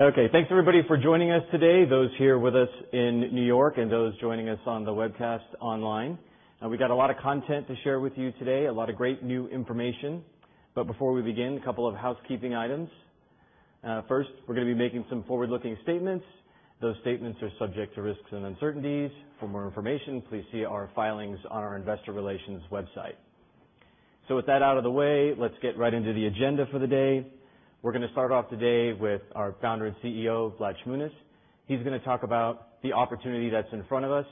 Okay. Thanks everybody for joining us today, those here with us in New York and those joining us on the webcast online. We got a lot of content to share with you today, a lot of great new information. Before we begin, a couple of housekeeping items. First, we're going to be making some forward-looking statements. Those statements are subject to risks and uncertainties. For more information, please see our filings on our investor relations website. With that out of the way, let's get right into the agenda for the day. We're going to start off today with our Founder and CEO, Vlad Shmunis. He's going to talk about the opportunity that's in front of us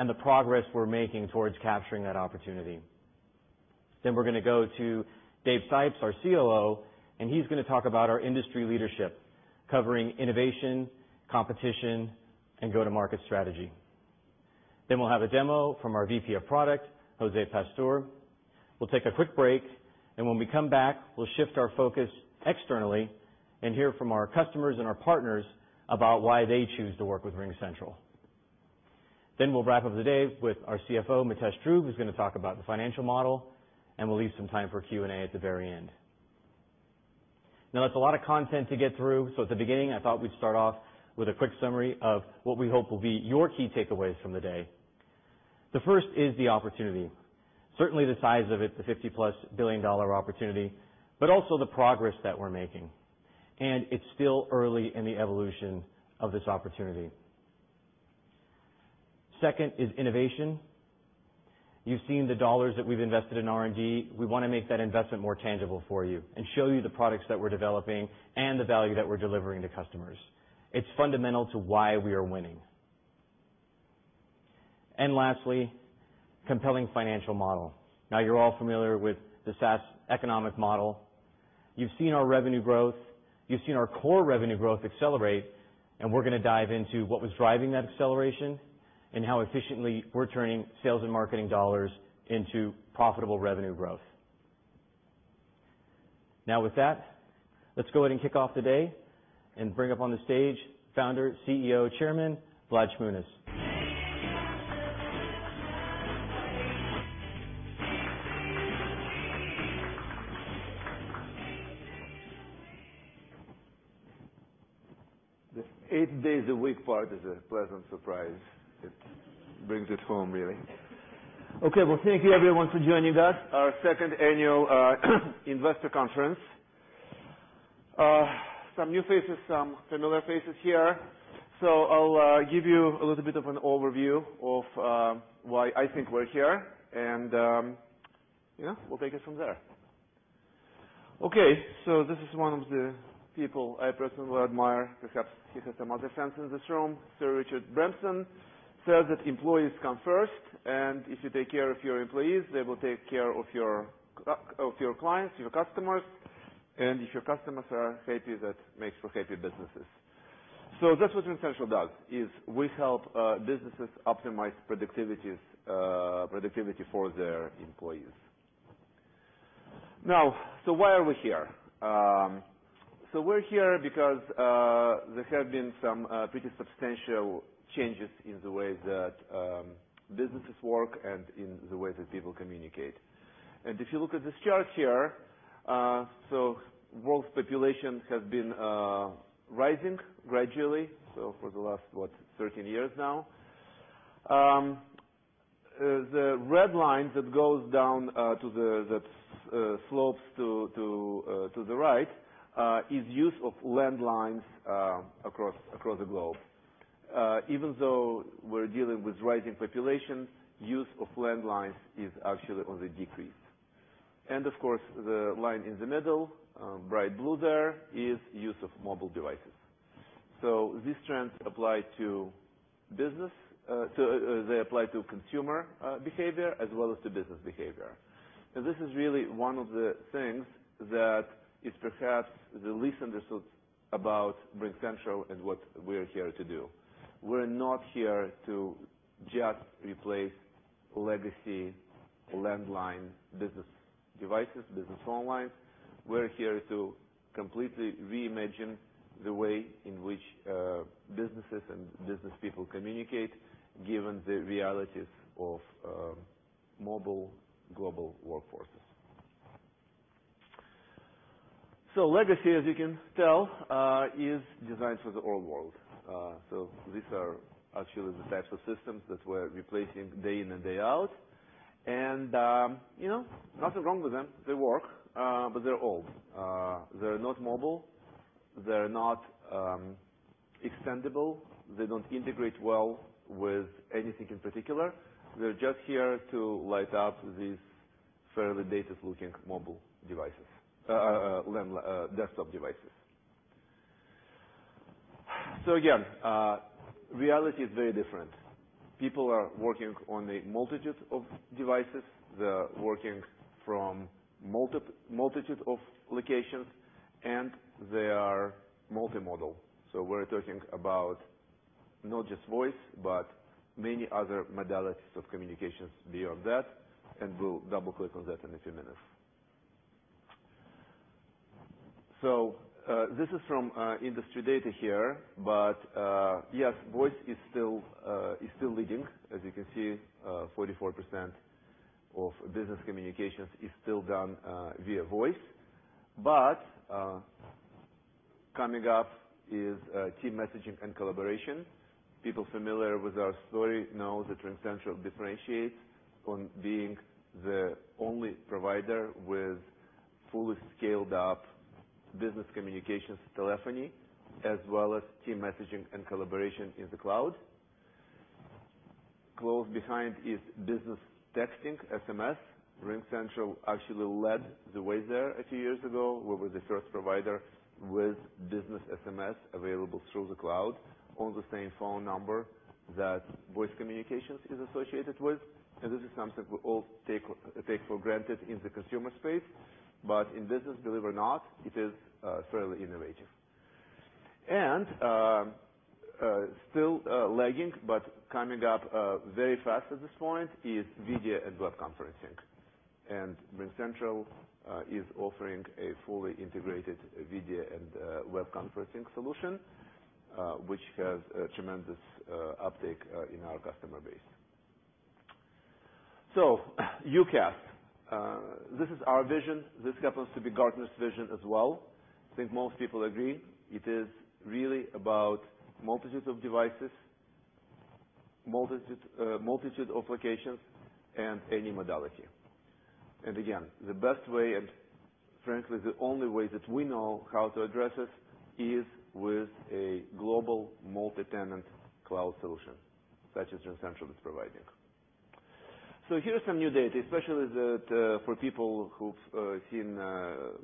and the progress we're making towards capturing that opportunity. We're going to go to David Sipes, our COO, and he's going to talk about our industry leadership, covering innovation, competition, and go-to-market strategy. We'll have a demo from our VP of Product, José Pastor. We'll take a quick break, and when we come back, we'll shift our focus externally and hear from our customers and our partners about why they choose to work with RingCentral. We'll wrap up the day with our CFO, Mitesh Dhruv, who's going to talk about the financial model, and we'll leave some time for Q&A at the very end. That's a lot of content to get through, so at the beginning, I thought we'd start off with a quick summary of what we hope will be your key takeaways from the day. The first is the opportunity. Certainly the size of it, the $50-plus billion opportunity, but also the progress that we're making. It's still early in the evolution of this opportunity. Second is innovation. You've seen the $ that we've invested in R&D. We want to make that investment more tangible for you and show you the products that we're developing and the value that we're delivering to customers. It's fundamental to why we are winning. Lastly, compelling financial model. You're all familiar with the SaaS economic model. You've seen our revenue growth. You've seen our core revenue growth accelerate, and we're going to dive into what was driving that acceleration and how efficiently we're turning sales and marketing $ into profitable revenue growth. With that, let's go ahead and kick off the day and bring up on the stage Founder, CEO, Chairman Vlad Shmunis. The eight days a week part is a pleasant surprise. It brings it home really. Well, thank you everyone for joining us for our second annual investor conference. Some new faces, some familiar faces here. I'll give you a little bit of an overview of why I think we're here and we'll take it from there. This is one of the people I personally admire. Perhaps he has some other fans in this room. Sir Richard Branson says that employees come first, and if you take care of your employees, they will take care of your clients, your customers. If your customers are happy, that makes for happy businesses. That's what RingCentral does, is we help businesses optimize productivity for their employees. Why are we here? We're here because there have been some pretty substantial changes in the way that businesses work and in the way that people communicate. If you look at this chart here, world population has been rising gradually, for the last, what, 13 years now. The red line that slopes to the right is use of landlines across the globe. Even though we're dealing with rising population, use of landlines is actually on the decrease. Of course, the line in the middle, bright blue there, is use of mobile devices. These trends apply to consumer behavior as well as to business behavior. This is really one of the things that is perhaps the least understood about RingCentral and what we're here to do. We're not here to just replace legacy landline business devices, business phone lines. We're here to completely reimagine the way in which businesses and business people communicate, given the realities of mobile global workforces. Legacy, as you can tell, is designed for the old world. These are actually the types of systems that we're replacing day in and day out. Nothing wrong with them. They work, but they're old. They're not mobile. They're not extendable. They don't integrate well with anything in particular. They're just here to light up these fairly dated-looking desktop devices. Again, reality is very different. People are working on a multitude of devices. They're working from multitude of locations, and they are multimodal. We're talking about not just voice, but many other modalities of communications beyond that, and we'll double-click on that in a few minutes. This is from industry data here, yes, voice is still leading, as you can see 44% Of business communications is still done via voice. Coming up is team messaging and collaboration. People familiar with our story know that RingCentral differentiates on being the only provider with fully scaled-up business communications telephony, as well as team messaging and collaboration in the cloud. Close behind is business texting, SMS. RingCentral actually led the way there a few years ago. We were the first provider with business SMS available through the cloud on the same phone number that voice communications is associated with, and this is something we all take for granted in the consumer space. In business, believe it or not, it is fairly innovative. Still lagging, but coming up very fast at this point is video and web conferencing, and RingCentral is offering a fully integrated video and web conferencing solution, which has a tremendous uptake in our customer base. UCaaS. This is our vision. This happens to be Gartner's vision as well. I think most people agree it is really about multitudes of devices, multitude of locations, and any modality. Again, the best way, and frankly, the only way that we know how to address this is with a global multi-tenant cloud solution such as RingCentral is providing. Here are some new data, especially that for people who've seen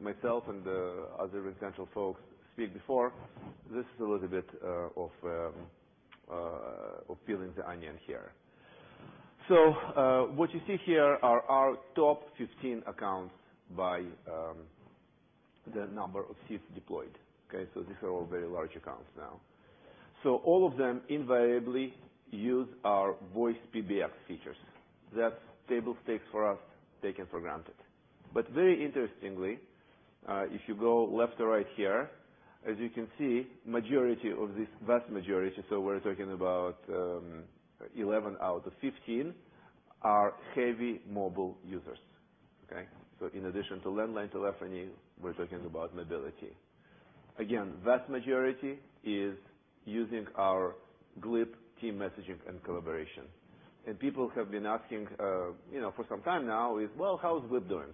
myself and other RingCentral folks speak before, this is a little bit of peeling the onion here. What you see here are our top 15 accounts by the number of seats deployed. Okay? These are all very large accounts now. All of them invariably use our voice PBX features. That's table stakes for us, taken for granted. Very interestingly, if you go left to right here, as you can see, majority of this, vast majority, we're talking about 11 out of 15 are heavy mobile users. Okay? In addition to landline telephony, we're talking about mobility. Again, vast majority is using our Glip team messaging and collaboration. People have been asking for some time now is, "Well, how is Glip doing?"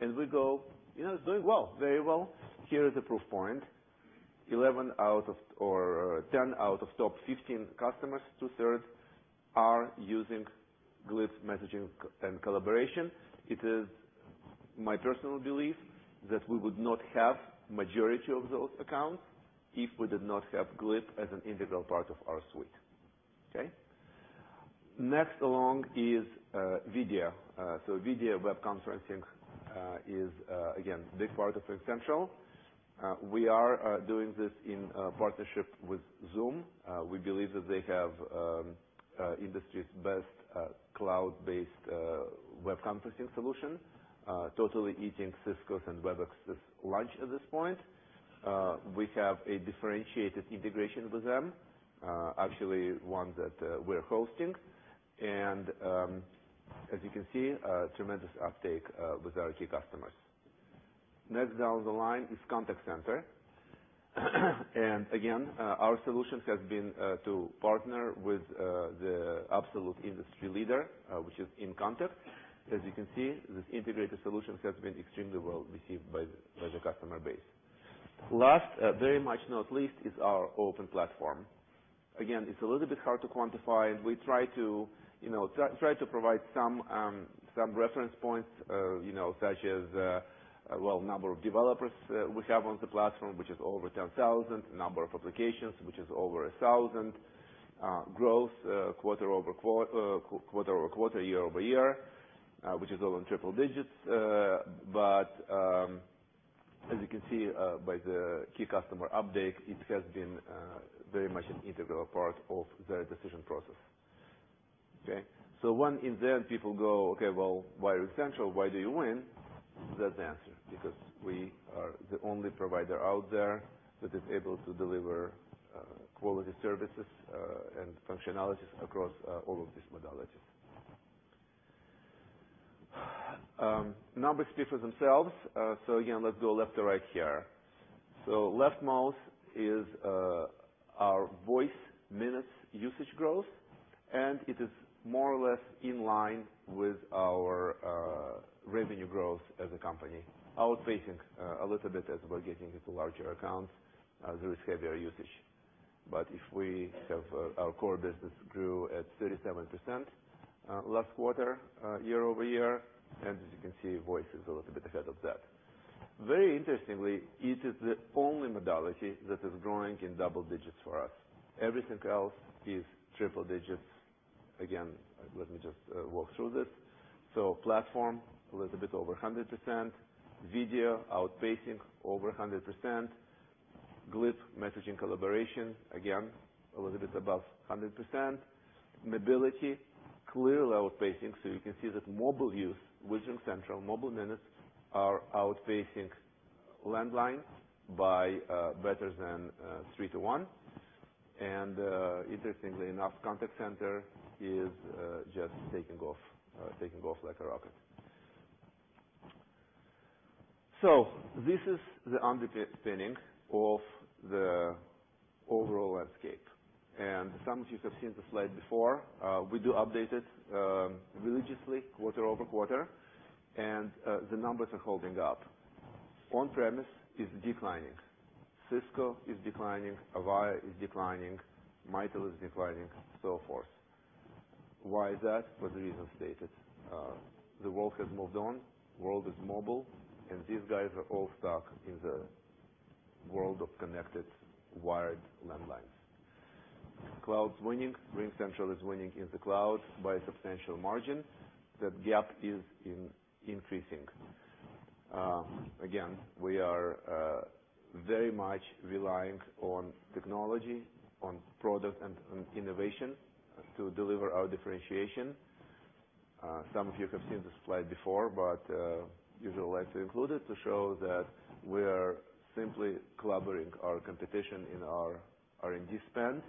We go, "It's doing well, very well." Here is a proof point. 10 out of top 15 customers, two-thirds are using Glip messaging and collaboration. It is my personal belief that we would not have majority of those accounts if we did not have Glip as an integral part of our suite. Okay? Next along is video. Video web conferencing is again, big part of RingCentral. We are doing this in partnership with Zoom. We believe that they have industry's best cloud-based web conferencing solution totally eating Cisco's and Webex's lunch at this point. We have a differentiated integration with them, actually one that we're hosting, and as you can see, a tremendous uptake with our key customers. Next down the line is contact center. Again, our solutions has been to partner with the absolute industry leader, which is inContact. As you can see, this integrated solution has been extremely well received by the customer base. Last, very much not least, is our open platform. Again, it's a little bit hard to quantify. We try to provide some reference points such as number of developers we have on the platform, which is over 10,000, number of applications, which is over 1,000, growth quarter-over-quarter, year-over-year, which is all in triple digits. As you can see by the key customer update, it has been very much an integral part of the decision process. Okay. When in turn people go, "Okay, well, why RingCentral? Why do you win?" That's the answer. We are the only provider out there that is able to deliver quality services, and functionalities across all of these modalities. Numbers speak for themselves. Again, let's go left to right here. Leftmost is our voice minutes usage growth, and it is more or less in line with our revenue growth as a company, outpacing a little bit as we're getting into larger accounts, there is heavier usage. If we have our core business grew at 37% last quarter year-over-year, and as you can see, voice is a little bit ahead of that. Very interestingly, it is the only modality that is growing in double digits for us. Everything else is triple digits. Again, let me just walk through this. Platform a little bit over 100%, video outpacing over 100%, Glip messaging collaboration, again, a little bit above 100%, mobility clearly outpacing, so you can see that mobile use with RingCentral mobile minutes are outpacing landline by better than 3 to 1. Interestingly enough, contact center is just taking off like a rocket. This is the under spinning of the overall landscape. Some of you have seen the slide before. We do update it religiously quarter-over-quarter, and the numbers are holding up. On-premise is declining. Cisco is declining, Avaya is declining, Mitel is declining, so forth. Why is that? For the reason stated. The world has moved on, world is mobile, these guys are all stuck in the world of connected wired landlines. Cloud's winning. RingCentral is winning in the cloud by a substantial margin. That gap is increasing. Again, we are very much reliant on technology, on product, and on innovation to deliver our differentiation. Some of you have seen this slide before, usually like to include it to show that we are simply clobbering our authentication in our R&D spend.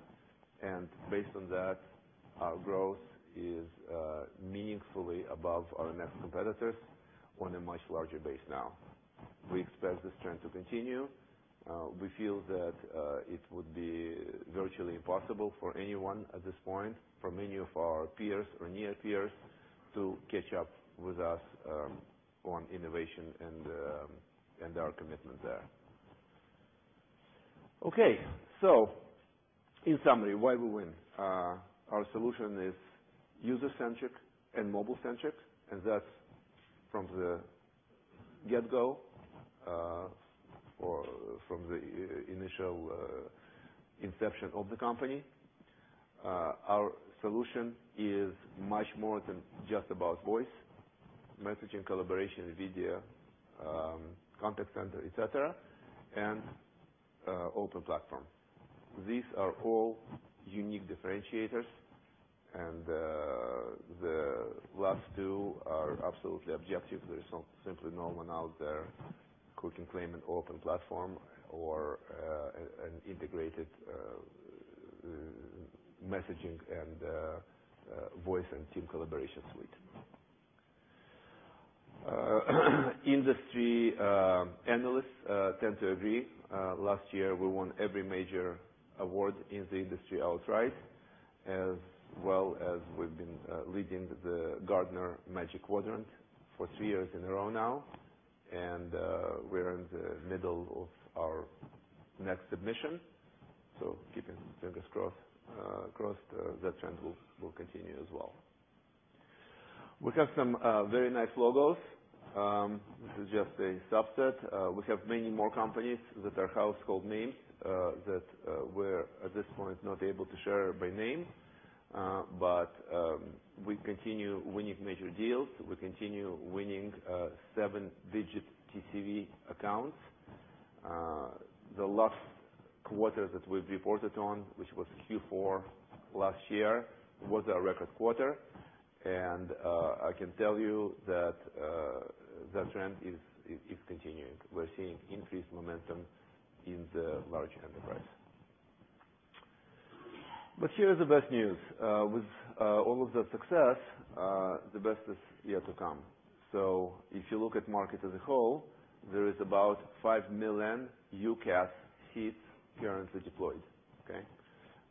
Based on that, our growth is meaningfully above our next competitors on a much larger base now. We expect this trend to continue. We feel that it would be virtually impossible for anyone at this point, for many of our peers or near peers, to catch up with us on innovation and our commitment there. Okay. In summary, why we win. Our solution is user-centric and mobile-centric, that's from the get-go, or from the initial inception of the company. Our solution is much more than just about voice, messaging, collaboration, video, contact center, et cetera, open platform. These are all unique differentiators. The last two are absolutely objective. There is simply no one out there who can claim an open platform or an integrated messaging and voice and team collaboration suite. Industry analysts tend to agree. Last year, we won every major award in the industry outright, as well as we've been leading the Gartner Magic Quadrant for three years in a row now. We're in the middle of our next submission, keeping fingers crossed that trend will continue as well. We have some very nice logos. This is just a subset. We have many more companies that are household names that we're, at this point, not able to share by name. We continue winning major deals. We continue winning 7-digit TCV accounts. The last quarter that we reported on, which was Q4 last year, was our record quarter. I can tell you that trend is continuing. We're seeing increased momentum in the large enterprise. Here's the best news. With all of the success, the best is yet to come. If you look at market as a whole, there is about 5 million UCaaS seats currently deployed. Okay?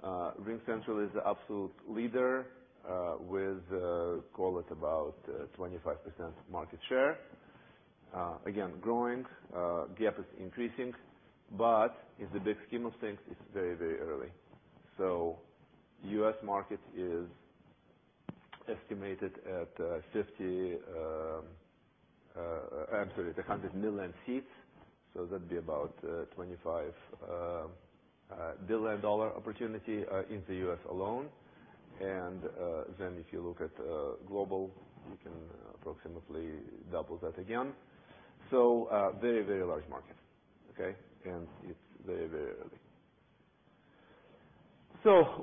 RingCentral is the absolute leader with, call it about 25% market share. Again, growing. The gap is increasing. In the big scheme of things, it's very early. U.S. market is estimated at 100 million seats, so that'd be about a $25 billion opportunity in the U.S. alone. If you look at global, you can approximately double that again. A very large market, okay? It's very early.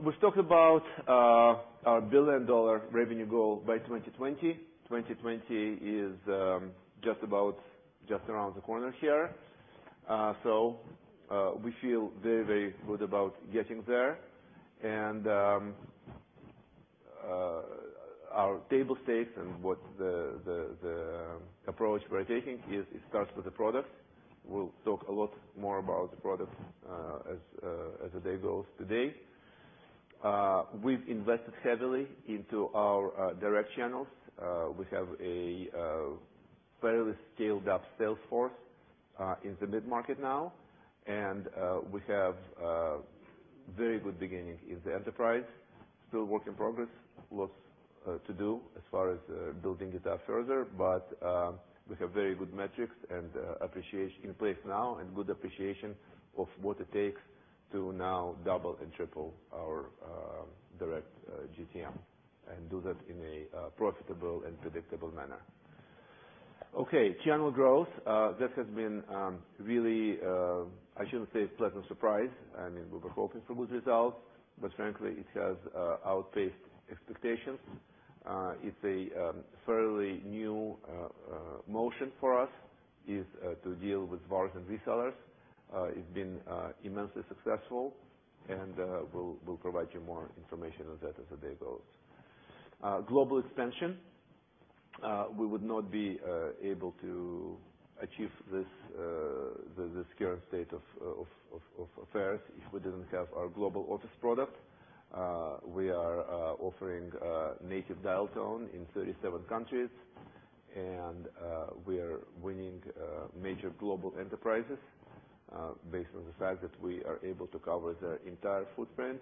We've talked about our billion-dollar revenue goal by 2020. 2020 is just around the corner here. We feel very good about getting there. Our table stakes and what the approach we're taking is it starts with the product. We'll talk a lot more about the product as the day goes today. We've invested heavily into our direct channels. We have a fairly scaled-up sales force in the mid-market now, and we have a very good beginning in the enterprise. Still work in progress. Lots to do as far as building it out further. We have very good metrics in place now, and good appreciation of what it takes to now double and triple our direct GTM and do that in a profitable and predictable manner. Okay. Channel growth. This has been, I shouldn't say a pleasant surprise. We were hoping for good results, frankly, it has outpaced expectations. It's a fairly new motion for us to deal with VARs and resellers. It's been immensely successful, we'll provide you more information on that as the day goes. Global expansion. We would not be able to achieve this current state of affairs if we didn't have our global office product. We are offering native dial tone in 37 countries, we are winning major global enterprises based on the fact that we are able to cover their entire footprint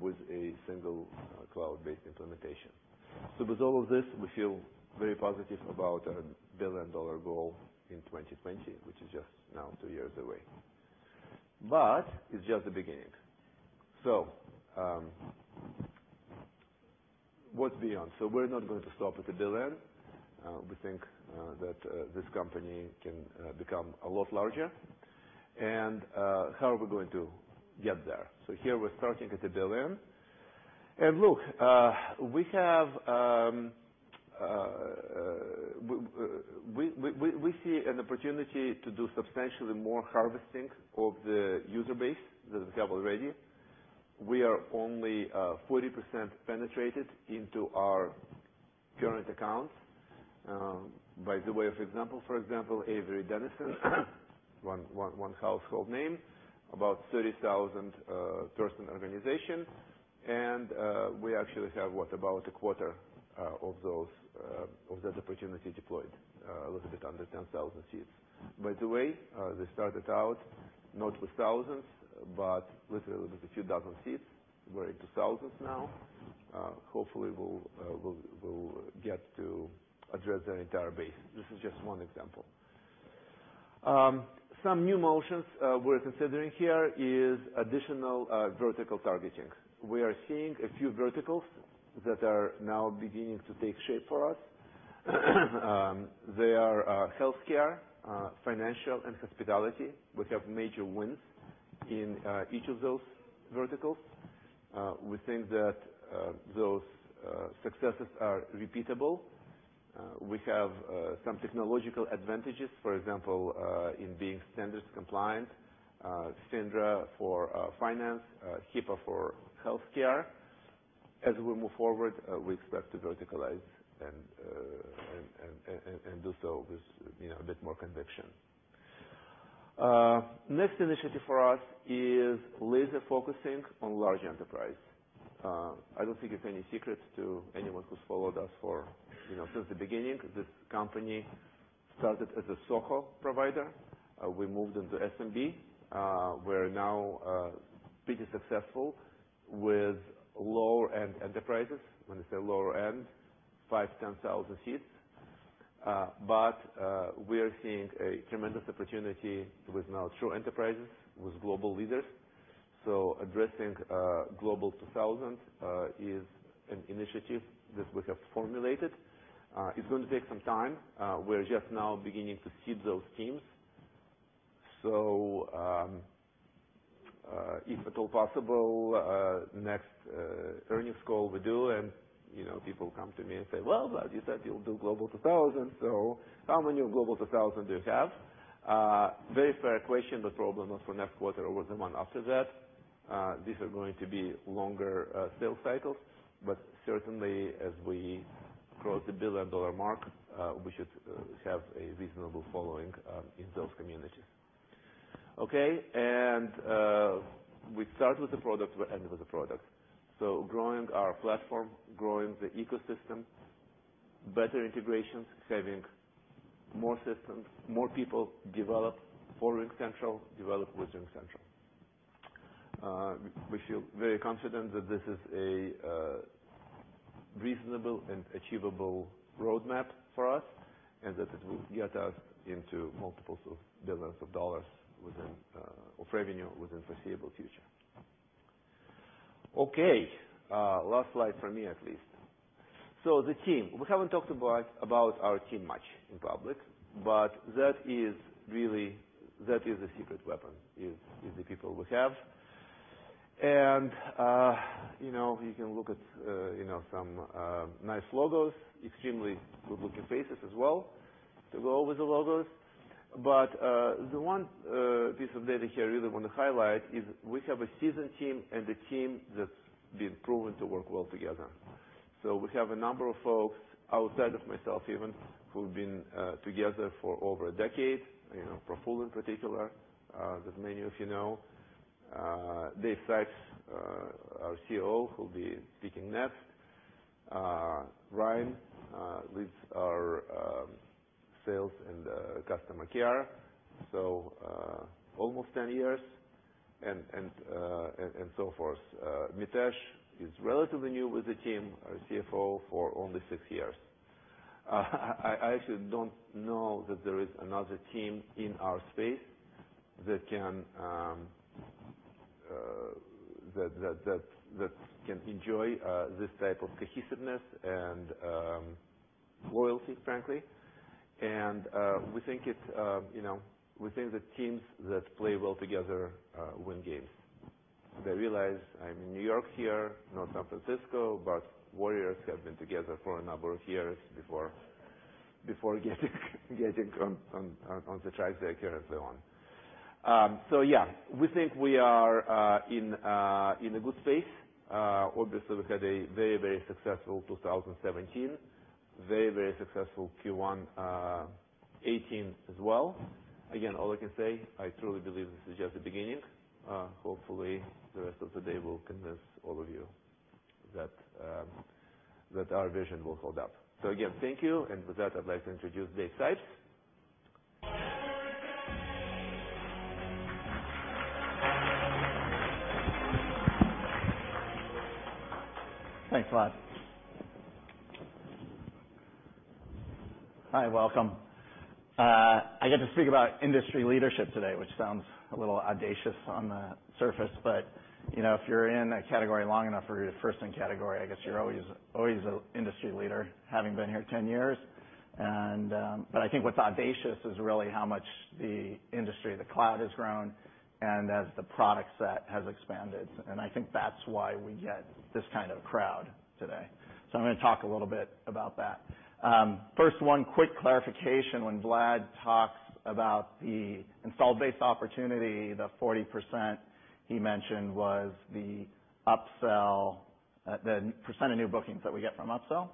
with a single cloud-based implementation. With all of this, we feel very positive about our billion-dollar goal in 2020, which is just now two years away. It's just the beginning. What's beyond? We're not going to stop at a billion. We think that this company can become a lot larger. How are we going to get there? Here, we're starting at a billion. Look, we see an opportunity to do substantially more harvesting of the user base than we have already. We are only 40% penetrated into our current accounts. By the way, for example, Avery Dennison, one household name, about 30,000-person organization, we actually have about a quarter of that opportunity deployed. A little bit under 10,000 seats. By the way, they started out not with thousands, but literally with a few dozen seats. We're into thousands now. Hopefully, we'll get to address their entire base. This is just one example. Some new motions we're considering here is additional vertical targeting. We are seeing a few verticals that are now beginning to take shape for us. They are healthcare, financial, and hospitality. We have major wins in each of those verticals. We think that those successes are repeatable. We have some technological advantages. For example, in being standards compliant, FINRA for finance, HIPAA for healthcare. As we move forward, we expect to verticalize and do so with a bit more conviction. Next initiative for us is laser focusing on large enterprise. I don't think it's any secret to anyone who's followed us since the beginning, because this company started as a SOHO provider. We moved into SMB. We're now pretty successful with lower-end enterprises. When I say lower end, 5,000 to 10,000 seats. We're seeing a tremendous opportunity with now true enterprises, with global leaders. Addressing Global 2000 is an initiative that we have formulated. It's going to take some time. We're just now beginning to seed those teams. If at all possible next earnings call we do and people come to me and say, "Well, Vlad, you said you'll do Global 2000, so how many of Global 2000 do you have?" Very fair question, but problem was for next quarter or the one after that. These are going to be longer sales cycles, but certainly as we cross the billion-dollar mark, we should have a reasonable following in those communities. Okay. We start with the product, we'll end with the product. Growing our platform, growing the ecosystem, better integrations, serving more systems, more people develop for RingCentral, develop with RingCentral. We feel very confident that this is a reasonable and achievable roadmap for us, and that it will get us into multiples of billions of dollars of revenue within foreseeable future. Okay. Last slide for me, at least. The team. We haven't talked about our team much in public, but that is a secret weapon, is the people we have. You can look at some nice logos, extremely good-looking faces as well to go with the logos. The one piece of data here I really want to highlight is we have a seasoned team and a team that's been proven to work well together. We have a number of folks outside of myself even who've been together for over a decade, Praful in particular that many of you know. Dave Sipes, our COO, who'll be speaking next. Ryan leads our sales and customer care. Almost 10 years and so forth. Mitesh is relatively new with the team, our CFO for only six years. I actually don't know that there is another team in our space that can enjoy this type of cohesiveness and loyalty, frankly. We think that teams that play well together win games. I realize I'm in New York here, not San Francisco, but Warriors have been together for a number of years before getting on the track they're currently on. Yeah, we think we are in a good space. Obviously, we had a very successful 2017. Very successful Q1 2018 as well. Again, all I can say, I truly believe this is just the beginning. Hopefully, the rest of the day will convince all of you that our vision will hold up. Again, thank you. With that, I'd like to introduce Dave Sipes. Thanks a lot. Hi, welcome. I get to speak about industry leadership today, which sounds a little audacious on the surface, but if you are in a category long enough or you are first in category, I guess you are always an industry leader, having been here 10 years. I think what is audacious is really how much the industry, the cloud has grown and as the product set has expanded, and I think that is why we get this kind of crowd today. I am going to talk a little bit about that. First one, quick clarification, when Vlad talks about the install-based opportunity, the 40% he mentioned was the % of new bookings that we get from upsell.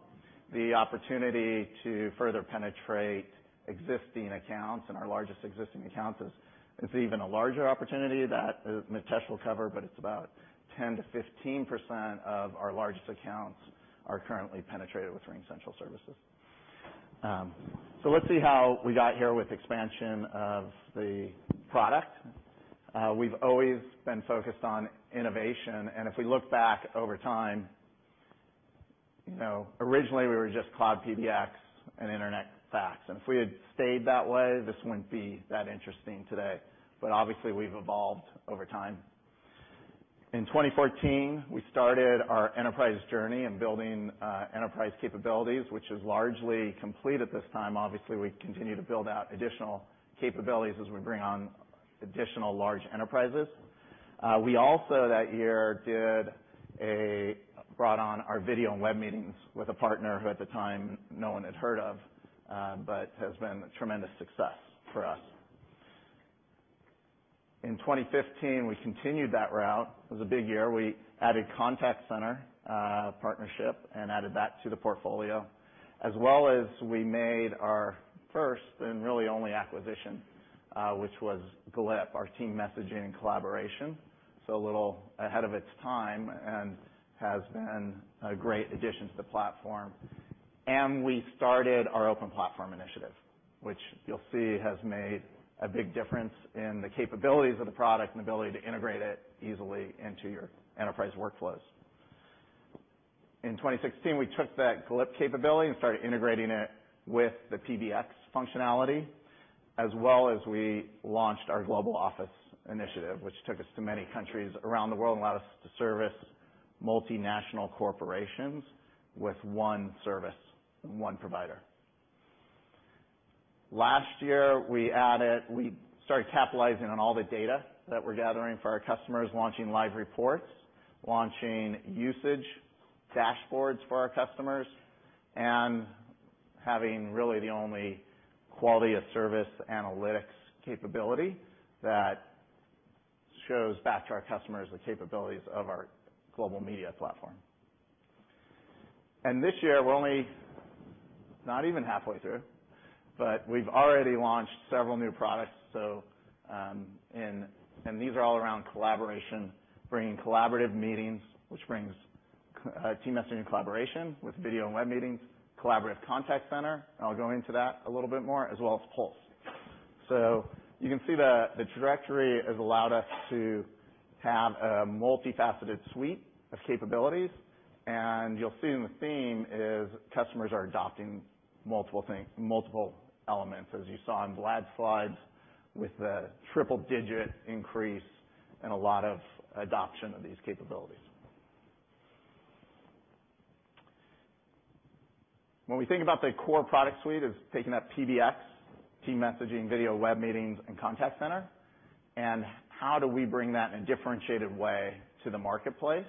The opportunity to further penetrate existing accounts and our largest existing accounts is even a larger opportunity that Mitesh will cover, but it is about 10%-15% of our largest accounts are currently penetrated with RingCentral services. Let's see how we got here with expansion of the product. We have always been focused on innovation, and if we look back over time, originally we were just cloud PBX and internet fax, and if we had stayed that way, this would not be that interesting today. Obviously, we have evolved over time. In 2014, we started our enterprise journey in building enterprise capabilities, which is largely complete at this time. Obviously, we continue to build out additional capabilities as we bring on additional large enterprises. We also, that year, brought on our video and web meetings with a partner who at the time no one had heard of, but has been a tremendous success for us. In 2015, we continued that route. It was a big year. We added Contact Center partnership and added that to the portfolio, as well as we made our first and really only acquisition, which was Glip, our team messaging and collaboration. A little ahead of its time and has been a great addition to the platform. We started our open platform initiative, which you will see has made a big difference in the capabilities of the product and ability to integrate it easily into your enterprise workflows. In 2016, we took that Glip capability and started integrating it with the PBX functionality, as well as we launched our Global Office initiative, which took us to many countries around the world and allowed us to service multinational corporations with one service and one provider. Last year, we started capitalizing on all the data that we are gathering for our customers, launching live reports, launching usage dashboards for our customers, and having really the only quality of service analytics capability that shows back to our customers the capabilities of our global media platform. This year, we are only not even halfway through, but we have already launched several new products. These are all around collaboration, bringing collaborative meetings, which brings team messaging and collaboration with video and web meetings, Collaborative Contact Center, and I will go into that a little bit more, as well as Pulse. You can see the trajectory has allowed us to have a multifaceted suite of capabilities, and you'll see then the theme is customers are adopting multiple elements, as you saw in Vlad's slides with the triple-digit increase and a lot of adoption of these capabilities. When we think about the core product suite as taking that PBX, team messaging, video web meetings, and Contact Center, and how do we bring that in a differentiated way to the marketplace?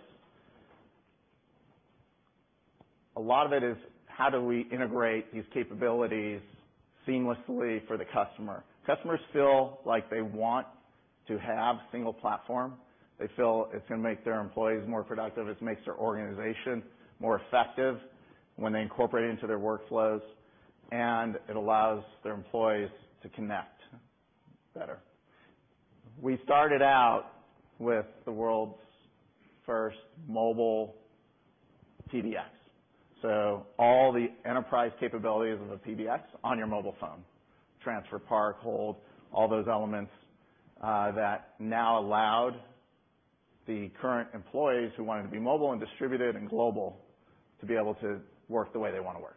A lot of it is how do we integrate these capabilities seamlessly for the customer? Customers feel like they want to have a single platform. They feel it's going to make their employees more productive, it makes their organization more effective when they incorporate it into their workflows, and it allows their employees to connect better. We started out with the world's first mobile PBX. All the enterprise capabilities of a PBX on your mobile phone. Transfer, park, hold, all those elements, that now allowed the current employees who wanted to be mobile and distributed and global to be able to work the way they want to work.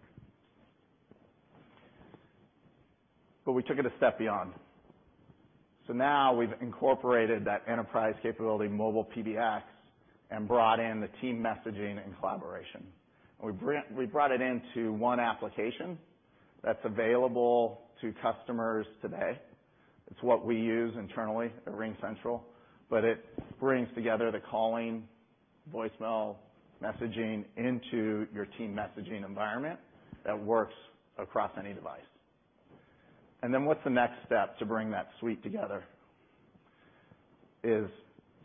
We took it a step beyond. Now we've incorporated that enterprise capability mobile PBX and brought in the team messaging and collaboration. We brought it into one application that's available to customers today. It's what we use internally at RingCentral, but it brings together the calling, voicemail, messaging into your team messaging environment that works across any device. What's the next step to bring that suite together? Is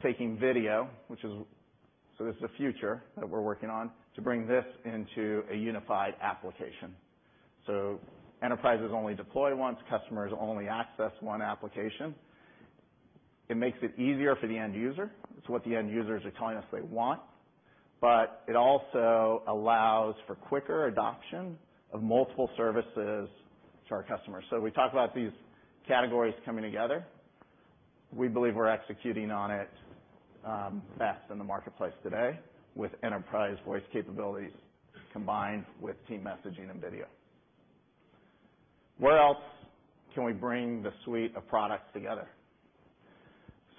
taking video, this is the future that we're working on, to bring this into a unified application. Enterprises only deploy once, customers only access one application. It makes it easier for the end user. It's what the end users are telling us they want. It also allows for quicker adoption of multiple services to our customers. We talked about these categories coming together. We believe we're executing on it best in the marketplace today with enterprise voice capabilities combined with team messaging and video. Where else can we bring the suite of products together?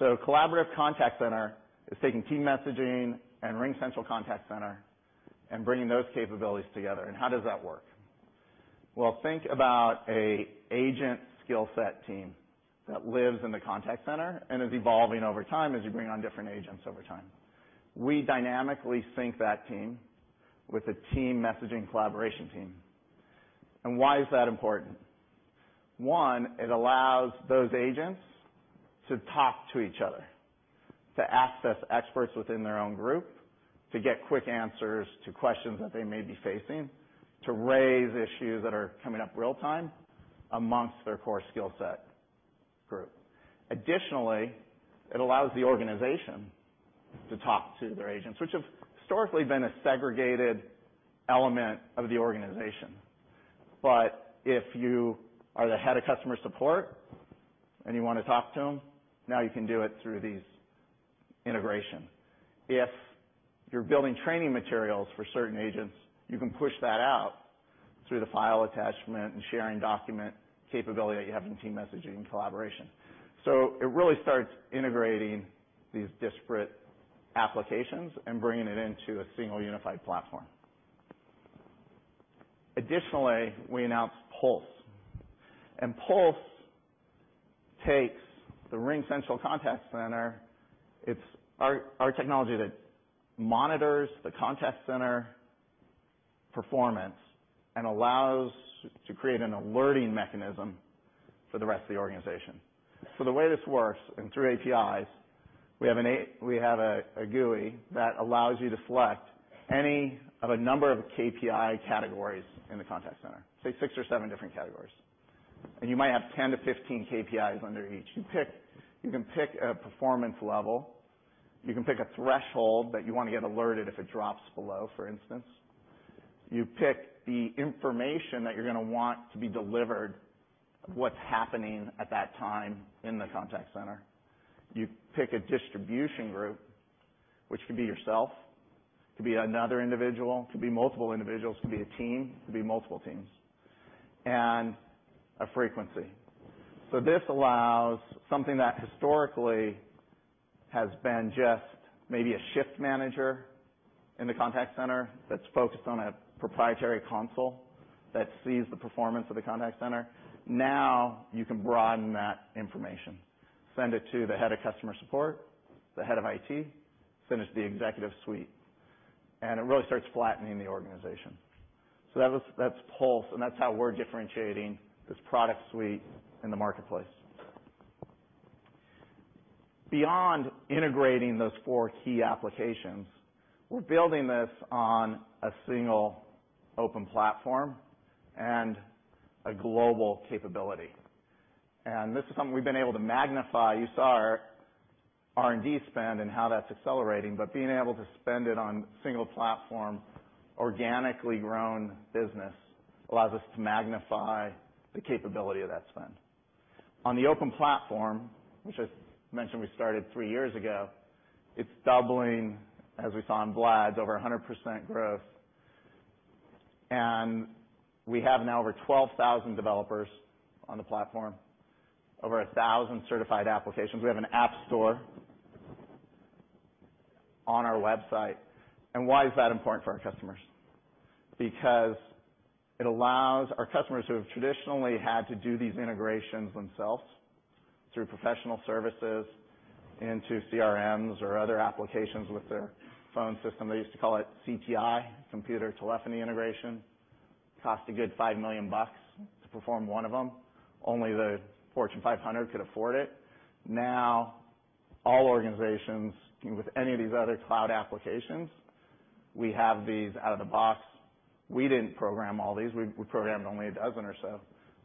Collaborative Contact Center is taking team messaging and RingCentral Contact Center and bringing those capabilities together. How does that work? Think about an agent skill set team that lives in the Contact Center and is evolving over time as you bring on different agents over time. We dynamically sync that team with a team messaging collaboration team. Why is that important? One, it allows those agents to talk to each other, to access experts within their own group, to get quick answers to questions that they may be facing, to raise issues that are coming up real time amongst their core skill set group. Additionally, it allows the organization to talk to their agents, which have historically been a segregated element of the organization. If you are the head of customer support and you want to talk to them, now you can do it through these integration. If you're building training materials for certain agents, you can push that out through the file attachment and sharing document capability that you have in team messaging and collaboration. It really starts integrating these disparate applications and bringing it into a single unified platform. Additionally, we announced Pulse. Pulse takes the RingCentral Contact Center, it's our technology that monitors the contact center performance and allows to create an alerting mechanism for the rest of the organization. The way this works, through APIs, we have a GUI that allows you to select any of a number of KPI categories in the contact center, say six or seven different categories. You might have 10 to 15 KPIs under each. You can pick a performance level. You can pick a threshold that you want to get alerted if it drops below, for instance. You pick the information that you're going to want to be delivered of what's happening at that time in the contact center. You pick a distribution group, which could be yourself, could be another individual, could be multiple individuals, could be a team, could be multiple teams, and a frequency. This allows something that historically has been just maybe a shift manager in the contact center that's focused on a proprietary console that sees the performance of the contact center. Now you can broaden that information, send it to the head of customer support, the head of IT, send it to the executive suite, it really starts flattening the organization. That's Pulse, that's how we're differentiating this product suite in the marketplace. Beyond integrating those four key applications, we're building this on a single open platform and a global capability. This is something we've been able to magnify. You saw our R&D spend and how that's accelerating, but being able to spend it on single platform, organically grown business allows us to magnify the capability of that spend. On the open platform, which I mentioned we started three years ago, it's doubling, as we saw in Vlad, over 100% growth. We have now over 12,000 developers on the platform, over 1,000 certified applications. We have an app store on our website. Why is that important for our customers? Because it allows our customers who have traditionally had to do these integrations themselves through professional services into CRMs or other applications with their phone system. They used to call it CTI, computer telephony integration. Cost a good $5 million to perform one of them. Only the Fortune 500 could afford it. Now, all organizations with any of these other cloud applications, we have these out of the box. We didn't program all these. We programmed only a dozen or so.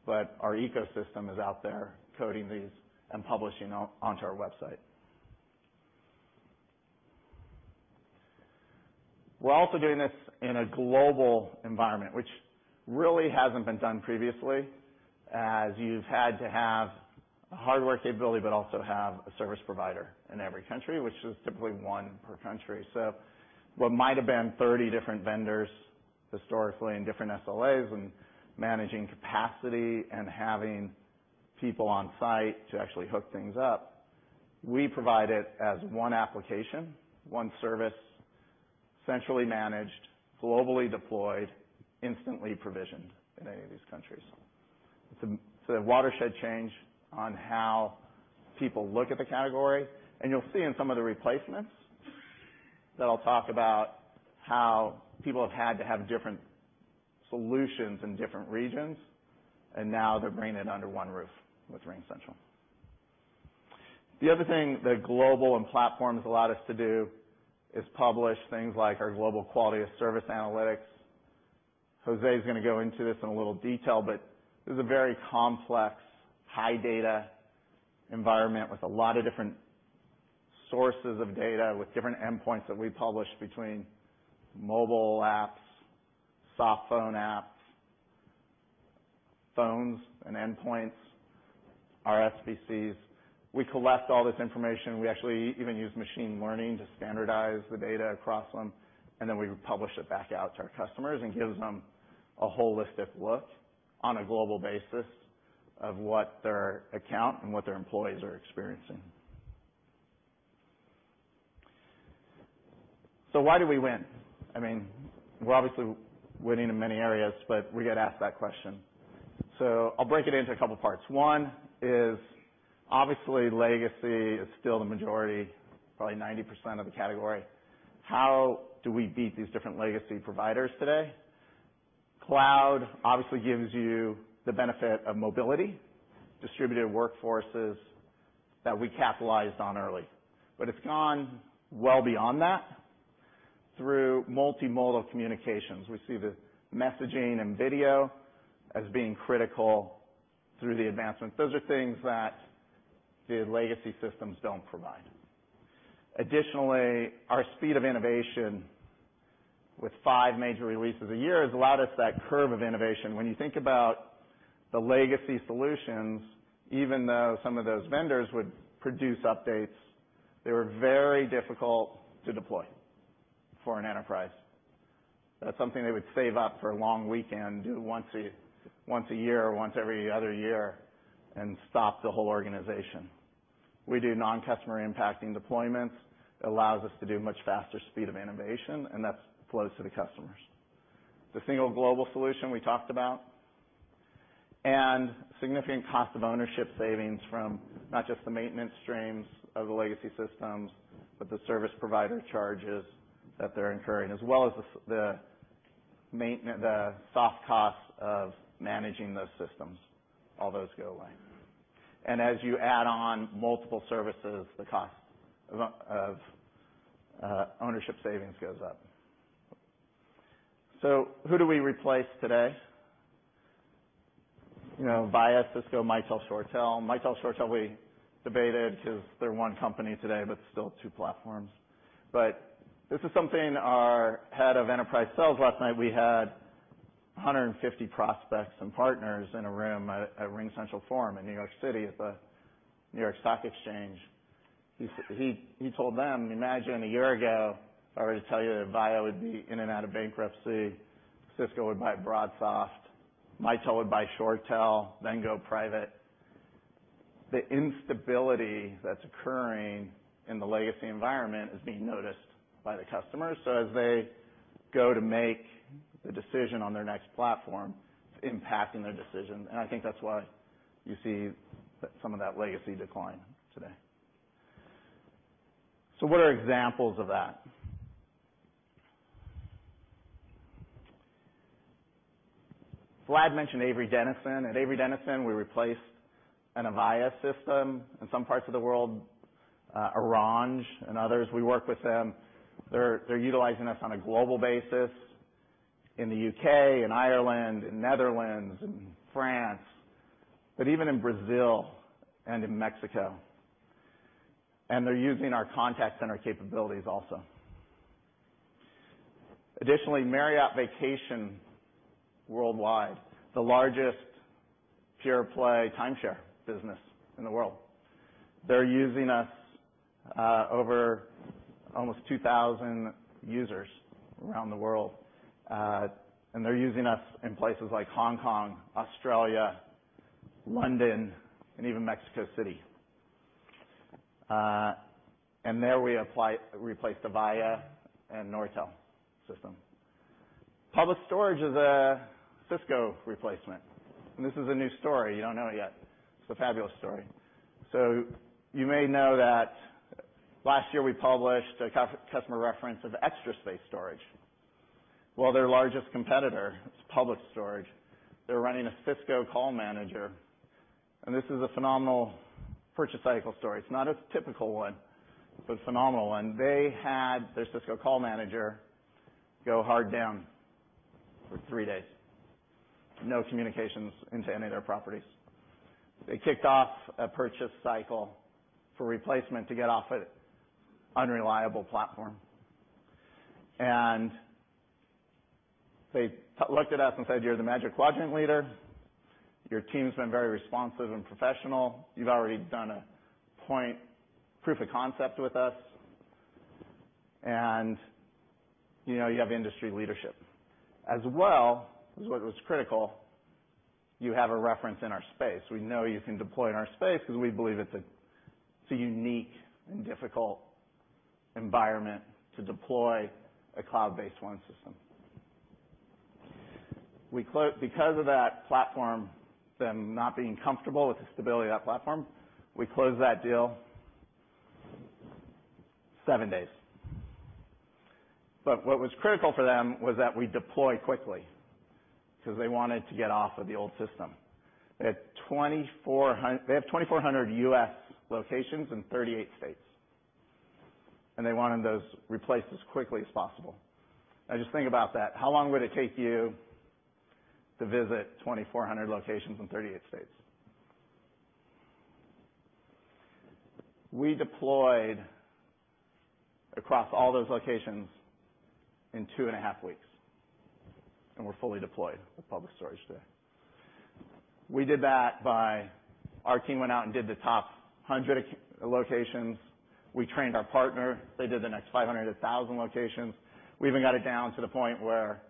Our ecosystem is out there coding these and publishing onto our website. We're also doing this in a global environment, which really hasn't been done previously, as you've had to have a hardware capability but also have a service provider in every country, which is typically one per country. What might have been 30 different vendors historically in different SLAs and managing capacity and having people on site to actually hook things up, we provide it as one application, one service, centrally managed, globally deployed, instantly provisioned in any of these countries. It's a watershed change on how people look at the category, you'll see in some of the replacements that I'll talk about how people have had to have different solutions in different regions, and now they're bringing it under one roof with RingCentral. The other thing that global and platforms allowed us to do is publish things like our global quality of service analytics. José's going to go into this in a little detail, but this is a very complex high-data environment with a lot of different sources of data, with different endpoints that we publish between mobile apps, soft phone apps, phones and endpoints, our SBCs. We collect all this information. We actually even use machine learning to standardize the data across them, and then we publish it back out to our customers and gives them a holistic look on a global basis of what their account and what their employees are experiencing. Why do we win? We're obviously winning in many areas, but we get asked that question. I'll break it into a couple of parts. One is obviously legacy is still the majority, probably 90% of the category. How do we beat these different legacy providers today? Cloud obviously gives you the benefit of mobility, distributed workforces that we capitalized on early. It's gone well beyond that through multimodal communications. We see the messaging and video as being critical through the advancements. Those are things that the legacy systems don't provide. Additionally, our speed of innovation with 5 major releases a year has allowed us that curve of innovation. When you think about the legacy solutions, even though some of those vendors would produce updates, they were very difficult to deploy for an enterprise. That's something they would save up for a long weekend, do once a year or once every other year, and stop the whole organization. We do non-customer impacting deployments. It allows us to do much faster speed of innovation, and that flows to the customers. The single global solution we talked about, significant cost of ownership savings from not just the maintenance streams of the legacy systems, but the service provider charges that they're incurring, as well as the soft costs of managing those systems. All those go away. As you add on multiple services, the cost of ownership savings goes up. Who do we replace today? Avaya, Cisco, Mitel, ShoreTel. Mitel, ShoreTel, we debated because they're one company today, but still two platforms. This is something our head of enterprise sales last night, we had 150 prospects and partners in a room at RingCentral Forum in New York City at the New York Stock Exchange. He told them, "Imagine a year ago if I were to tell you that Avaya would be in and out of bankruptcy, Cisco would buy BroadSoft, Mitel would buy ShoreTel, then go private." The instability that's occurring in the legacy environment is being noticed by the customers. As they go to make the decision on their next platform, it's impacting their decision, and I think that's why you see some of that legacy decline today. What are examples of that? Vlad mentioned Avery Dennison. At Avery Dennison, we replaced an Avaya system in some parts of the world, Orange and others. We work with them. They're utilizing us on a global basis in the U.K. and Ireland and Netherlands and France, but even in Brazil and in Mexico. They're using our contact center capabilities also. Additionally, Marriott Vacations Worldwide, the largest pure-play timeshare business in the world. They're using us over almost 2,000 users around the world. They're using us in places like Hong Kong, Australia, London, and even Mexico City. There we replaced Avaya and Nortel system. Public Storage is a Cisco replacement, and this is a new story. You don't know it yet. It's a fabulous story. You may know that last year we published a customer reference of Extra Space Storage. Well, their largest competitor is Public Storage. They're running a Cisco CallManager, and this is a phenomenal purchase cycle story. It's not a typical one. It's a phenomenal one. They had their Cisco CallManager go hard down for 3 days. No communications into any of their properties. They kicked off a purchase cycle for replacement to get off an unreliable platform. They looked at us and said, "You're the Magic Quadrant leader. Your team's been very responsive and professional. You've already done a point proof of concept with us, and you have industry leadership. As well," this is what was critical, "you have a reference in our space. We know you can deploy in our space because we believe it's a unique and difficult environment to deploy a cloud-based One system." Because of them not being comfortable with the stability of that platform, we closed that deal 7 days. What was critical for them was that we deploy quickly, because they wanted to get off of the old system. They have 2,400 U.S. locations in 38 states, and they wanted those replaced as quickly as possible. Now just think about that. How long would it take you to visit 2,400 locations in 38 states? We deployed across all those locations in two and a half weeks, and we're fully deployed with Public Storage today. We did that by our team went out and did the top 100 locations. We trained our partner. They did the next 500-1,000 locations. We even got it down to the point where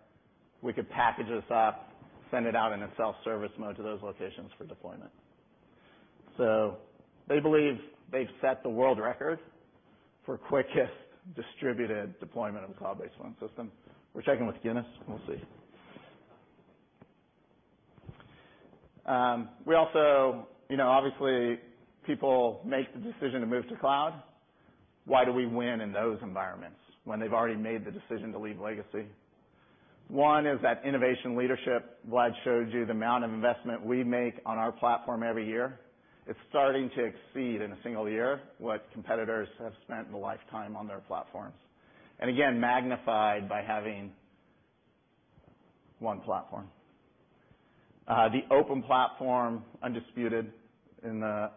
we could package this up, send it out in a self-service mode to those locations for deployment. They believe they've set the world record for quickest distributed deployment of a cloud-based One system. We're checking with Guinness. We'll see. Obviously, people make the decision to move to cloud. Why do we win in those environments when they've already made the decision to leave legacy? One is that innovation leadership. Vlad showed you the amount of investment we make on our platform every year. It's starting to exceed in a single year what competitors have spent in a lifetime on their platforms. Magnified by having one platform. The open platform, undisputed in the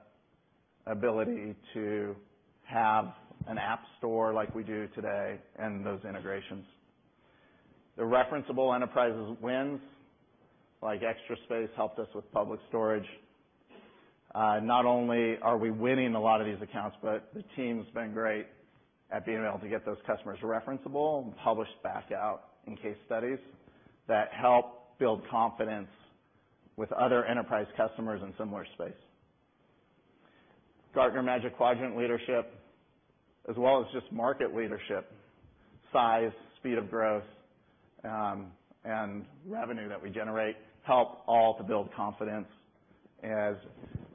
ability to have an app store like we do today and those integrations. The referenceable enterprises wins, like Extra Space helped us with Public Storage. Not only are we winning a lot of these accounts, but the team's been great at being able to get those customers referenceable and published back out in case studies that help build confidence with other enterprise customers in similar space. Gartner Magic Quadrant leadership as well as just market leadership, size, speed of growth, and revenue that we generate help all to build confidence. As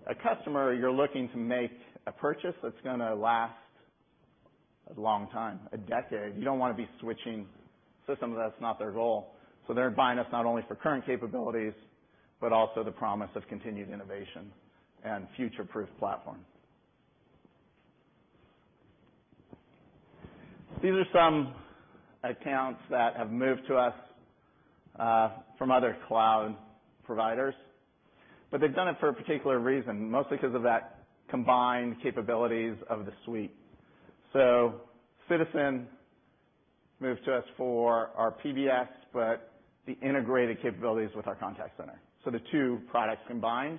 a customer, you're looking to make a purchase that's going to last a long time, a decade. You don't want to be switching systems. That's not their goal. They're buying us not only for current capabilities, but also the promise of continued innovation and future-proof platform. These are some accounts that have moved to us from other cloud providers, but they've done it for a particular reason, mostly because of that combined capabilities of the suite. Citizen moved to us for our PBX, but the integrated capabilities with our contact center. The two products combined,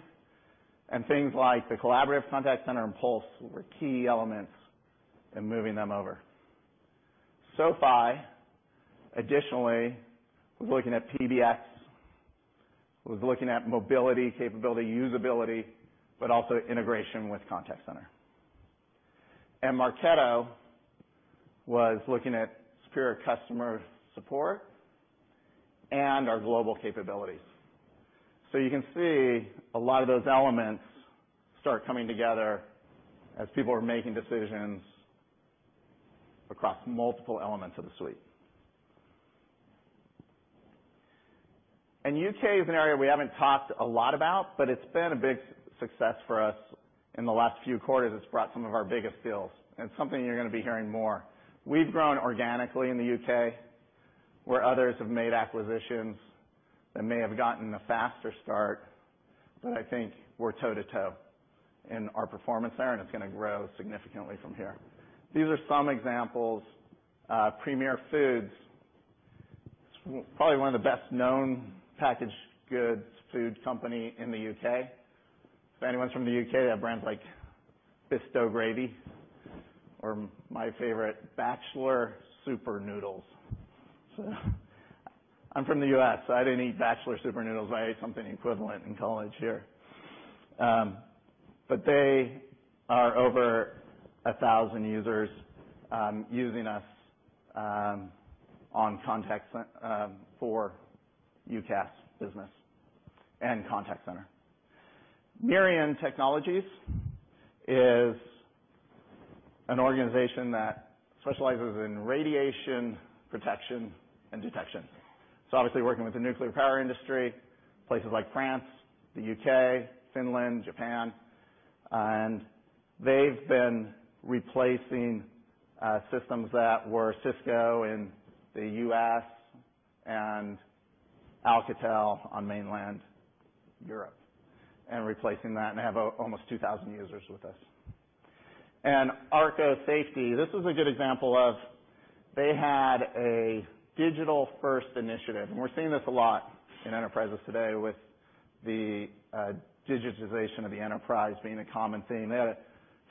and things like the Collaborative Contact Center and Pulse were key elements in moving them over. SoFi, additionally, was looking at PBX, was looking at mobility capability, usability, but also integration with contact center. Marketo was looking at superior customer support and our global capabilities. You can see a lot of those elements start coming together as people are making decisions across multiple elements of the suite. U.K. is an area we haven't talked a lot about, but it's been a big success for us in the last few quarters. It's brought some of our biggest deals and something you're going to be hearing more. We've grown organically in the U.K., where others have made acquisitions that may have gotten a faster start, but I think we're toe to toe in our performance there, and it's going to grow significantly from here. These are some examples. Premier Foods, probably one of the best-known packaged goods food company in the U.K. If anyone's from the U.K., they have brands like Bisto Gravy or my favorite, Batchelors Super Noodles. I'm from the U.S., so I didn't eat Batchelors Super Noodles. I ate something equivalent in college here. They are over 1,000 users, using us for UCaaS business and contact center. Mirion Technologies is an organization that specializes in radiation protection and detection. Obviously working with the nuclear power industry, places like France, the U.K., Finland, Japan. They've been replacing systems that were Cisco in the U.S. and Alcatel on mainland Europe and replacing that and have almost 2,000 users with us. Arca Safety, this is a good example of they had a digital-first initiative, and we're seeing this a lot in enterprises today with the digitization of the enterprise being a common theme. They had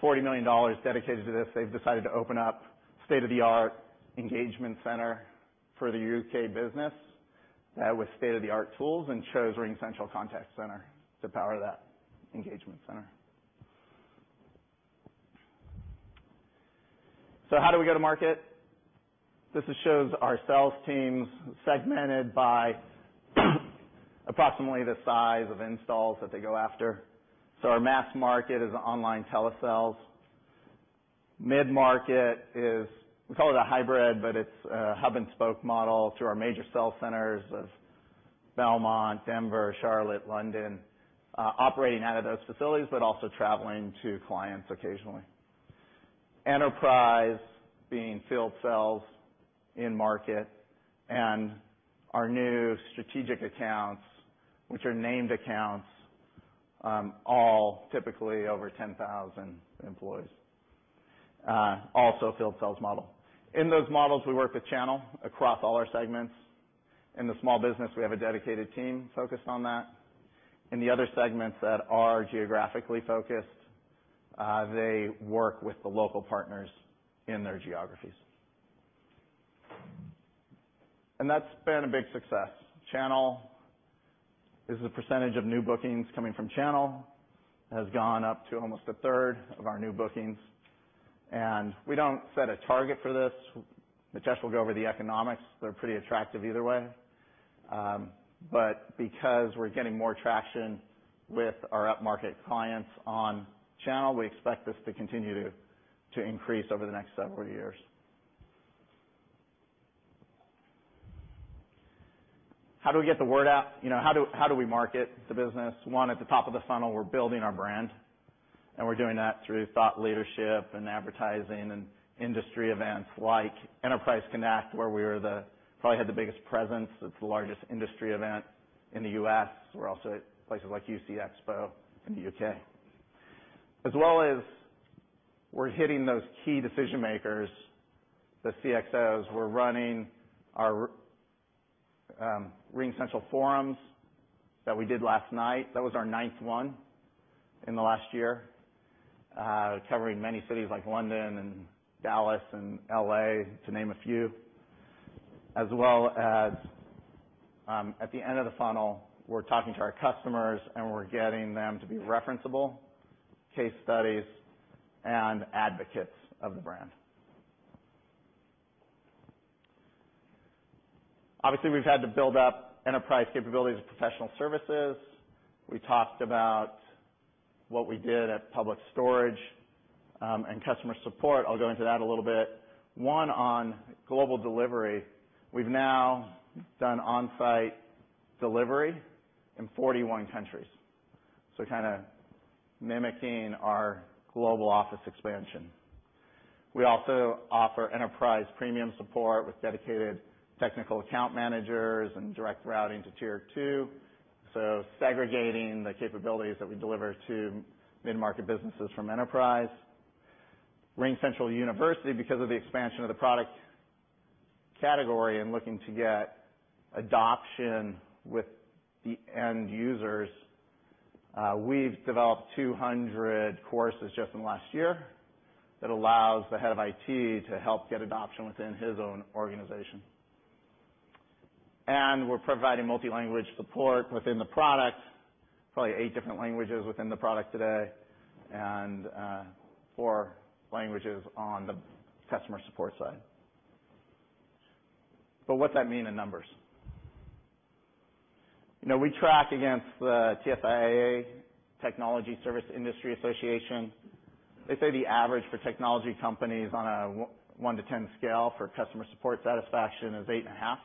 $40 million dedicated to this. They've decided to open up state-of-the-art engagement center for the U.K. business with state-of-the-art tools, and chose RingCentral Contact Center to power that engagement center. How do we go to market? This shows our sales teams segmented by approximately the size of installs that they go after. Our mass market is online telesales. Mid-market is, we call it a hybrid, but it's a hub and spoke model through our major sales centers of Belmont, Denver, Charlotte, London, operating out of those facilities, but also traveling to clients occasionally. Enterprise being field sales in market and our new strategic accounts, which are named accounts, all typically over 10,000 employees. Also field sales model. In those models, we work with channel across all our segments. In the small business, we have a dedicated team focused on that. In the other segments that are geographically focused, they work with the local partners in their geographies. That's been a big success. Channel is the percentage of new bookings coming from channel. It has gone up to almost a third of our new bookings. We don't set a target for this. Mitesh will go over the economics. They're pretty attractive either way. Because we're getting more traction with our up-market clients on channel, we expect this to continue to increase over the next several years. How do we get the word out? How do we market the business? One, at the top of the funnel, we're building our brand, and we're doing that through thought leadership and advertising and industry events like Enterprise Connect, where we probably had the biggest presence. It's the largest industry event in the U.S. We're also at places like UCX in the U.K. We're hitting those key decision-makers, the CXOs. We're running our RingCentral Forums that we did last night. That was our ninth one in the last year, covering many cities like London and Dallas and L.A., to name a few. At the end of the funnel, we're talking to our customers and we're getting them to be referenceable, case studies, and advocates of the brand. Obviously, we've had to build up enterprise capabilities with professional services. We talked about what we did at Public Storage, and customer support, I'll go into that a little bit. One, on global delivery, we've now done on-site delivery in 41 countries, so kind of mimicking our global office expansion. We also offer enterprise premium support with dedicated technical account managers and direct routing to tier 2, so segregating the capabilities that we deliver to mid-market businesses from enterprise. RingCentral University, because of the expansion of the product category and looking to get adoption with the end users, we've developed 200 courses just in the last year that allows the head of IT to help get adoption within his own organization. What's that mean in numbers? We track against the TSIA, Technology Services Industry Association. They say the average for technology companies on a one to 10 scale for customer support satisfaction is 8.5.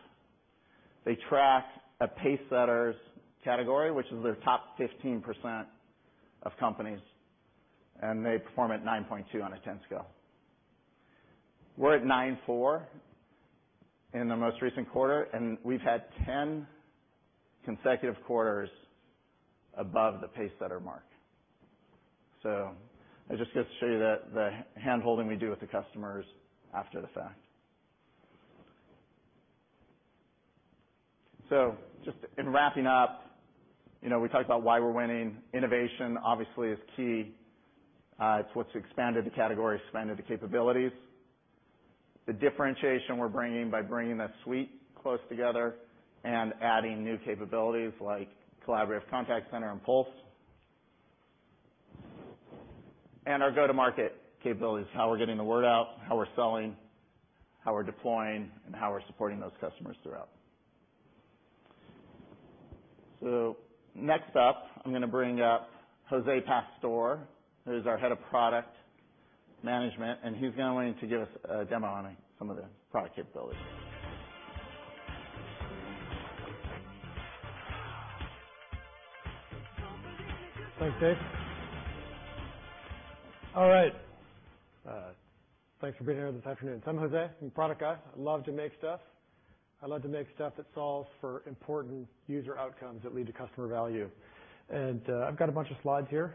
They track a Pacesetters category, which is their top 15% of companies, and they perform at 9.2 on a 10 scale. We're at 9.4 in the most recent quarter, and we've had 10 consecutive quarters above the Pacesetter mark. That just goes to show you the hand-holding we do with the customers after the fact. Just in wrapping up, we talked about why we're winning. Innovation obviously is key. It's what's expanded the category, expanded the capabilities. The differentiation we're bringing by bringing the suite close together and adding new capabilities like Collaborative Contact Center and Pulse. Our go-to-market capabilities, how we're getting the word out, how we're selling, how we're deploying, and how we're supporting those customers throughout. Next up, I'm going to bring up José Pastor, who is our head of Product Management, and he's going to give us a demo on some of the product capabilities. Thanks, Dave. All right. Thanks for being here this afternoon. I'm José, I'm product guy. I love to make stuff. I love to make stuff that solves for important user outcomes that lead to customer value. I've got a bunch of slides here,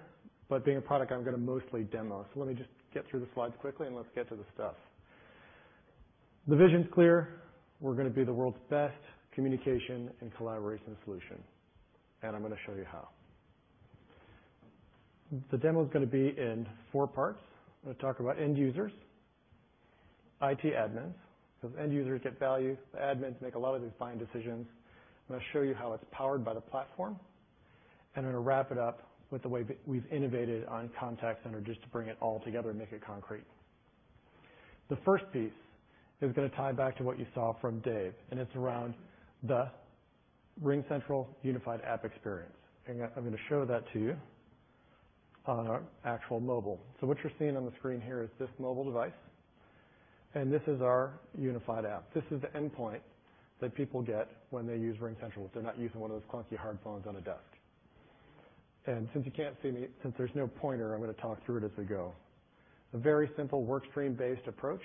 but being a product guy, I'm going to mostly demo. Let me just get through the slides quickly and let's get to the stuff. The vision's clear. We're going to be the world's best communication and collaboration solution, and I'm going to show you how. The demo's going to be in four parts. I'm going to talk about end users, IT admins, because end users get value, the admins make a lot of the buying decisions, I'm going to show you how it's powered by the platform, and I'm going to wrap it up with the way that we've innovated on Contact Center just to bring it all together and make it concrete. The first piece is going to tie back to what you saw from Dave, and it's around the RingCentral unified app experience. I'm going to show that to you on our actual mobile. What you're seeing on the screen here is this mobile device, and this is our unified app. This is the endpoint that people get when they use RingCentral. They're not using one of those clunky hard phones on a desk. Since there's no pointer, I'm going to talk through it as we go. It's a very simple work stream-based approach.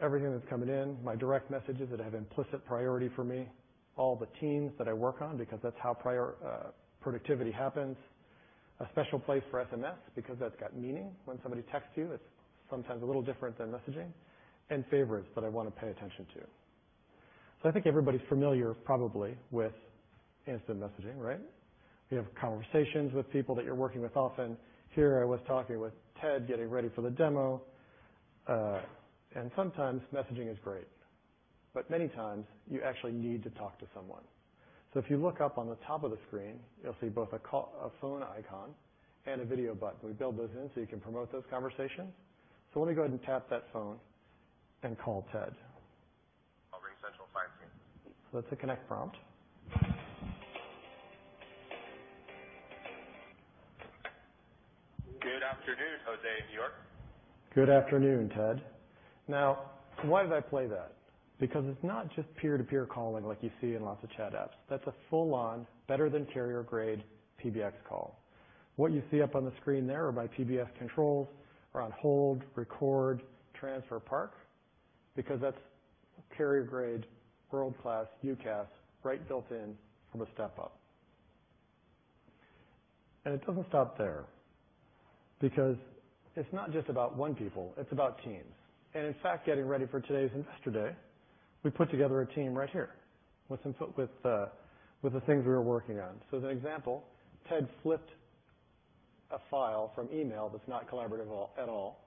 Everything that's coming in, my direct messages that have implicit priority for me, all the teams that I work on because that's how productivity happens, a special place for SMS because that's got meaning when somebody texts you, it's sometimes a little different than messaging, and favorites that I want to pay attention to. I think everybody's familiar probably with instant messaging, right? You have conversations with people that you're working with often. Here I was talking with Ted, getting ready for the demo. Sometimes messaging is great, but many times you actually need to talk to someone. If you look up on the top of the screen, you'll see both a phone icon and a video button. We build those in so you can promote those conversations. Let me go ahead and tap that phone and call Ted. Call RingCentral Data Science team. Let's hit Connect Prompt. Good afternoon, José. You're? Good afternoon, Ted. Why did I play that? Because it's not just peer-to-peer calling like you see in lots of chat apps. That's a full-on better than carrier grade PBX call. What you see up on the screen there are my PBX controls around hold, record, transfer, park, because that's carrier grade, world-class UCaaS right built in from a step up. It doesn't stop there because it's not just about one people, it's about teams. In fact, getting ready for today's Investor Day, we put together a team right here with the things we were working on. As an example, Ted flipped a file from email that's not collaborative at all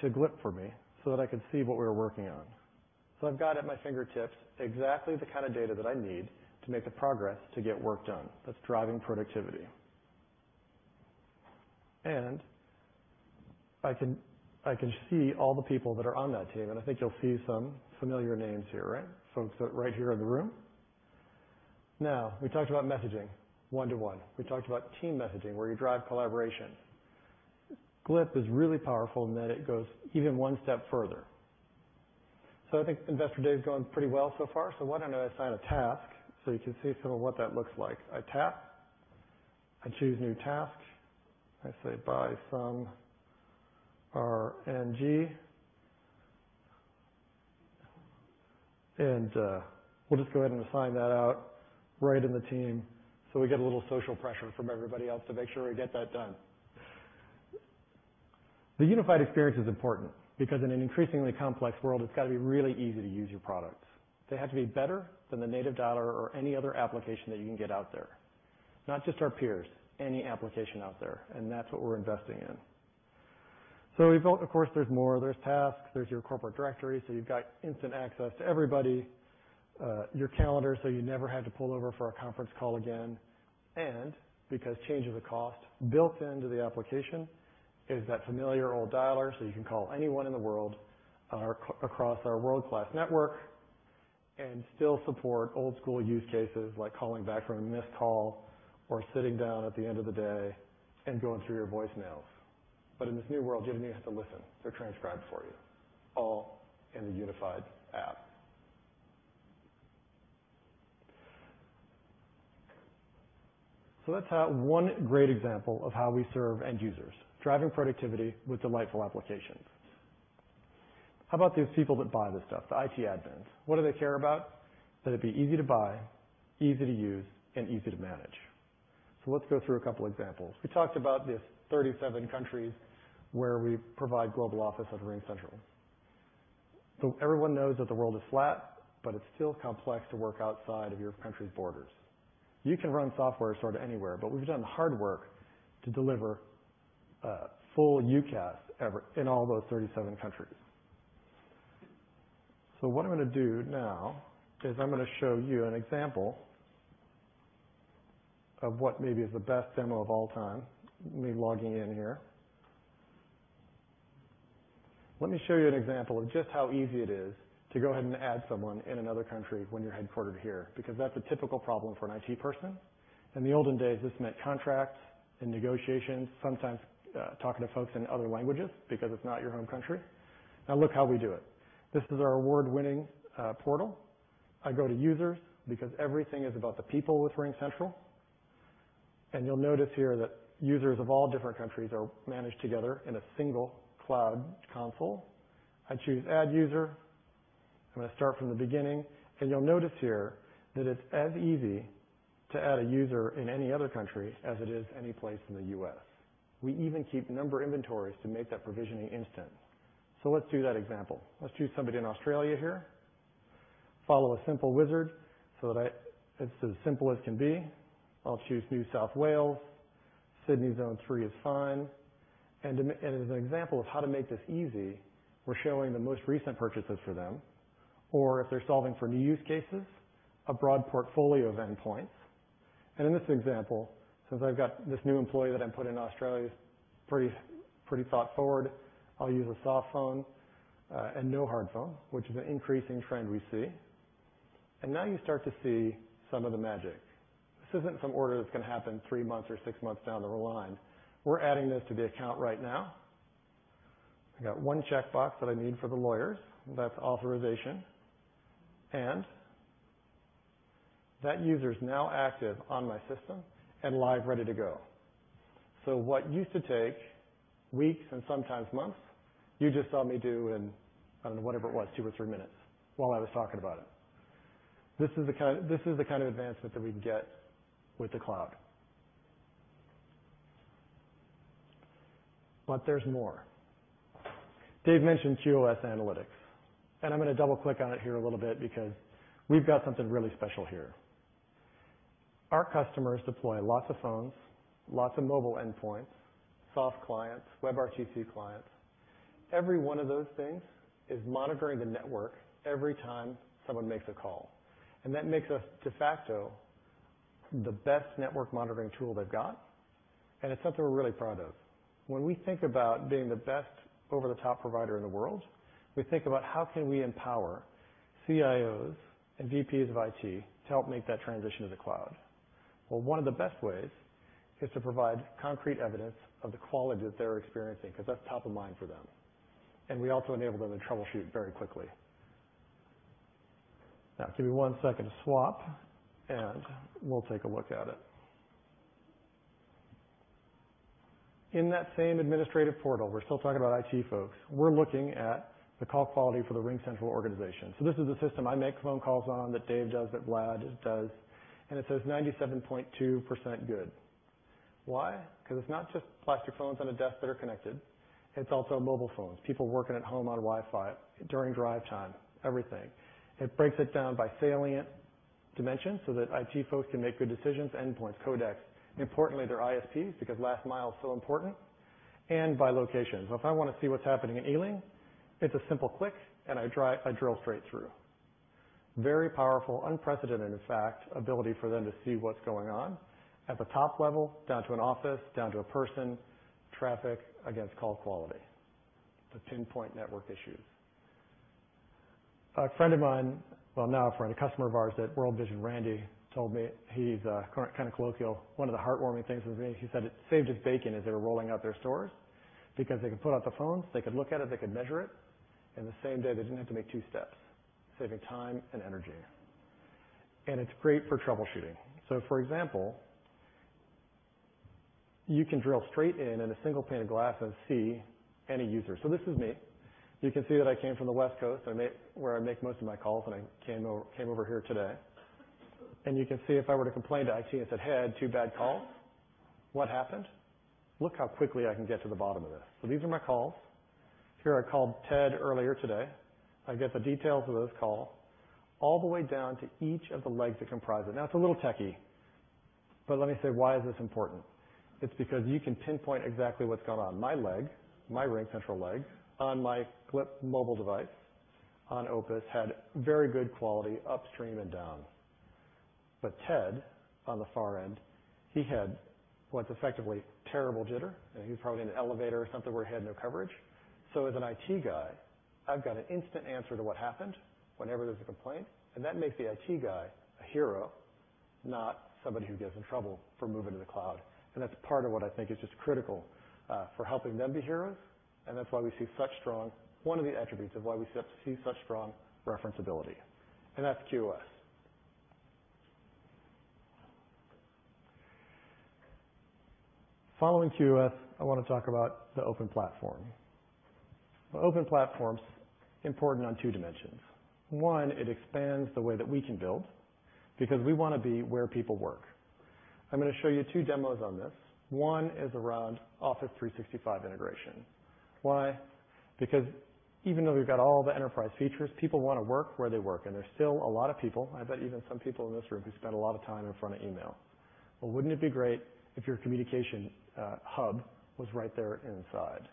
to Glip for me so that I could see what we were working on. I've got at my fingertips exactly the kind of data that I need to make the progress to get work done that's driving productivity. I can see all the people that are on that team, and I think you'll see some familiar names here, right? Folks that right here in the room. We talked about messaging one-to-one. We talked about team messaging where you drive collaboration. Glip is really powerful in that it goes even one step further. I think Investor Day has gone pretty well so far. Why don't I assign a task so you can see sort of what that looks like? I tap, I choose New Task, I say, "Buy some RNG," and we'll just go ahead and assign that out right in the team so we get a little social pressure from everybody else to make sure we get that done. The unified experience is important because in an increasingly complex world, it's got to be really easy to use your products. They have to be better than the native dialer or any other application that you can get out there. Not just our peers, any application out there, and that's what we're investing in. Of course, there's more. There's tasks, there's your corporate directory, so you've got instant access to everybody, your calendar, so you never had to pull over for a conference call again. Because change is a cost, built into the application is that familiar old dialer, so you can call anyone in the world across our world-class network and still support old school use cases like calling back from a missed call or sitting down at the end of the day and going through your voicemails. In this new world, you don't even have to listen. They're transcribed for you all in the unified app. That's one great example of how we serve end users, driving productivity with delightful applications. How about those people that buy this stuff, the IT admins? What do they care about? That it'd be easy to buy, easy to use, and easy to manage. Let's go through a couple examples. We talked about these 37 countries where we provide global office at RingCentral. Everyone knows that the world is flat, but it's still complex to work outside of your country's borders. You can run software sort of anywhere, but we've done the hard work to deliver full UCaaS in all those 37 countries. What I'm going to do now is I'm going to show you an example of what maybe is the best demo of all time, me logging in here. Let me show you an example of just how easy it is to go ahead and add someone in another country when you're headquartered here, because that's a typical problem for an IT person. In the olden days, this meant contracts and negotiations, sometimes talking to folks in other languages because it's not your home country. Now look how we do it. This is our award-winning portal. I go to Users because everything is about the people with RingCentral. You'll notice here that users of all different countries are managed together in a single cloud console. I choose Add User. I'm going to start from the beginning, you'll notice here that it's as easy to add a user in any other country as it is any place in the U.S. We even keep number inventories to make that provisioning instant. Let's do that example. Let's choose somebody in Australia here. Follow a simple wizard so that it's as simple as can be. I'll choose New South Wales. Sydney Zone 3 is fine. As an example of how to make this easy, we're showing the most recent purchases for them, or if they're solving for new use cases, a broad portfolio of endpoints. In this example, since I've got this new employee that I'm putting in Australia, pretty thought-forward, I'll use a soft phone, and no hard phone, which is an increasing trend we see. Now you start to see some of the magic. This isn't some order that's going to happen three months or six months down the line. We're adding this to the account right now. I got one checkbox that I need for the lawyers, that's authorization. That user's now active on my system and live, ready to go. What used to take weeks and sometimes months, you just saw me do in, I don't know, whatever it was, two or three minutes while I was talking about it. This is the kind of advancement that we can get with the cloud. There's more. Dave mentioned QoS analytics, and I'm going to double-click on it here a little bit because we've got something really special here. Our customers deploy lots of phones, lots of mobile endpoints, soft clients, WebRTC clients. Every one of those things is monitoring the network every time someone makes a call. That makes us de facto the best network monitoring tool they've got, and it's something we're really proud of. When we think about being the best over-the-top provider in the world, we think about how can we empower CIOs and VPs of IT to help make that transition to the cloud. One of the best ways is to provide concrete evidence of the quality that they're experiencing, because that's top of mind for them. We also enable them to troubleshoot very quickly. Give me one second to swap, and we'll take a look at it. In that same administrative portal, we're still talking about IT folks, we're looking at the call quality for the RingCentral organization. This is the system I make phone calls on, that Dave does, that Vlad does, and it says 97.2% good. Why? Because it's not just plastic phones on a desk that are connected. It's also mobile phones, people working at home on Wi-Fi, during drive time, everything. It breaks it down by salient dimensions so that IT folks can make good decisions, endpoints, codecs, importantly, their ISPs, because last mile is so important, and by location. If I want to see what's happening in Ealing, it's a simple click, and I drill straight through. Very powerful, unprecedented, in fact, ability for them to see what's going on at the top level, down to an office, down to a person, traffic against call quality to pinpoint network issues. A friend of mine, well, now a friend, a customer of ours at World Vision, Randy, told me he's kind of colloquial. One of the heartwarming things with me, he said it saved his bacon as they were rolling out their stores because they could put out the phones, they could look at it, they could measure it. In the same day, they didn't have to make two steps, saving time and energy. It's great for troubleshooting. For example, you can drill straight in in a single pane of glass and see any user. This is me. You can see that I came from the West Coast, where I make most of my calls, and I came over here today. You can see if I were to complain to IT and said, "Hey, I had two bad calls. What happened?" Look how quickly I can get to the bottom of this. These are my calls. Here, I called Ted earlier today. I get the details of this call, all the way down to each of the legs that comprise it. It's a little techie, let me say, why is this important? It's because you can pinpoint exactly what's going on. My leg, my RingCentral leg, on my flip mobile device on Opus had very good quality upstream and down. Ted, on the far end, he had what's effectively terrible jitter, and he was probably in an elevator or something where he had no coverage. As an IT guy, I've got an instant answer to what happened whenever there's a complaint, and that makes the IT guy a hero, not somebody who gets in trouble for moving to the cloud. That's part of what I think is just critical for helping them be heroes, and that's why we see such strong one of the attributes of why we see such strong reference ability. That's QoS. Following QoS, I want to talk about the open platform. The open platform's important on two dimensions. One, it expands the way that we can build because we want to be where people work. I'm going to show you two demos on this. One is around Office 365 integration. Why? Because even though we've got all the enterprise features, people want to work where they work, and there's still a lot of people, I bet even some people in this room, who spend a lot of time in front of email. Wouldn't it be great if your communication hub was right there inside?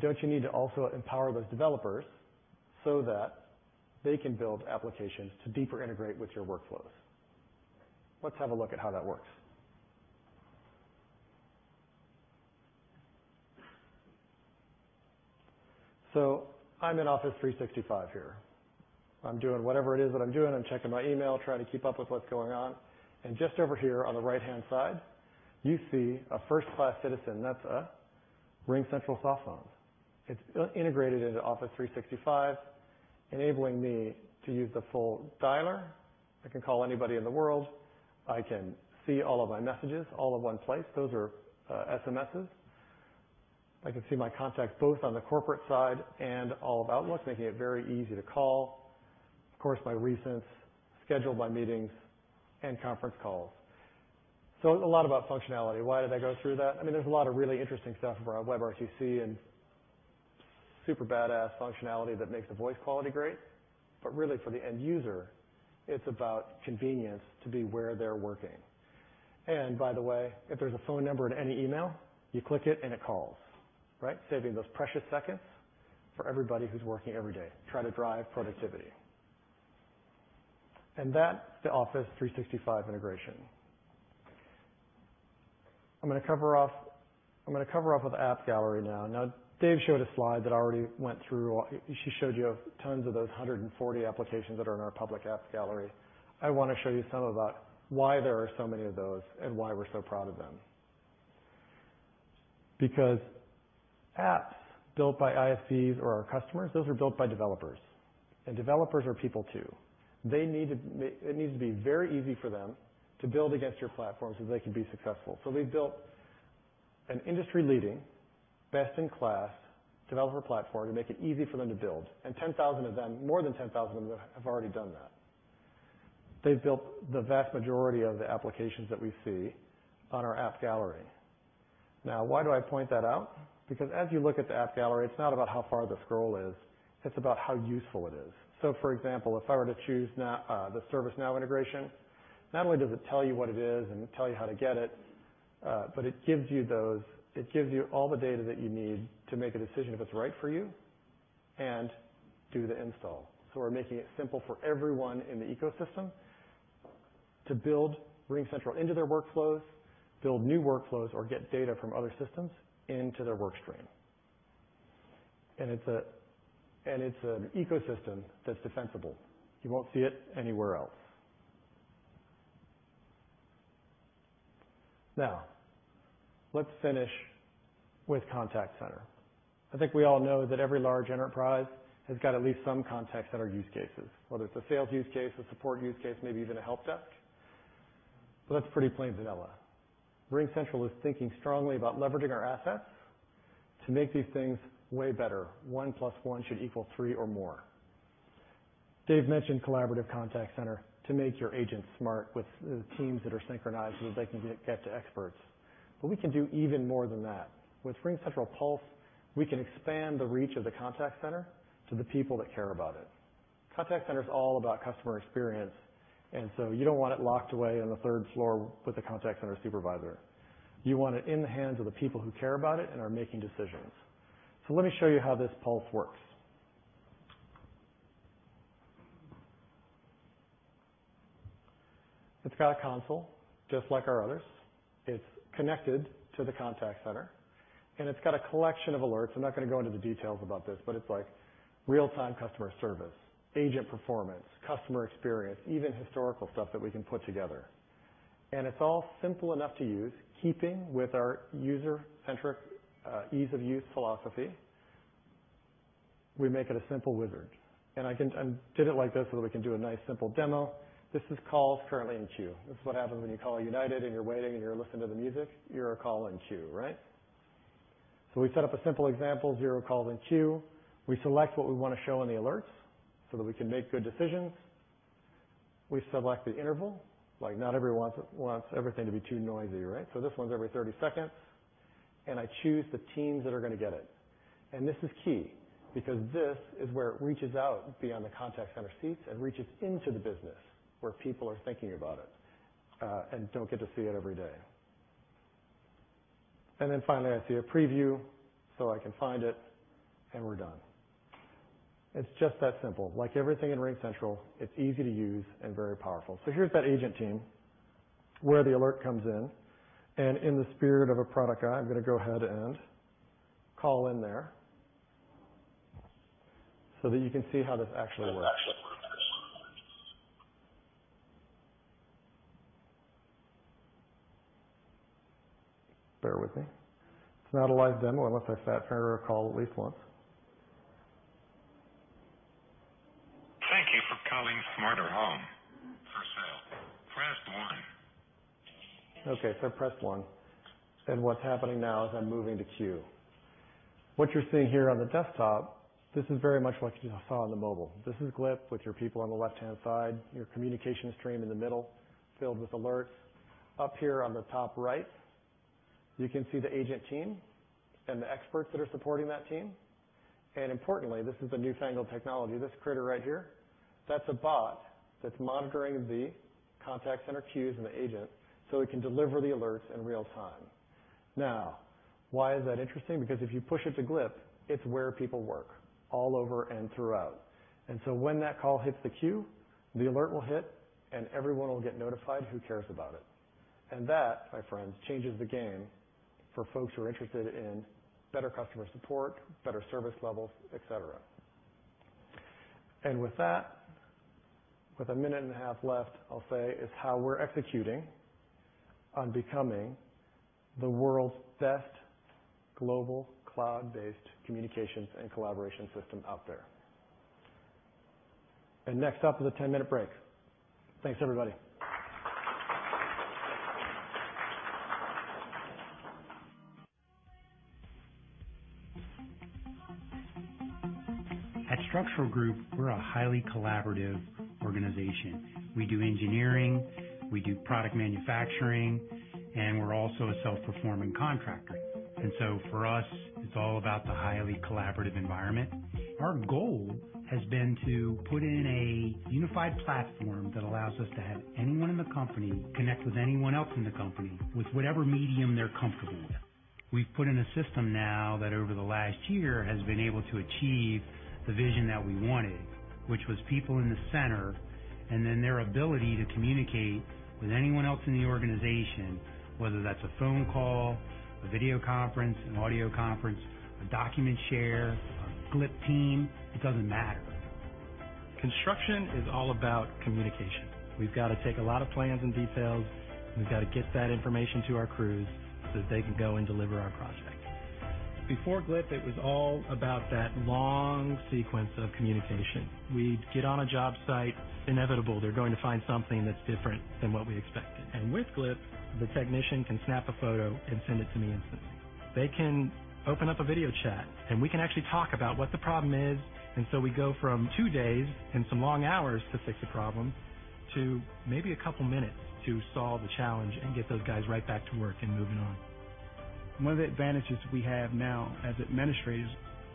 Don't you need to also empower those developers so that they can build applications to deeper integrate with your workflows? Let's have a look at how that works. I'm in Office 365 here. I'm doing whatever it is that I'm doing. I'm checking my email, trying to keep up with what's going on. Just over here on the right-hand side, you see a first-class citizen. That's a RingCentral soft phone. It's integrated into Office 365. Enabling me to use the full dialer. I can call anybody in the world. I can see all of my messages all in one place. Those are SMSs. I can see my contacts both on the corporate side and all of Outlook, making it very easy to call. Of course, my recents, schedule my meetings, and conference calls. A lot about functionality. Why did I go through that? There's a lot of really interesting stuff around WebRTC and super badass functionality that makes the voice quality great. Really for the end user, it's about convenience to be where they're working. By the way, if there's a phone number in any email, you click it and it calls. Right? Saving those precious seconds for everybody who's working every day, try to drive productivity. That's the Office 365 integration. I'm going to cover off with App Gallery now. Dave showed a slide that already showed you tons of those 140 applications that are in our public app gallery. I want to show you some about why there are so many of those and why we're so proud of them. Apps built by ISVs or our customers, those are built by developers, and developers are people, too. It needs to be very easy for them to build against your platform so they can be successful. We've built an industry-leading, best-in-class developer platform to make it easy for them to build, and more than 10,000 of them have already done that. They've built the vast majority of the applications that we see on our app gallery. Why do I point that out? As you look at the app gallery, it's not about how far the scroll is, it's about how useful it is. For example, if I were to choose the ServiceNow integration, not only does it tell you what it is and tell you how to get it, but it gives you all the data that you need to make a decision if it's right for you and do the install. We're making it simple for everyone in the ecosystem to build RingCentral into their workflows, build new workflows, or get data from other systems into their work stream. It's an ecosystem that's defensible. You won't see it anywhere else. Let's finish with Contact Center. I think we all know that every large enterprise has got at least some Contact Center use cases, whether it's a sales use case, a support use case, maybe even a help desk. That's pretty plain vanilla. RingCentral is thinking strongly about leveraging our assets to make these things way better. One plus one should equal three or more. Dave mentioned Collaborative Contact Center to make your agents smart with the teams that are synchronized so that they can get to experts. We can do even more than that. With RingCentral Pulse, we can expand the reach of the Contact Center to the people that care about it. Contact Center is all about customer experience, you don't want it locked away on the third floor with the Contact Center supervisor. You want it in the hands of the people who care about it and are making decisions. Let me show you how this Pulse works. It's got a console just like our others. It's connected to the Contact Center, and it's got a collection of alerts. I'm not going to go into the details about this, but it's like real-time customer service, agent performance, customer experience, even historical stuff that we can put together. It's all simple enough to use, keeping with our user-centric ease of use philosophy. We make it a simple wizard, I did it like this so that we can do a nice simple demo. This is calls currently in queue. This is what happens when you call United and you're waiting and you're listening to the music. You're a call in queue, right? We set up a simple example, zero calls in queue. We select what we want to show in the alerts so that we can make good decisions. We select the interval, not everyone wants everything to be too noisy, right? This one's every 30 seconds, I choose the teams that are going to get it. This is key because this is where it reaches out beyond the Contact Center seats and reaches into the business where people are thinking about it, and don't get to see it every day. Finally, I see a preview so I can find it, and we're done. It's just that simple. Like everything in RingCentral, it's easy to use and very powerful. Here's that agent team where the alert comes in, and in the spirit of a product guy, I'm going to go ahead and call in there so that you can see how this actually works. Bear with me. It's not a live demo unless I sat through a call at least once. Thank you for calling Smarter Home for sale. Press 1. I pressed 1. What's happening now is I'm moving to queue. What you're seeing here on the desktop, this is very much like you just saw on the mobile. This is Glip with your people on the left-hand side, your communications stream in the middle filled with alerts. Up here on the top right, you can see the agent team and the experts that are supporting that team. Importantly, this is the newfangled technology, this critter right here, that's a bot that's monitoring the contact center queues and the agent so it can deliver the alerts in real time. Why is that interesting? If you push it to Glip, it's where people work all over and throughout. When that call hits the queue, the alert will hit, and everyone will get notified who cares about it. That, my friends, changes the game for folks who are interested in better customer support, better service levels, et cetera. With a minute and a half left, I'll say is how we're executing on becoming the world's best global cloud-based communications and collaboration system out there. Next up is a 10-minute break. Thanks, everybody. At Structural Group, we're a highly collaborative organization. We do engineering, we do product manufacturing, and we're also a self-performing contractor. For us, it's all about the highly collaborative environment. Our goal has been to put in a unified platform that allows us to have anyone in the company connect with anyone else in the company with whatever medium they're comfortable with. We've put in a system now that over the last year has been able to achieve the vision that we wanted, which was people in the center, and then their ability to communicate with anyone else in the organization, whether that's a phone call, a video conference, an audio conference, a document share, a Glip team, it doesn't matter. Construction is all about communication. We've got to take a lot of plans and details. We've got to get that information to our crews so that they can go and deliver our project. Before Glip, it was all about that long sequence of communication. We'd get on a job site, inevitable, they're going to find something that's different than what we expected. With Glip, the technician can snap a photo and send it to me instantly. They can open up a video chat, and we can actually talk about what the problem is. So we go from two days and some long hours to fix a problem to maybe a couple of minutes to solve the challenge and get those guys right back to work and moving on. One of the advantages we have now as administrators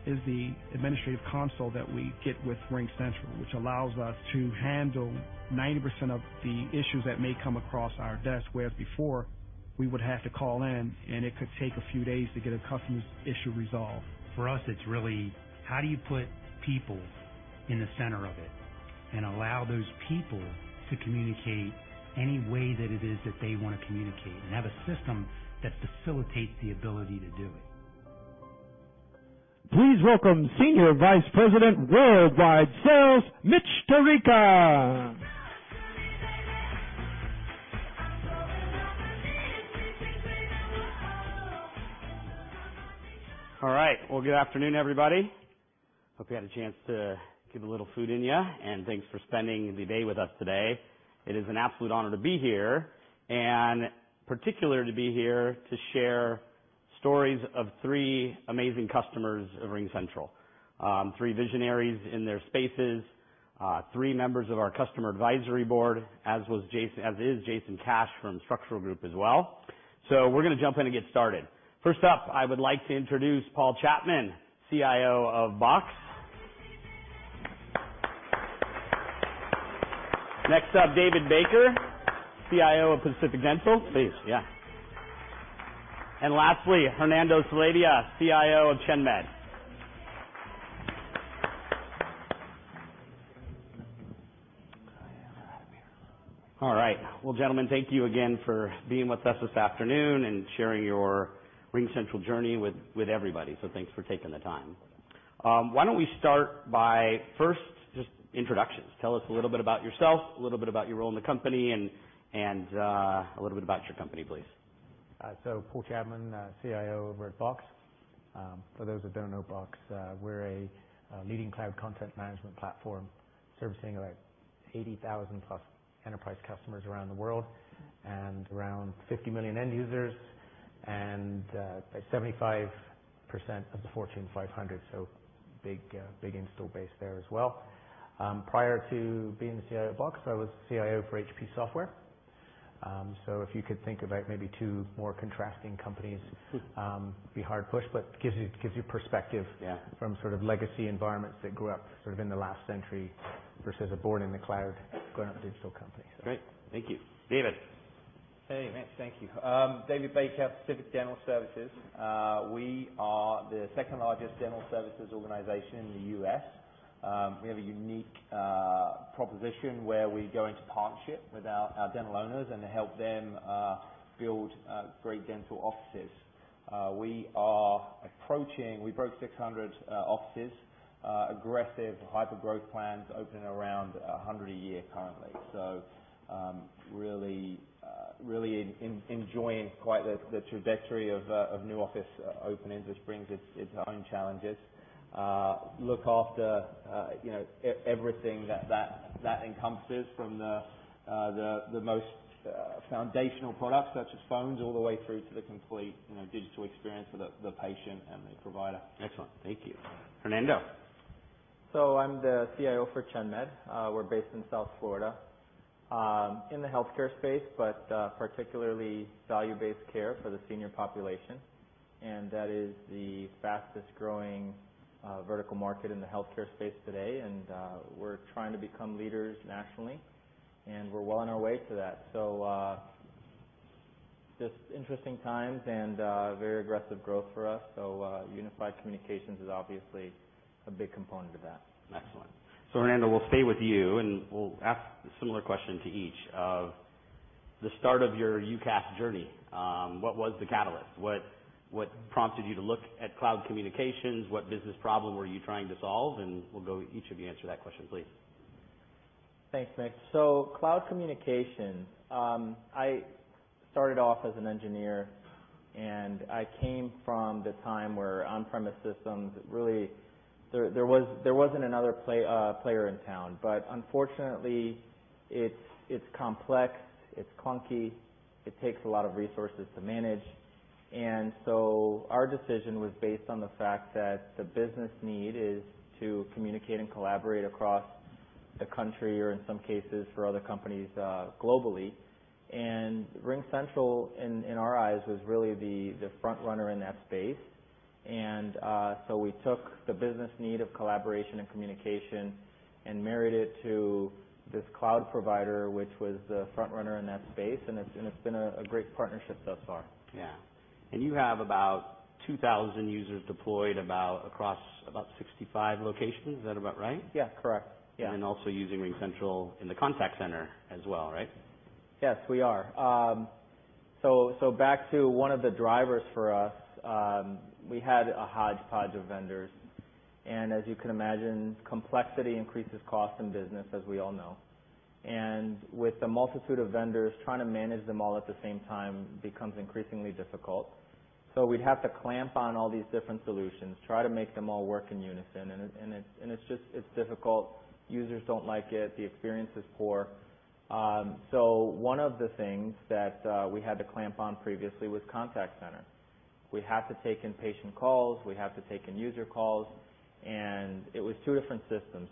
is the administrative console that we get with RingCentral, which allows us to handle 90% of the issues that may come across our desk, whereas before, we would have to call in, and it could take a few days to get a customer's issue resolved. For us, it's really, how do you put people in the center of it and allow those people to communicate any way that it is that they want to communicate and have a system that facilitates the ability to do it? Please welcome Senior Vice President, Worldwide Sales, Mitch Tarica. Good afternoon, everybody. Hope you had a chance to get a little food in you, and thanks for spending the day with us today. It is an absolute honor to be here, and particular to be here to share stories of three amazing customers of RingCentral. Three visionaries in their spaces, three members of our customer advisory board, as is Jason Cash from Structural Group as well. We're going to jump in and get started. First up, I would like to introduce Paul Chapman, CIO of Box. Next up, David Baker, CIO of Pacific Dental. Please, yeah. Lastly, Fernando Solares, CIO of ChenMed. Gentlemen, thank you again for being with us this afternoon and sharing your RingCentral journey with everybody. Thanks for taking the time. Why don't we start by first just introductions. Tell us a little bit about yourself, a little bit about your role in the company, and a little bit about your company, please. Paul Chapman, CIO over at Box. For those that don't know Box, we're a leading cloud content management platform servicing about 80,000 plus enterprise customers around the world and around 50 million end users and 75% of the Fortune 500, big install base there as well. Prior to being the CIO of Box, I was CIO for HP Software. If you could think about maybe two more contrasting companies, be hard pushed, but gives you perspective. Yeah from sort of legacy environments that grew up sort of in the last century versus a born in the cloud growing up digital company. Great. Thank you, David. Hey, Mitch. Thank you. David Baker, Pacific Dental Services. We are the second-largest dental services organization in the U.S. We have a unique proposition where we go into partnership with our dental owners and help them build great dental offices. We broke 600 offices, aggressive hyper growth plans, opening around 100 a year currently. Really enjoying quite the trajectory of new office openings, which brings its own challenges. Look after everything that encompasses from the most foundational products, such as phones, all the way through to the complete digital experience for the patient and the provider. Excellent. Thank you, Fernando. I'm the CIO for ChenMed. We're based in South Florida, in the healthcare space, but particularly value-based care for the senior population. That is the fastest-growing vertical market in the healthcare space today, and we're trying to become leaders nationally, and we're well on our way to that. Just interesting times and very aggressive growth for us, so unified communications is obviously a big component of that. Excellent. Fernando, we'll stay with you, and we'll ask a similar question to each of The start of your UCaaS journey, what was the catalyst? What prompted you to look at cloud communications? What business problem were you trying to solve? We'll go each of you answer that question, please. Thanks, Mitch. Cloud communications, I started off as an engineer, and I came from the time where on-premise systems really, there wasn't another player in town. Unfortunately, it's complex, it's clunky, it takes a lot of resources to manage. Our decision was based on the fact that the business need is to communicate and collaborate across the country or in some cases for other companies, globally. RingCentral, in our eyes, was really the front runner in that space. We took the business need of collaboration and communication and married it to this cloud provider, which was the front runner in that space, and it's been a great partnership thus far. Yeah. You have about 2,000 users deployed across about 65 locations. Is that about right? Yeah, correct. Yeah. Also using RingCentral in the contact center as well, right? Yes, we are. Back to one of the drivers for us, we had a hodgepodge of vendors, as you can imagine, complexity increases cost in business, as we all know. With the multitude of vendors, trying to manage them all at the same time becomes increasingly difficult. We'd have to clamp on all these different solutions, try to make them all work in unison, and it's difficult. Users don't like it. The experience is poor. One of the things that we had to clamp on previously was contact center. We had to take in patient calls, we had to take in user calls, and it was two different systems.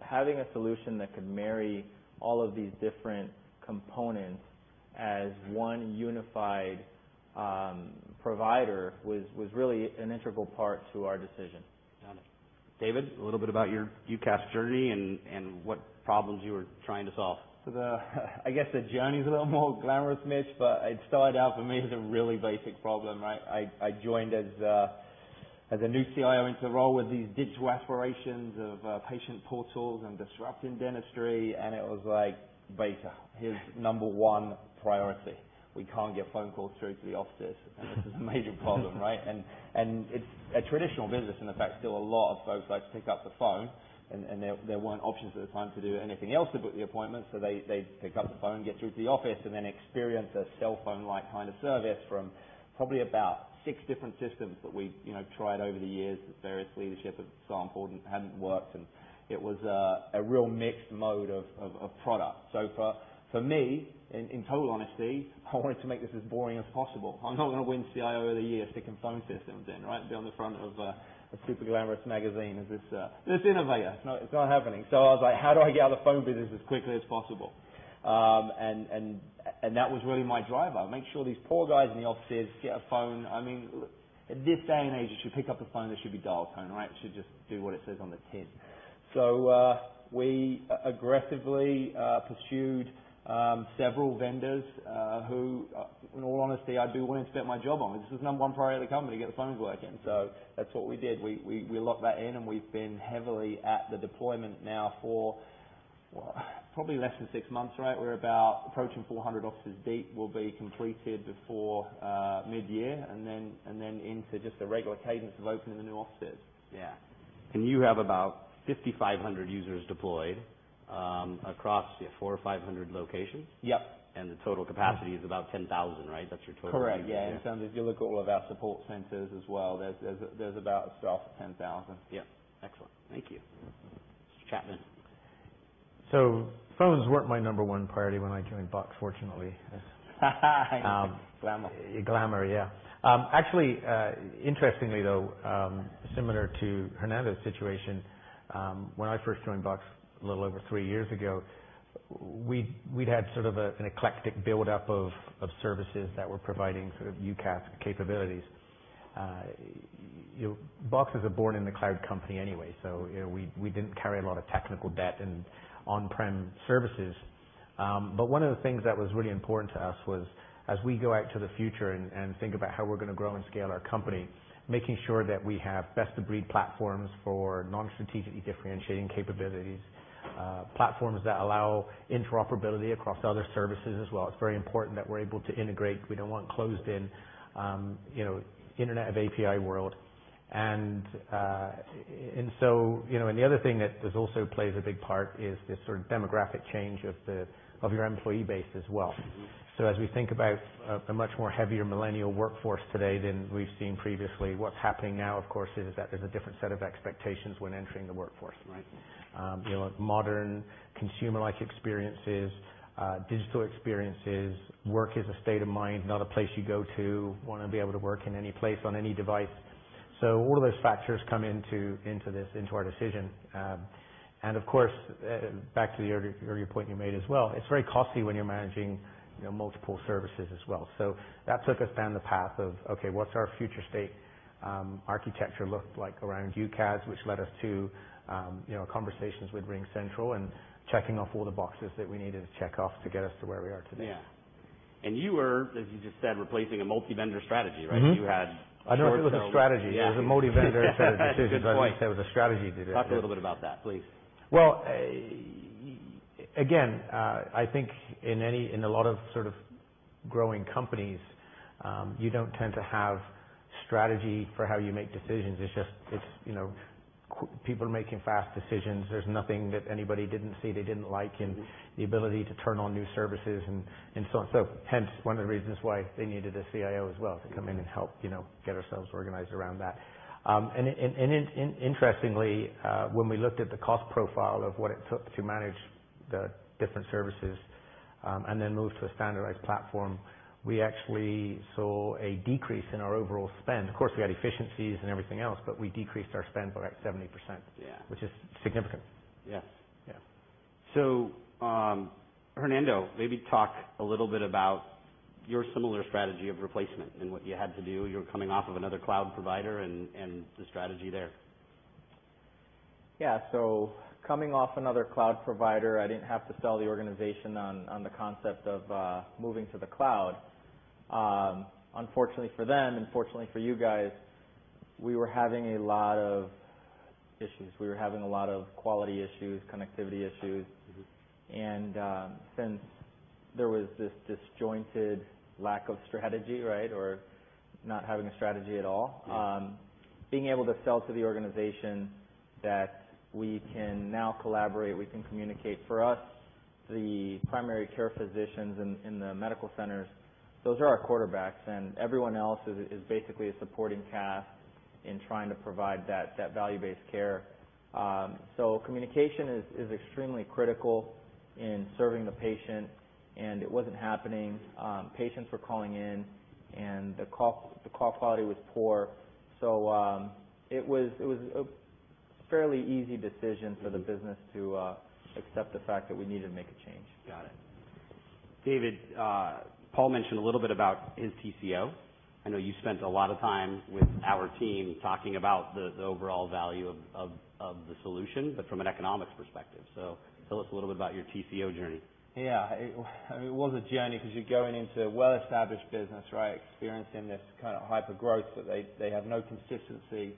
Having a solution that could marry all of these different components as one unified provider was really an integral part to our decision. Got it. David, a little bit about your UCaaS journey and what problems you were trying to solve. The I guess the journey is a little more glamorous, Mitch, but it started out for me as a really basic problem, right. I joined as a new CIO into the role with these digital aspirations of patient portals and disrupting dentistry, and it was like Baker, here is number 1 priority. We cannot get phone calls through to the offices, and this is a major problem, right. It is a traditional business, and in fact, still a lot of folks like to pick up the phone, and there were not options at the time to do anything else to book the appointment. They would pick up the phone, get through to the office, and then experience a cellphone-like kind of service from probably about six different systems that we tried over the years with various leadership at some point, and it had not worked. It was a real mixed mode of product. For me, in total honesty, I wanted to make this as boring as possible. I am not going to win CIO of the Year sticking phone systems in, right. Be on the front of a super glamorous magazine as this innovator. No, it is not happening. I was like, "How do I get out of the phone business as quickly as possible?" That was really my driver. Make sure these poor guys in the offices get a phone. In this day and age, if you pick up the phone, there should be dial tone, right. It should just do what it says on the tin. We aggressively pursued several vendors, who, in all honesty, I would be willing to bet my job on. This was the number 1 priority of the company, to get the phones working. That is what we did. We locked that in, we have been heavily at the deployment now for, probably less than six months, right. We are about approaching 400 offices deep. We will be completed before mid-year, and then into just the regular cadence of opening the new offices. Yeah. You have about 5,500 users deployed across your 400 or 500 locations? Yep. The total capacity is about 10,000, right? That's your total- Correct. Yeah. If you look at all of our support centers as well, there's about south of 10,000. Yep. Excellent. Thank you, Mr. Chapman. Phones weren't my number one priority when I joined Box, fortunately. Glamour. Glamour, yeah. Actually, interestingly though, similar to Fernando's situation, when I first joined Box a little over 3 years ago, we'd had sort of an eclectic buildup of services that were providing sort of UCaaS capabilities. Box is a born-in-the-cloud company anyway, so we didn't carry a lot of technical debt in on-prem services. One of the things that was really important to us was as we go out to the future and think about how we're going to grow and scale our company, making sure that we have best-of-breed platforms for non-strategically differentiating capabilities. Platforms that allow interoperability across other services as well. It's very important that we're able to integrate. We don't want closed-in internet of API world. The other thing that also plays a big part is this sort of demographic change of your employee base as well. As we think about the much more heavier millennial workforce today than we've seen previously, what's happening now, of course, is that there's a different set of expectations when entering the workforce. Right. Modern consumer-like experiences, digital experiences, work is a state of mind, not a place you go to, want to be able to work in any place on any device. All of those factors come into this, into our decision. Of course, back to the earlier point you made as well, it's very costly when you're managing multiple services as well. That took us down the path of, okay, what's our future state architecture look like around UCaaS, which led us to conversations with RingCentral and checking off all the boxes that we needed to check off to get us to where we are today. Yeah. You were, as you just said, replacing a multi-vendor strategy, right? You had I know it was a strategy. Yeah. It was a multi-vendor set of decisions Good point I wouldn't say it was a strategy to do it. Talk a little bit about that, please. Well, again, I think in a lot of growing companies, you don't tend to have strategy for how you make decisions. It's just people are making fast decisions. There's nothing that anybody didn't see they didn't like and the ability to turn on new services and so on. Hence, one of the reasons why they needed a CIO as well to come in and help get ourselves organized around that. Interestingly, when we looked at the cost profile of what it took to manage the different services, and then move to a standardized platform, we actually saw a decrease in our overall spend. Of course, we had efficiencies and everything else, but we decreased our spend by like 70%. Yeah. Which is significant. Yes. Yeah. Fernando, maybe talk a little bit about your similar strategy of replacement and what you had to do. You're coming off of another cloud provider and the strategy there. Yeah. Coming off another cloud provider, I didn't have to sell the organization on the concept of moving to the cloud. Unfortunately for them, and fortunately for you guys, we were having a lot of issues. We were having a lot of quality issues, connectivity issues. Since there was this disjointed lack of strategy, right, or not having a strategy at all. Yeah being able to sell to the organization that we can now collaborate, we can communicate. For us, the primary care physicians in the medical centers, those are our quarterbacks, and everyone else is basically a supporting cast in trying to provide that value-based care. Communication is extremely critical in serving the patient, and it wasn't happening. Patients were calling in and the call quality was poor, so it was a fairly easy decision for the business to accept the fact that we needed to make a change. Got it. David, Paul mentioned a little bit about his TCO. I know you spent a lot of time with our team talking about the overall value of the solution, but from an economics perspective. Tell us a little bit about your TCO journey. Yeah. It was a journey because you're going into a well-established business, right? Experiencing this kind of hyper-growth, but they have no consistency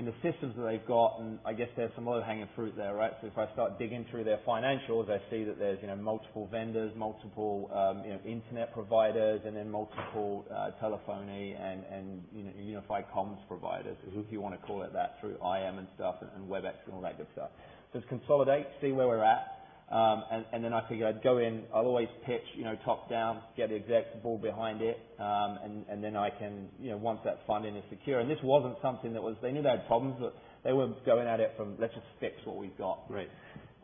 in the systems that they've got, and I guess there's some low-hanging fruit there, right? If I start digging through their financials, I see that there's multiple vendors, multiple internet providers, and then multiple telephony and unified comms providers, if you want to call it that, through IM and stuff and Webex and all that good stuff. It's consolidate, see where we're at, and then I figure I'd go in, I'll always pitch top-down, get the exec board behind it, and then I can, once that funding is secure. This wasn't something that was They knew they had problems, but they weren't going at it from, "Let's just fix what we've got. Right.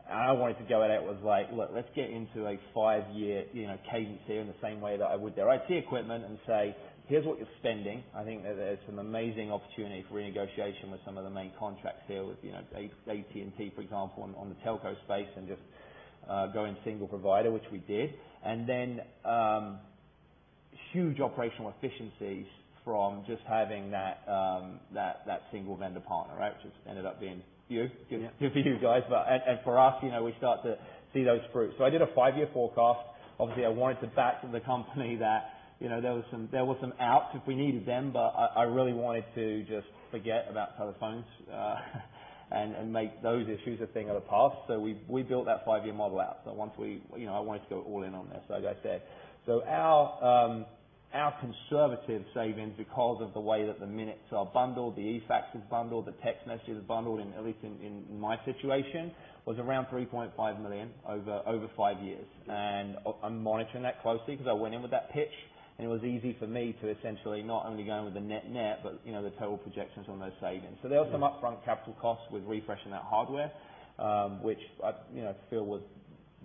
I wanted to go at it with like, "Look, let's get into a five-year cadency here in the same way that I would their IT equipment and say, 'Here's what you're spending.'" I think there's some amazing opportunity for renegotiation with some of the main contracts here with AT&T, for example, on the telco space, and just go in single provider, which we did. Huge operational efficiencies from just having that single vendor partner, right, which ended up being you. Yeah. Good for you guys. For us, we start to see those fruits. I did a five-year forecast. Obviously, I wanted the fact of the company that there was some outs if we needed them, but I really wanted to just forget about telephones and make those issues a thing of the past. We built that five-year model out. Once we I wanted to go all in on this, like I said. Our conservative savings, because of the way that the minutes are bundled, the eFax is bundled, the text messaging is bundled, at least in my situation, was around $3.5 million over 5 years. I'm monitoring that closely because I went in with that pitch and it was easy for me to essentially not only go in with the net-net, but the total projections on those savings. Yeah. There was some upfront capital costs with refreshing that hardware, which I feel was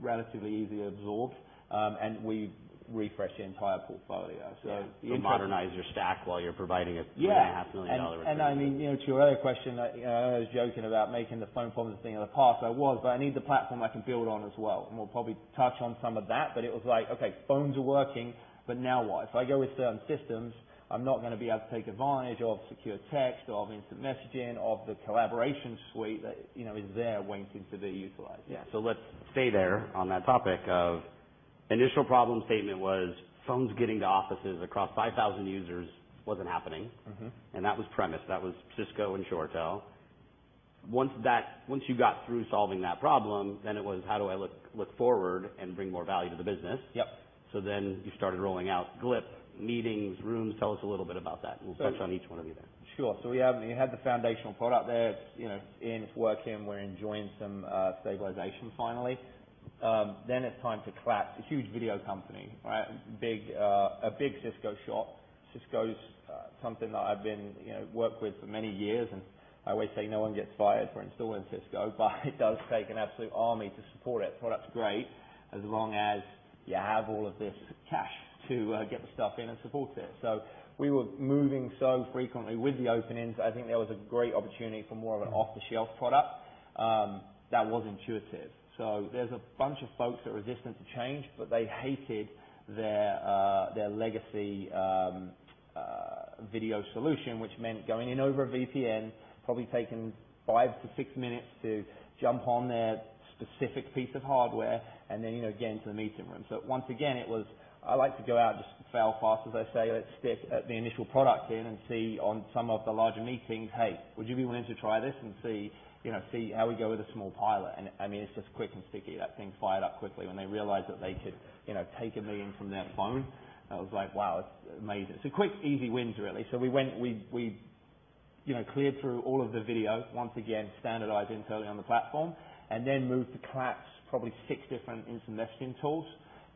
relatively easy to absorb, and we refreshed the entire portfolio. You modernize your stack while you're providing a three and a half million dollar savings. To your earlier question, I was joking about making the phone problem a thing of the past. I need the platform I can build on as well. We'll probably touch on some of that. It was like, okay, phones are working, but now what? If I go with certain systems, I'm not going to be able to take advantage of secure text, of instant messaging, of the collaboration suite that is there waiting to be utilized. Let's stay there on that topic of initial problem statement was phones getting to offices across 5,000 users wasn't happening. That was premise. That was Cisco and ShoreTel. Once you got through solving that problem, then it was how do I look forward and bring more value to the business? Yep. You started rolling out Glip, meetings, rooms. Tell us a little bit about that, and we'll touch on each one of you there. Sure. We had the foundational product there. It's in, it's working. We're enjoying some stabilization finally. Then it's time to call. It's a huge video company, right? A big Cisco shop. Cisco's something that I've been worked with for many years, and I always say no one gets fired for installing Cisco, but it does take an absolute army to support it. The product's great as long as you have all of this cash to get the stuff in and support it. We were moving so frequently with the openings. I think there was a great opportunity for more of an off-the-shelf product that was intuitive. There's a bunch of folks that are resistant to change, but they hated their legacy video solution, which meant going in over a VPN, probably taking five to six minutes to jump on their specific piece of hardware, and then again to the meeting room. Once again, it was, I like to go out just fail fast, as they say, let's stick the initial product in and see on some of the larger meetings, "Hey, would you be willing to try this and see how we go with a small pilot?" It's just quick and sticky. That thing fired up quickly when they realized that they could take a meeting from their phone. It was like, wow, it's amazing. Quick, easy wins, really. We went, we cleared through all of the video, once again, standardized internally on the platform, moved to collapse probably six different instant messaging tools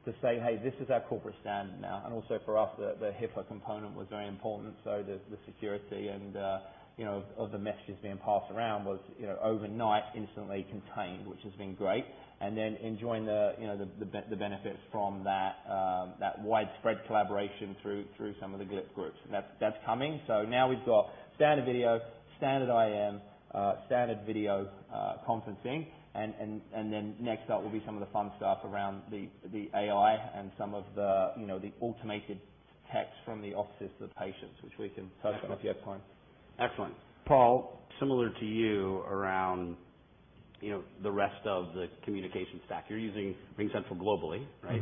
to say, "Hey, this is our corporate standard now." Also for us, the HIPAA component was very important. The security of the messages being passed around was overnight instantly contained, which has been great. Enjoying the benefits from that widespread collaboration through some of the groups. That's coming. Now we've got standard video, standard IM, standard video conferencing, and then next up will be some of the fun stuff around the AI and some of the automated texts from the offices to the patients, which we can touch on if you have time. Excellent. Paul, similar to you around the rest of the communication stack. You're using RingCentral globally, right?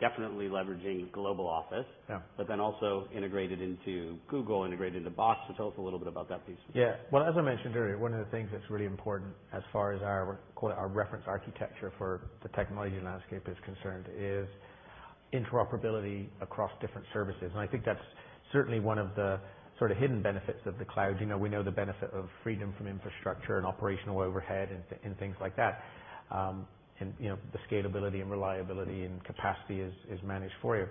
You're definitely leveraging global office. Yeah. Also integrated into Google, integrated into Box. Tell us a little bit about that piece. Yeah. Well, as I mentioned earlier, one of the things that's really important as far as our quote unquote, our reference architecture for the technology landscape is concerned, is interoperability across different services, and I think that's certainly one of the sort of hidden benefits of the cloud. We know the benefit of freedom from infrastructure and operational overhead and things like that. The scalability and reliability and capacity is managed for you.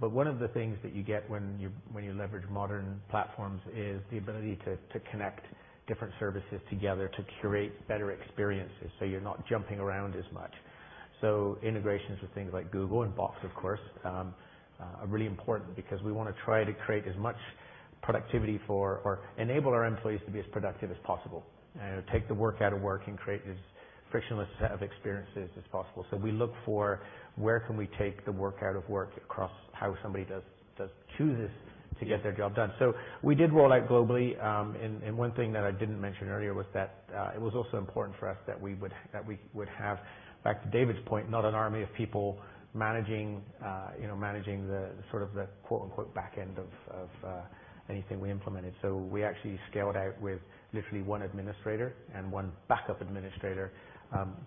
One of the things that you get when you leverage modern platforms is the ability to connect different services together to curate better experiences so you're not jumping around as much. Integrations with things like Google and Box, of course, are really important because we want to try to create as much productivity for or enable our employees to be as productive as possible and take the work out of work and create as frictionless set of experiences as possible. We look for where can we take the work out of work across how somebody chooses to get their job done. We did roll out globally, and one thing that I didn't mention earlier was that it was also important for us that we would have, back to David's point, not an army of people managing the sort of the, quote unquote, "backend" of anything we implemented. We actually scaled out with literally one administrator and one backup administrator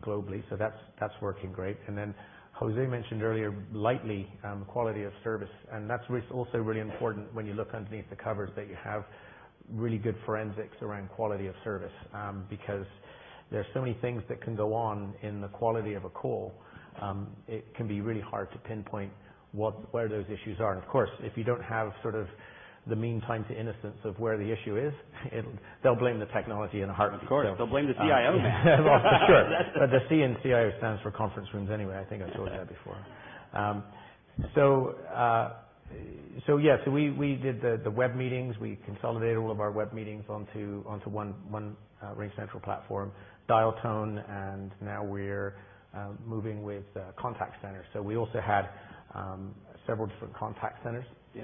globally. That's working great. José mentioned earlier, lightly, quality of service, and that's also really important when you look underneath the covers, that you have really good forensics around quality of service. There are so many things that can go on in the quality of a call, it can be really hard to pinpoint where those issues are. Of course, if you don't have sort of the mean time to innocence of where the issue is, they'll blame the technology in a heartbeat. Of course, they'll blame the CIO man. For sure. The C in CIO stands for conference rooms anyway, I think I told you that before. Yeah. We did the web meetings. We consolidated all of our web meetings onto one RingCentral platform, dial tone, and now we're moving with contact centers. We also had several different contact centers. Yeah.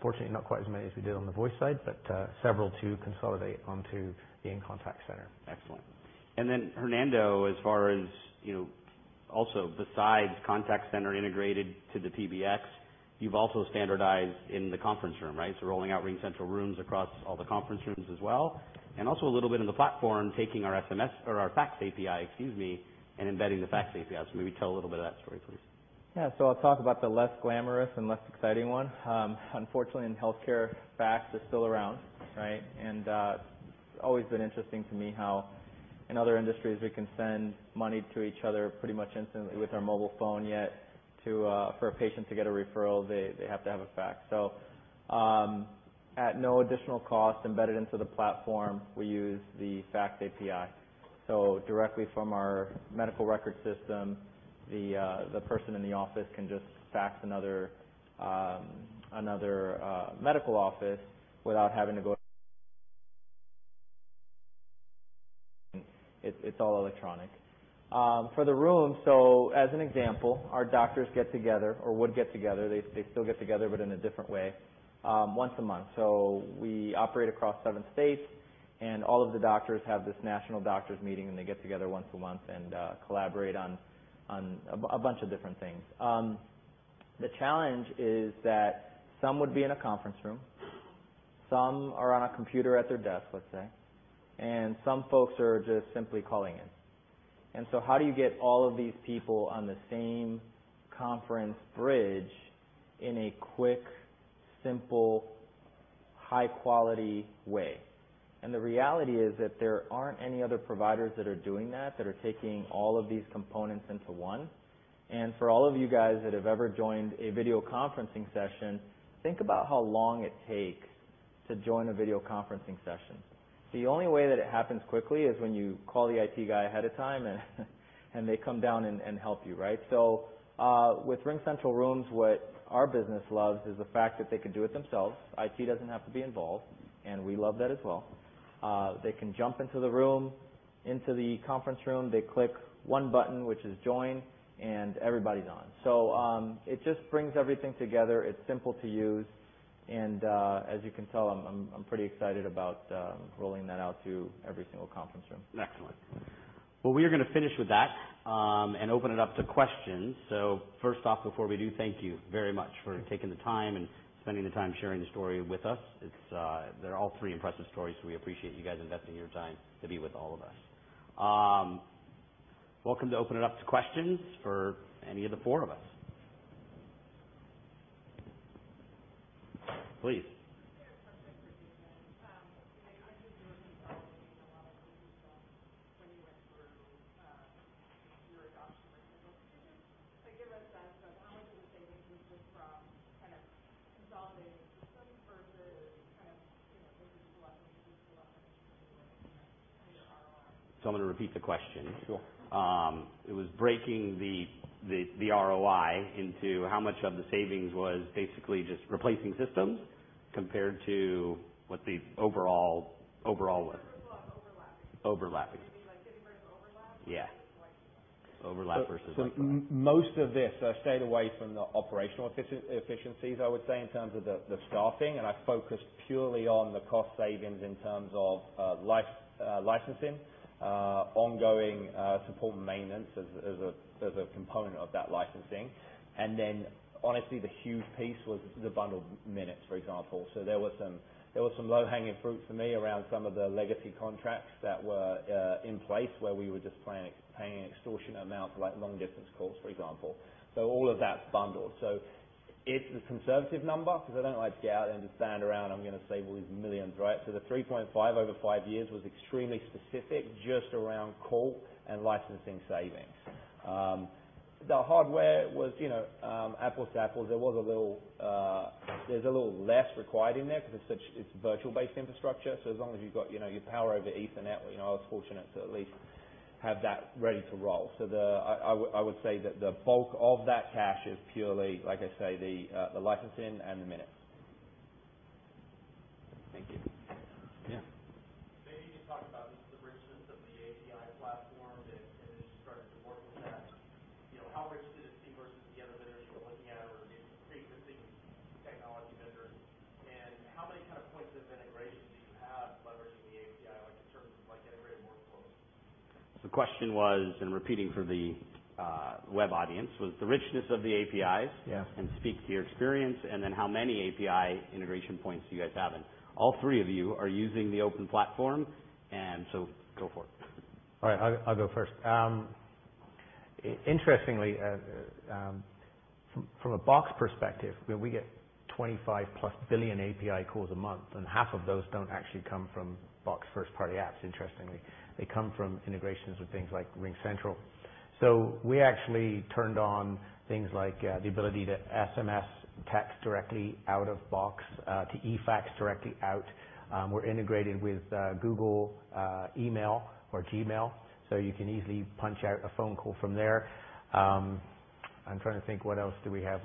Fortunately, not quite as many as we did on the voice side, but several to consolidate onto the RingCentral Contact Center. Excellent. Fernando, as far as also besides contact center integrated to the PBX, you've also standardized in the conference room, right? Rolling out RingCentral Rooms across all the conference rooms as well, and also a little bit on the platform, taking our SMS or our fax API, excuse me, and embedding the fax API. Maybe tell a little bit of that story, please. Yeah. I'll talk about the less glamorous and less exciting one. Unfortunately, in healthcare, fax is still around, right? It's always been interesting to me how in other industries we can send money to each other pretty much instantly with our mobile phone. Yet, for a patient to get a referral, they have to have a fax. At no additional cost embedded into the platform, we use the fax API. Directly from our medical record system, the person in the office can just fax another medical office without having to go. It's all electronic. For the room, as an example, our doctors get together or would get together, they still get together, but in a different way, once a month. We operate across seven states. All of the doctors have this national doctors meeting. They get together once a month and collaborate on a bunch of different things. The challenge is that some would be in a conference room, some are on a computer at their desk, let's say, and some folks are just simply calling in. How do you get all of these people on the same conference bridge in a quick, simple, high-quality way? The reality is that there aren't any other providers that are doing that are taking all of these components into one. For all of you guys that have ever joined a video conferencing session, think about how long it takes to join a video conferencing session. The only way that it happens quickly is when you call the IT guy ahead of time, and they come down and help you. With RingCentral Rooms, what our business loves is the fact that they can do it themselves. IT doesn't have to be involved. We love that as well. They can jump into the room, into the conference room, they click one button, which is join. Everybody's on. It just brings everything together. It's simple to use. As you can tell, I'm pretty excited about rolling that out to every single conference room. Excellent. We are going to finish with that and open it up to questions. First off, before we do, thank you very much for taking the time and spending the time sharing the story with us. They're all three impressive stories. We appreciate you guys investing your time to be with all of us. Welcome to open it up to questions for any of the four of us. Please. I just have a question for Ian then. You mentioned you were consolidating a lot of systems when you went through your adoption with RingCentral. Could you give a sense of how much of the savings was just from kind of consolidating systems versus kind of breaking through lessons learned and your ROI? I'm going to repeat the question. Sure. It was breaking the ROI into how much of the savings was basically just replacing systems compared to what the overall was. First of all, overlapping. Overlapping. Maybe like getting rid of overlap. Yeah Selection. Overlap versus selection. Most of this stayed away from the operational efficiencies, I would say, in terms of the staffing, I focused purely on the cost savings in terms of licensing, ongoing support and maintenance as a component of that licensing. Honestly, the huge piece was the bundled minutes, for example. There was some low-hanging fruit for me around some of the legacy contracts that were in place where we were just paying an extortionate amount for long-distance calls, for example. All of that's bundled. It's a conservative number because I don't like to go out and just stand around, I'm going to save all these millions, right? The $3.5 over five years was extremely specific, just around call and licensing savings. The hardware was apples to apples. There's a little less required in there because it's virtual-based infrastructure. As long as you've got your Power over Ethernet, I was fortunate to at least have that ready to roll. I would say that the bulk of that cash is purely, like I say, the licensing and the minutes. Thank you. Yeah. Maybe you could talk about just the richness of the API platform that you started to work with next. How rich did it seem versus the other vendors you were looking at or maybe some preexisting technology vendors? How many kind of points of integration do you have leveraging the API, like in terms of integrated workflows? The question was, and repeating for the web audience, was the richness of the APIs. Yeah Speak to your experience, how many API integration points do you guys have? All three of you are using the open platform, go for it. All right. I'll go first. Interestingly, from a Box perspective, we get 25-plus billion API calls a month, half of those don't actually come from Box first-party apps, interestingly. They come from integrations with things like RingCentral. We actually turned on things like the ability to SMS text directly out of Box, to eFax directly out. We're integrated with Google Email or Gmail, you can easily punch out a phone call from there. I'm trying to think, what else do we have?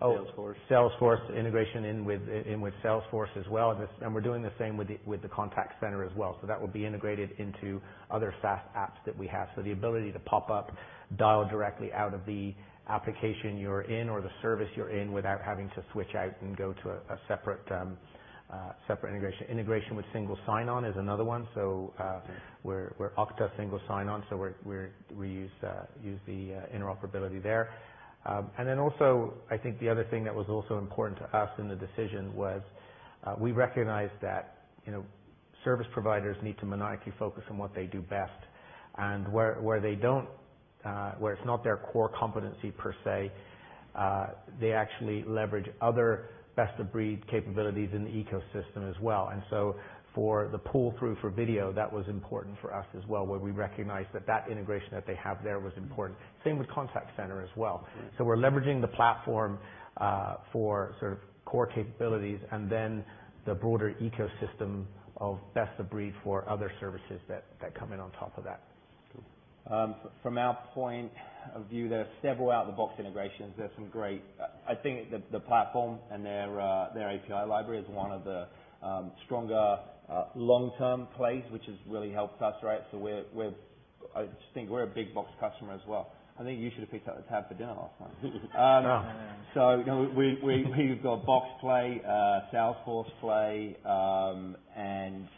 Salesforce Salesforce integration in with Salesforce as well. We're doing the same with the contact center as well. That will be integrated into other SaaS apps that we have. The ability to pop up, dial directly out of the application you're in or the service you're in without having to switch out and go to a separate integration. Integration with single sign-on is another one. We're Okta single sign-on, we use the interoperability there. Also, I think the other thing that was also important to us in the decision was we recognized that service providers need to monolithically focus on what they do best. Where it's not their core competency per se, they actually leverage other best-of-breed capabilities in the ecosystem as well. For the pull-through for video, that was important for us as well, where we recognized that that integration that they have there was important. Same with contact center as well. We're leveraging the platform for sort of core capabilities and then the broader ecosystem of best-of-breed for other services that come in on top of that. Cool. From our point of view, there are several out-of-the-box integrations. I think the platform and their API library is one of the stronger long-term plays, which has really helped us, right? I just think we're a big Box customer as well. I think you should have picked up the tab for dinner last time. No. We've got Box play, Salesforce play, and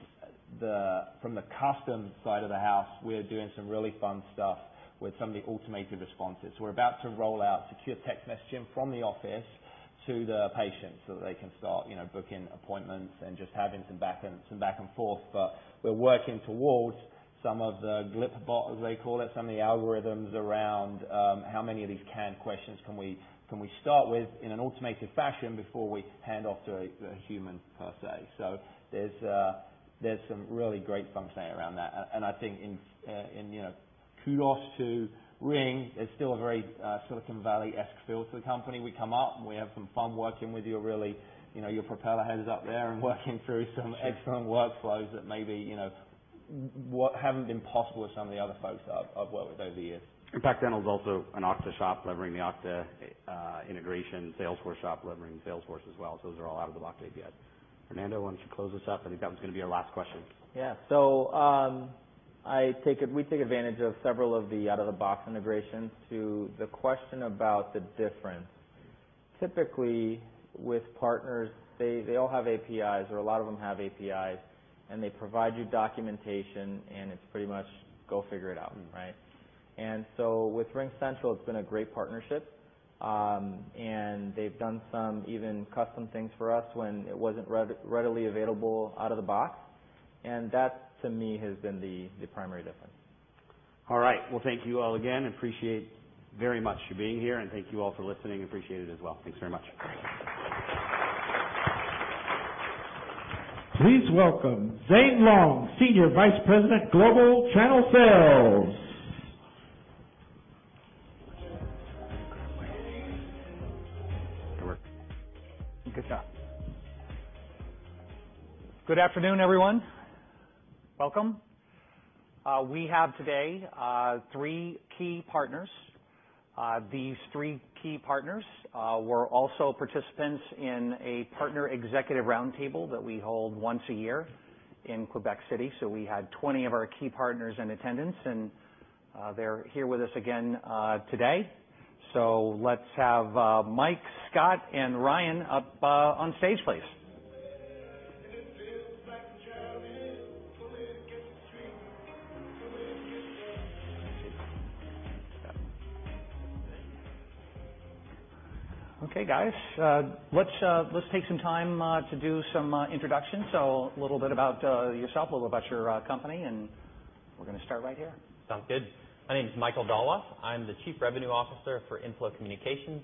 from the custom side of the house, we're doing some really fun stuff with some of the automated responses. We're about to roll out secure text messaging from the office to the patient so that they can start booking appointments and just having some back and forth. We're working towards some of the Glip bot, as they call it, some of the algorithms around how many of these canned questions can we start with in an automated fashion before we hand off to a human per se. There's some really great functionality around that. I think kudos to Ring. There's still a very Silicon Valley-esque feel to the company. We come up and we have some fun working with you, really. Your propeller head is up there and working through some excellent workflows that maybe haven't been possible with some of the other folks that I've worked with over the years. Impact Dental is also an Okta shop, leveraging the Okta integration, Salesforce shop, leveraging Salesforce as well. Those are all out of the box APIs. Fernando, why don't you close us up? I think that one's going to be our last question. Yeah. We take advantage of several of the out-of-the-box integrations. To the question about the difference, typically with partners, they all have APIs, or a lot of them have APIs, and they provide you documentation, and it's pretty much go figure it out, right? With RingCentral, it's been a great partnership, and they've done some even custom things for us when it wasn't readily available out of the box. That, to me, has been the primary difference. All right. Well, thank you all again. Appreciate very much you being here, and thank you all for listening. Appreciate it as well. Thanks very much. Please welcome Zane Long, Senior Vice President, Global Channel Sales. Good afternoon, everyone. Welcome. We have today three key partners. These three key partners were also participants in a partner executive roundtable that we hold once a year in Quebec City. We had 20 of our key partners in attendance, and they're here with us again today. Let's have Mike, Scott, and Ryan up on stage, please. Okay, guys. Let's take some time to do some introductions, a little bit about yourself, a little about your company, and we're going to start right here. Sounds good. My name's Mike Dolloff. I'm the Chief Revenue Officer for Inflow Communications.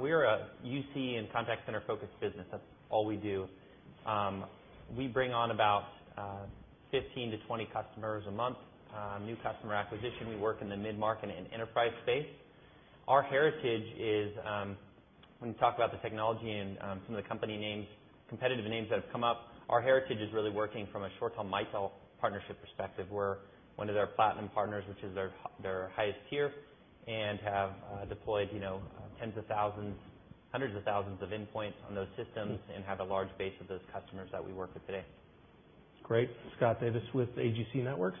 We're a UC and contact center-focused business. That's all we do. We bring on about 15 to 20 customers a month, new customer acquisition. We work in the mid-market and enterprise space. Our heritage is, when you talk about the technology and some of the company names, competitive names that have come up, our heritage is really working from a ShoreTel-Mitel partnership perspective. We're one of their platinum partners, which is their highest tier, and have deployed tens of thousands, hundreds of thousands of endpoints on those systems and have a large base of those customers that we work with today. Great. Scott Davis with AGC Networks.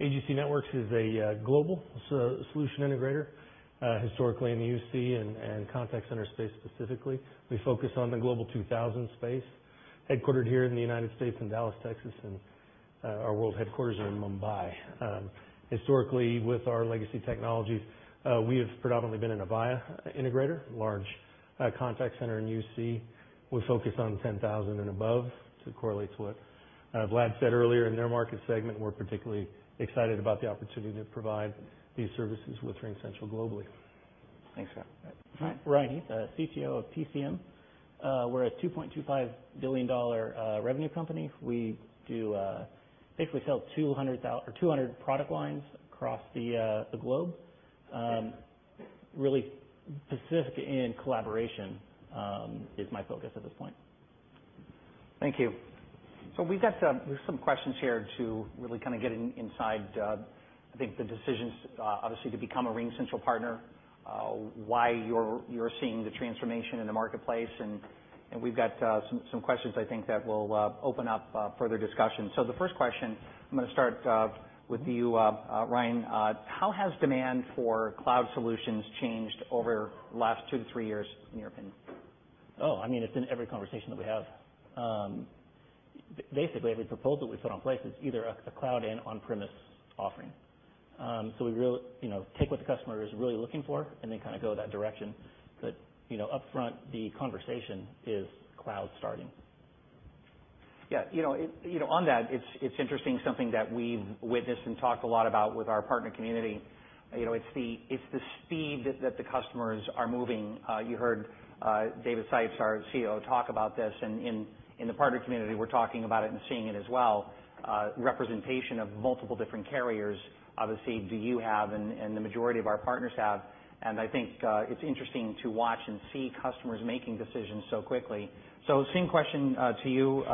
AGC Networks is a global solution integrator, historically in the UC and contact center space specifically. We focus on the Global 2000 space, headquartered here in the United States in Dallas, Texas, and our world headquarters are in Mumbai. Historically, with our legacy technologies, we have predominantly been an Avaya integrator, large contact center and UC. We focus on 10,000 and above, it correlates what Vlad said earlier in their market segment. We're particularly excited about the opportunity to provide these services with RingCentral globally. Thanks, Scott. Ryan? Ryan Heath, CTO of PCM. We're a $2.25 billion revenue company. We basically sell 200 product lines across the globe. Really specific in collaboration is my focus at this point. Thank you. We've got some questions here to really kind of get inside, I think, the decisions, obviously, to become a RingCentral partner, why you're seeing the transformation in the marketplace, and we've got some questions, I think, that will open up further discussion. The first question, I'm going to start with you, Ryan. How has demand for cloud solutions changed over the last two to three years, in your opinion? It's in every conversation that we have. Basically, every proposal we put on place is either a cloud and on-premise offering. We take what the customer is really looking for and then kind of go that direction. Upfront, the conversation is cloud starting. Yeah. On that, it's interesting, something that we've witnessed and talked a lot about with our partner community. It's the speed that the customers are moving. You heard David Sipes, our CEO, talk about this, and in the partner community, we're talking about it and seeing it as well, representation of multiple different carriers, obviously, do you have and the majority of our partners have, and I think it's interesting to watch and see customers making decisions so quickly. Same question to you,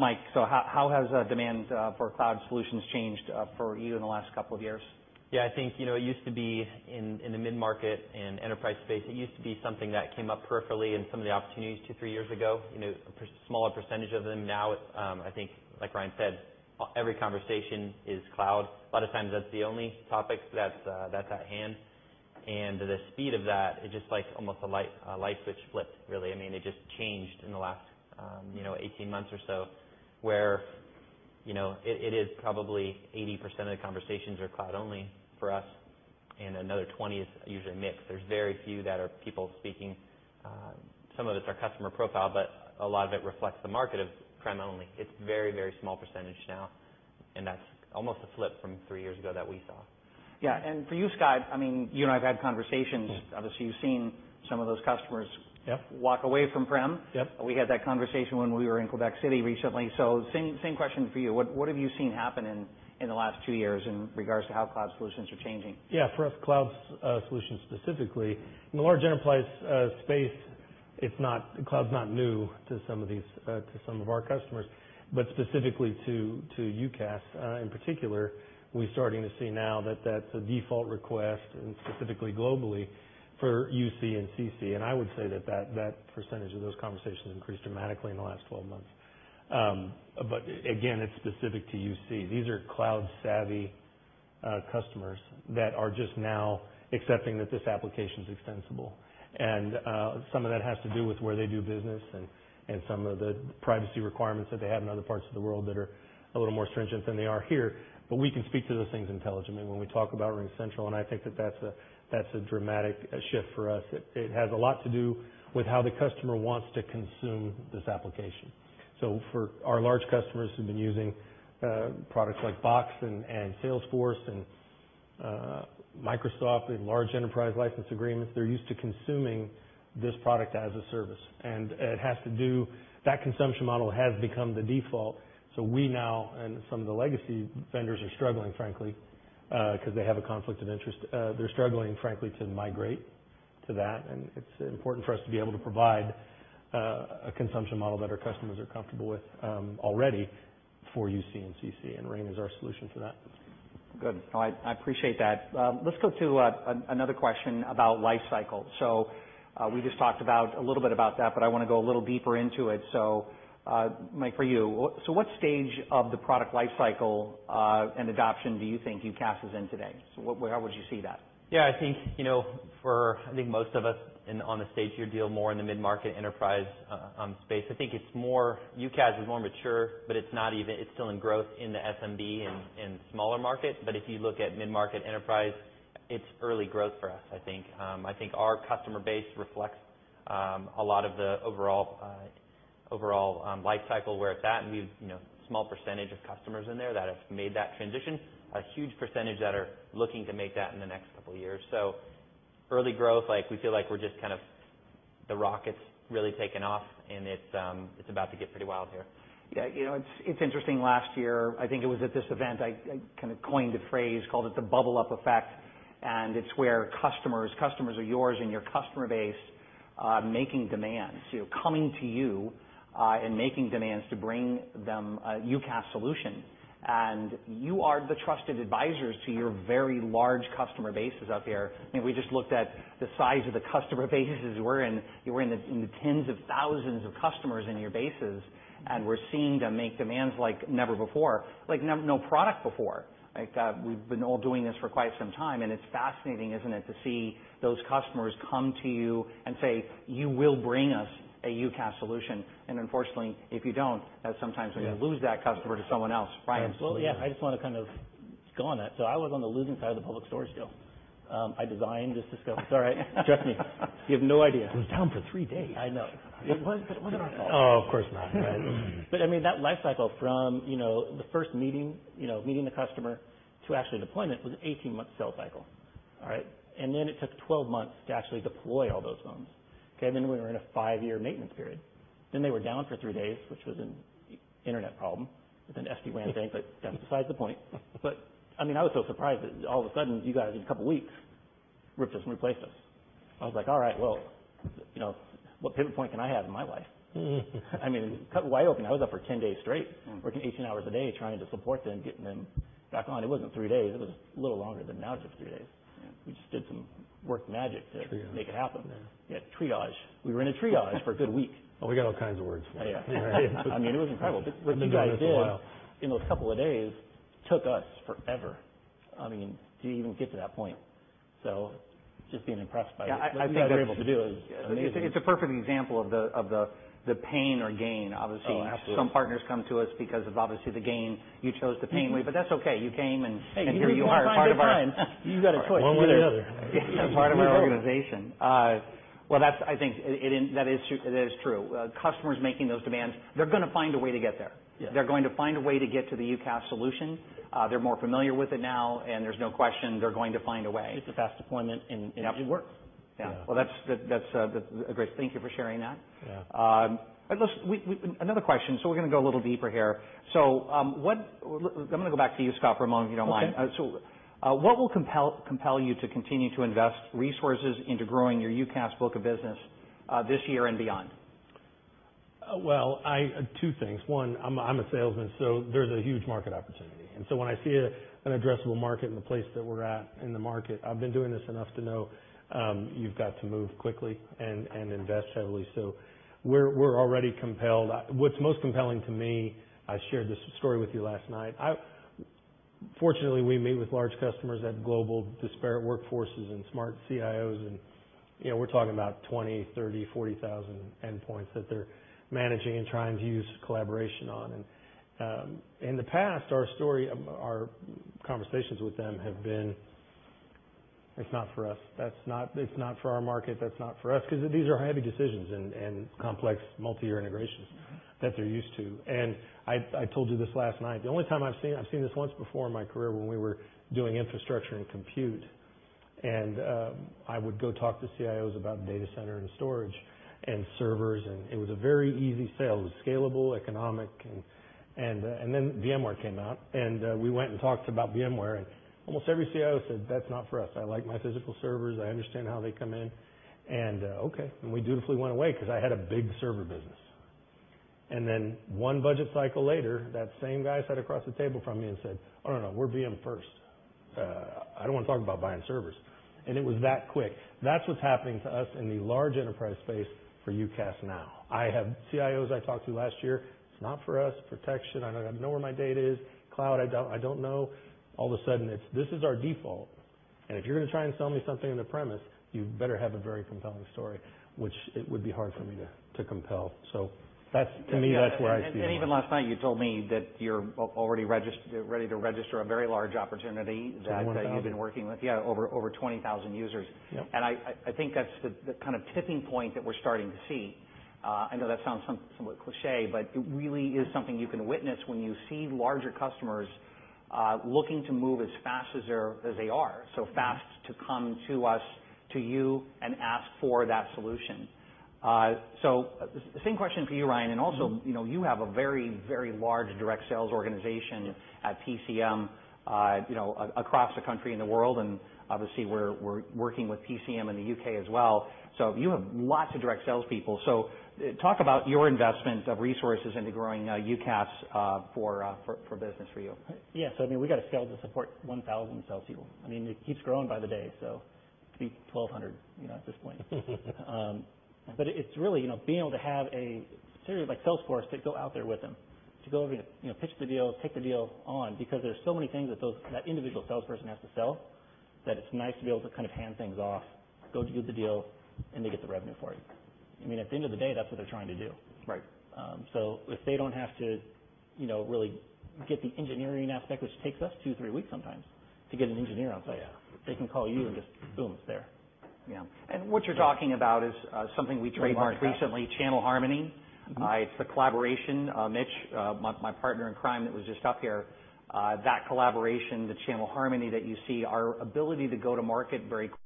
Mike. How has demand for cloud solutions changed for you in the last couple of years? Yeah, I think it used to be, in the mid-market and enterprise space, it used to be something that came up peripherally in some of the opportunities two, three years ago, a smaller percentage of them. Now, I think, like Ryan said, every conversation is cloud. A lot of times, that's the only topic that's at hand. The speed of that is just like almost a light switch flipped, really. It just changed in the last 18 months or so, where it is probably 80% of the conversations are cloud only for us, and another 20% is usually mixed. There's very few that are people speaking, some of it's our customer profile, but a lot of it reflects the market of prem only. It's very small percentage now, and that's almost a flip from three years ago that we saw. Yeah. For you, Scott, you and I have had conversations. Obviously, you've seen some of those customers- Yep walk away from prem. Yep. We had that conversation when we were in Quebec City recently. Same question for you. What have you seen happen in the last two years in regards to how cloud solutions are changing? Yeah. For us, cloud solutions specifically, in the large enterprise space, cloud's not new to some of our customers, but specifically to UCaaS in particular, we're starting to see now that that's a default request, specifically globally for UC and CC. I would say that that percentage of those conversations increased dramatically in the last 12 months. Again, it's specific to UC. These are cloud savvy customers that are just now accepting that this application is extensible. Some of that has to do with where they do business and some of the privacy requirements that they have in other parts of the world that are a little more stringent than they are here. We can speak to those things intelligently when we talk about RingCentral, and I think that that's a dramatic shift for us. It has a lot to do with how the customer wants to consume this application. For our large customers who've been using products like Box and Salesforce and Microsoft in large enterprise license agreements, they're used to consuming this product as a service. That consumption model has become the default. We now, and some of the legacy vendors are struggling, frankly, because they have a conflict of interest. They're struggling, frankly, to migrate to that. It's important for us to be able to provide a consumption model that our customers are comfortable with already for UC and CC, and Ring is our solution for that. Good. I appreciate that. Let's go to another question about life cycle. We just talked a little bit about that, I want to go a little deeper into it. Mike, for you, what stage of the product life cycle and adoption do you think UCaaS is in today? Where would you see that? I think most of us on the stage here deal more in the mid-market enterprise space. UCaaS is more mature, but it's still in growth in the SMB and smaller markets. If you look at mid-market enterprise, it's early growth for us, I think. I think our customer base reflects a lot of the overall life cycle, where it's at, and we've small percentage of customers in there that have made that transition. A huge percentage that are looking to make that in the next couple of years. Early growth, we feel like the rocket's really taken off and it's about to get pretty wild here. It's interesting, last year, I think it was at this event, I kind of coined a phrase, called it the bubble-up effect, and it's where customers of yours and your customer base making demands. Coming to you and making demands to bring them a UCaaS solution. You are the trusted advisors to your very large customer bases out there. We just looked at the size of the customer bases we're in. You're in the tens of thousands of customers in your bases, and we're seeing them make demands like never before, like no product before. We've been all doing this for quite some time, and it's fascinating, isn't it, to see those customers come to you and say, "You will bring us a UCaaS solution." Unfortunately, if you don't, that's sometimes when you lose that customer to someone else. Ryan? Absolutely. I just want to kind of go on that. I was on the losing side of the Public Storage deal. I designed the system. Sorry, trust me, you have no idea. It was down for three days. I know. It wasn't our fault. Oh, of course not, right. I mean, that life cycle from the first meeting the customer to actually deployment was an 18-month sales cycle. All right. It took 12 months to actually deploy all those phones. Okay. We were in a five-year maintenance period. They were down for three days, which was an internet problem with an SD-WAN thing, that's besides the point. I was so surprised that all of a sudden, you guys, in a couple of weeks, ripped us and replaced us. I was like, "All right, well, what pivot point can I have in my life?" Cut wide open, I was up for 10 days straight, working 18 hours a day trying to support them, getting them back on. It wasn't three days, it was a little longer than now it's just three days. Yeah. We just did some work magic. Triage make it happen. Yeah. Yeah, triage. We were in a triage for a good week. Oh, we got all kinds of words. Oh, yeah. It was incredible. what you guys did- Been doing this a while in those couple of days, took us forever to even get to that point. Just being impressed by what you guys are able to do is amazing. It's a perfect example of the pain or gain, obviously. Oh, absolutely. Some partners come to us because of, obviously, the gain. You chose the pain way, but that's okay. You came and. Hey, you know you are a friend. here you are a part of our. You got a choice. One way or the other. A part of our organization. Well, I think that is true. Customers making those demands, they're going to find a way to get there. Yeah. They're going to find a way to get to the UCaaS solution. They're more familiar with it now, there's no question they're going to find a way. It's a fast deployment and it works. Yeah. Well, that's great. Thank you for sharing that. Yeah. Another question, we're going to go a little deeper here. I'm going to go back to you, Scott, for a moment, if you don't mind. Okay. What will compel you to continue to invest resources into growing your UCaaS book of business this year and beyond? Well, two things. One, I'm a salesman, there's a huge market opportunity. When I see an addressable market and the place that we're at in the market, I've been doing this enough to know you've got to move quickly and invest heavily. We're already compelled. What's most compelling to me, I shared this story with you last night. Fortunately, we meet with large customers at global disparate workforces and smart CIOs, and we're talking about 20,000, 30,000, 40,000 endpoints that they're managing and trying to use collaboration on. In the past, our conversations with them have been, "It's not for us. It's not for our market. That's not for us." Because these are heavy decisions and complex multi-year integrations that they're used to. I told you this last night, the only time I've seen this once before in my career when we were doing infrastructure and compute, I would go talk to CIOs about data center and storage and servers, it was a very easy sale. It was scalable, economic. Then VMware came out, we went and talked about VMware, and almost every CIO said, "That's not for us. I like my physical servers. I understand how they come in." Okay, we dutifully went away because I had a big server business. Then one budget cycle later, that same guy sat across the table from me and said, "Oh, no, we're VM first." I don't want to talk about buying servers. It was that quick. That's what's happening to us in the large enterprise space for UCaaS now. I have CIOs I talked to last year, "It's not for us. Protection. I know where my data is. Cloud, I don't know." All of a sudden, it's this is our default, and if you're going to try and sell me something in the premise, you better have a very compelling story, which it would be hard for me to compel. To me, that's where I see it. Even last night, you told me that you're already ready to register a very large opportunity. It's over 1,000 that you've been working with. Yeah, over 20,000 users. Yep. I think that's the kind of tipping point that we're starting to see. I know that sounds somewhat cliché, but it really is something you can witness when you see larger customers looking to move as fast as they are, so fast to come to us, to you, and ask for that solution. Same question for you, Ryan, and also you have a very, very large direct sales organization- Yeah at PCM across the country and the world, and obviously we're working with PCM in the U.K. as well. You have lots of direct salespeople. Talk about your investment of resources into growing UCaaS for business for you. Yeah. We've got to scale to support 1,000 salespeople. It keeps growing by the day, so it could be 1,200 at this point. It's really being able to have a series of sales force to go out there with them, to go over and pitch the deal, take the deal on, because there's so many things that individual salesperson has to sell, that it's nice to be able to kind of hand things off, go do the deal, and they get the revenue for you. At the end of the day, that's what they're trying to do. Right. If they don't have to really get the engineering aspect, which takes us 2 to 3 weeks sometimes to get an engineer out to you. They can call you and just, boom, it's there. Yeah. What you're talking about is something we trademarked recently, Channel Harmony. It's the collaboration, Mitch, my partner in crime, that was just up here. That collaboration, the Channel Harmony that you see, our ability to go to market very quickly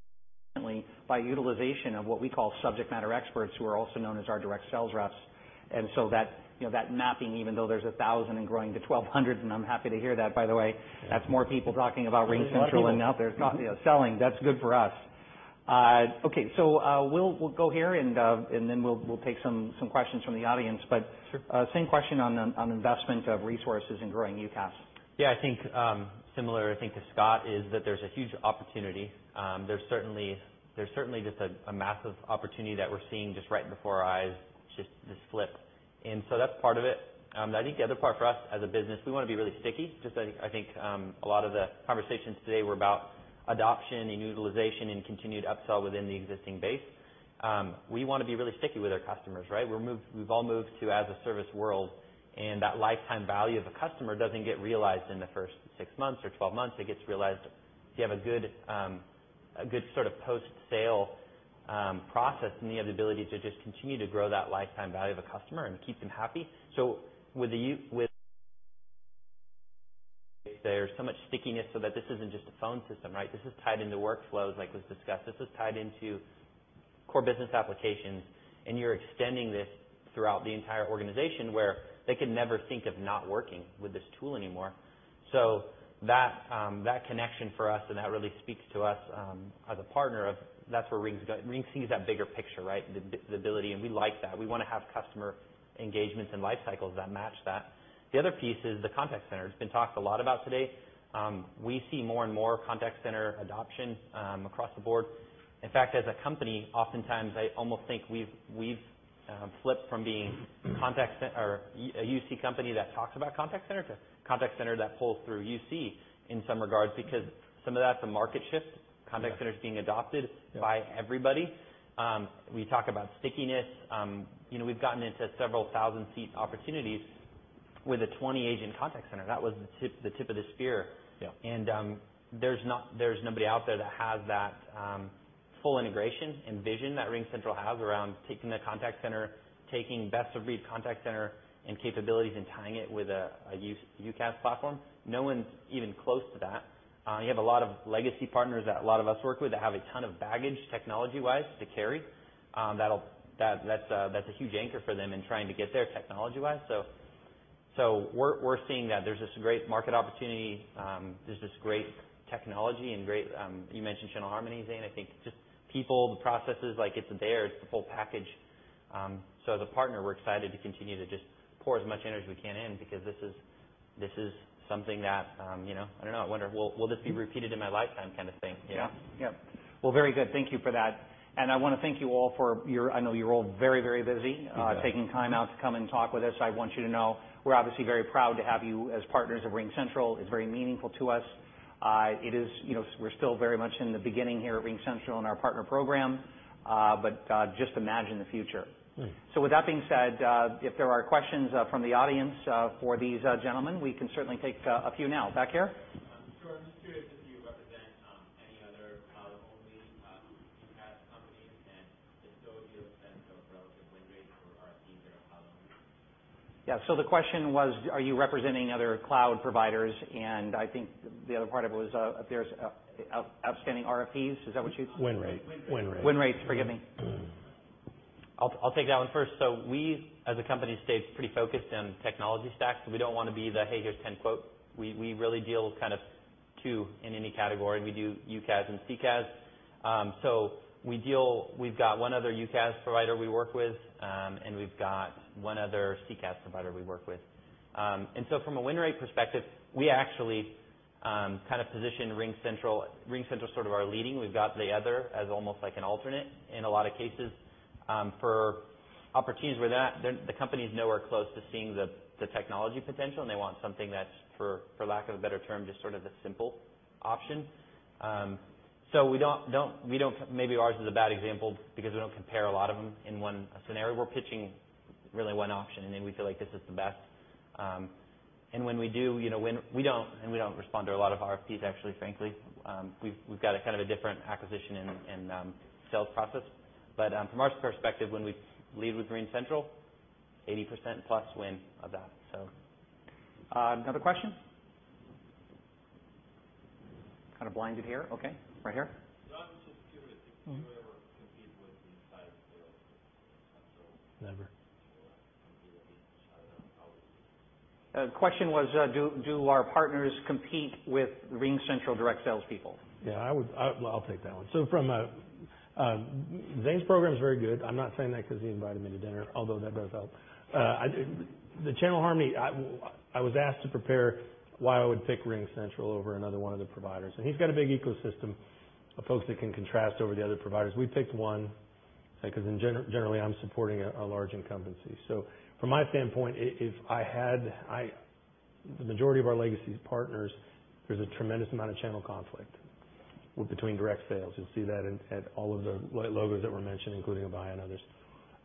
by utilization of what we call subject matter experts, who are also known as our direct sales reps. That mapping, even though there's 1,000 and growing to 1,200, and I'm happy to hear that by the way, that's more people talking about RingCentral and out there selling. That's good for us. Okay. We'll go here and then we'll take some questions from the audience. Sure. Same question on investment of resources in growing UCaaS. I think similar, I think, to Scott, is that there's a huge opportunity. There's certainly just a massive opportunity that we're seeing just right before our eyes, just this flip. That's part of it. I think the other part for us as a business, we want to be really sticky. Just, I think a lot of the conversations today were about adoption and utilization and continued upsell within the existing base. We want to be really sticky with our customers, right? We've all moved to as-a-service world, and that lifetime value of a customer doesn't get realized in the first 6 months or 12 months. It gets realized if you have a good sort of post-sale process, and you have the ability to just continue to grow that lifetime value of a customer and keep them happy. With there's so much stickiness so that this isn't just a phone system, right? This is tied into workflows like was discussed. This is tied into core business applications, and you're extending this throughout the entire organization where they could never think of not working with this tool anymore. That connection for us, and that really speaks to us as a partner of that's where RingCentral sees that bigger picture, right? The ability, we like that. We want to have customer engagements and life cycles that match that. The other piece is the Contact Center. It's been talked a lot about today. We see more and more Contact Center adoption across the board. In fact, as a company, oftentimes I almost think we've flipped from being a UC company that talks about Contact Center to Contact Center that pulls through UC in some regards because some of that's a market shift. Contact Center is being adopted by everybody. We talk about stickiness. We've gotten into several thousand seat opportunities with a 20-agent Contact Center. That was the tip of the spear. Yeah. There's nobody out there that has that full integration and vision that RingCentral has around taking the Contact Center, taking best of breed Contact Center and capabilities, and tying it with a UCaaS platform. No one's even close to that. You have a lot of legacy partners that a lot of us work with that have a ton of baggage technology-wise to carry. That's a huge anchor for them in trying to get there technology-wise. We're seeing that there's this great market opportunity. There's this great technology and great, you mentioned Channel Harmony, Zane. I think just people, the processes, it's there. It's the full package. As a partner, we're excited to continue to just pour as much energy as we can in because this is something that, I don't know, I wonder, will this be repeated in my lifetime kind of thing. Yeah. Well, very good. Thank you for that. I want to thank you all for your, I know you're all very, very busy. You bet. Taking time out to come and talk with us, I want you to know we're obviously very proud to have you as partners of RingCentral. It's very meaningful to us. We're still very much in the beginning here at RingCentral in our partner program. Just imagine the future. Right. With that being said, if there are questions from the audience for these gentlemen, we can certainly take a few now. Back here. Sure. I'm just curious if you represent any other cloud-only UCaaS companies, and if so, do you have a sense of relative win rate for RFPs that are cloud-only? Yeah. The question was, are you representing other cloud providers? I think the other part of it was if there's outstanding RFPs. Is that what you- Win rate. Win rate. Win rates. Forgive me. I'll take that one first. We, as a company, stayed pretty focused on technology stacks because we don't want to be the, "Hey, here's 10 quotes." We really deal with kind of two in any category. We do UCaaS and CCaaS. We've got one other UCaaS provider we work with, and we've got one other CCaaS provider we work with. From a win rate perspective, we actually position RingCentral as sort of our leading. We've got the other as almost like an alternate in a lot of cases for opportunities where the company is nowhere close to seeing the technology potential, and they want something that's, for lack of a better term, just sort of the simple option. Maybe ours is a bad example because we don't compare a lot of them in one scenario. We're pitching really one option, and then we feel like this is the best. We don't respond to a lot of RFPs, actually, frankly. We've got a kind of a different acquisition and sales process. From our perspective, when we lead with RingCentral, 80% plus win of that. Another question? Kind of blinded here. Okay. Right here. No, I was just curious if you ever compete with inside sales reps at all. Never. compete against other outlets. The question was do our partners compete with RingCentral direct salespeople? Yeah, I'll take that one. Zane's program is very good. I'm not saying that because he invited me to dinner, although that does help. The Channel Harmony, I was asked to prepare why I would pick RingCentral over another one of the providers, he's got a big ecosystem of folks that can contrast over the other providers. We picked one, because generally I'm supporting a large incumbency. From my standpoint, the majority of our legacy partners, there's a tremendous amount of channel conflict between direct sales. You'll see that at all of the logos that were mentioned, including Avaya and others.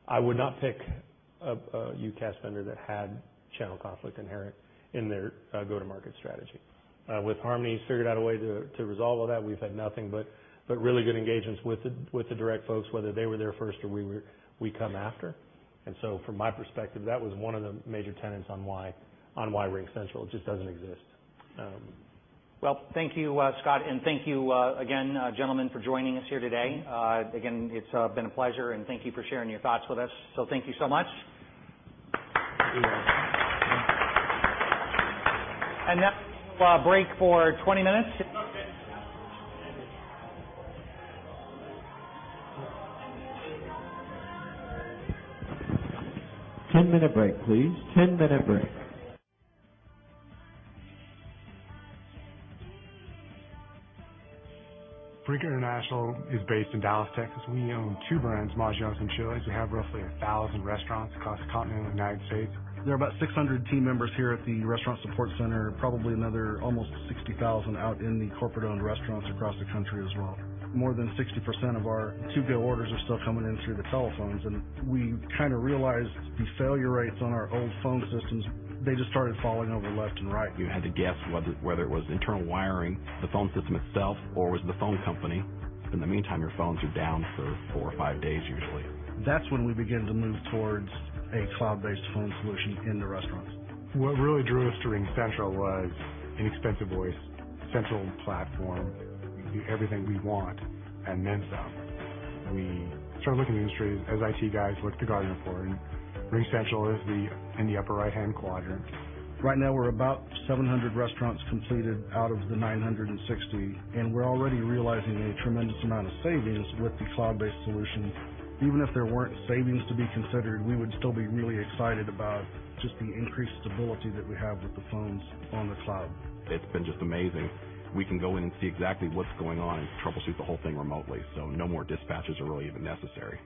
I would not pick a UCaaS vendor that had channel conflict inherent in their go-to-market strategy. With Harmony, figured out a way to resolve all that. We've had nothing but really good engagements with the direct folks, whether they were there first or we come after. From my perspective, that was one of the major tenets on why RingCentral just doesn't exist. Thank you, Scott, thank you again, gentlemen, for joining us here today. It's been a pleasure, and thank you for sharing your thoughts with us. Thank you so much. Now break for 20 minutes. 10-minute break, please. 10-minute break. Brinker International is based in Dallas, Texas. We own two brands, Moe's Original and Chili's. We have roughly 1,000 restaurants across the continent of the U.S. There are about 600 team members here at the restaurant support center, probably another almost 60,000 out in the corporate-owned restaurants across the country as well. More than 60% of our to-go orders are still coming in through the telephones, we kind of realized the failure rates on our old phone systems, they just started falling over left and right. You had to guess whether it was internal wiring, the phone system itself, or was it the phone company. In the meantime, your phones are down for four or five days usually. That's when we began to move towards a cloud-based phone solution in the restaurants. What really drew us to RingCentral was inexpensive voice, central platform. We can do everything we want and then some. We started looking at the industry as IT guys looked to Gartner for, RingCentral is in the upper right-hand quadrant. Right now, we're about 700 restaurants completed out of the 960, and we're already realizing a tremendous amount of savings with the cloud-based solution. Even if there weren't savings to be considered, we would still be really excited about just the increased stability that we have with the phones on the cloud. It's been just amazing. We can go in and see exactly what's going on and troubleshoot the whole thing remotely. No more dispatches are really even necessary.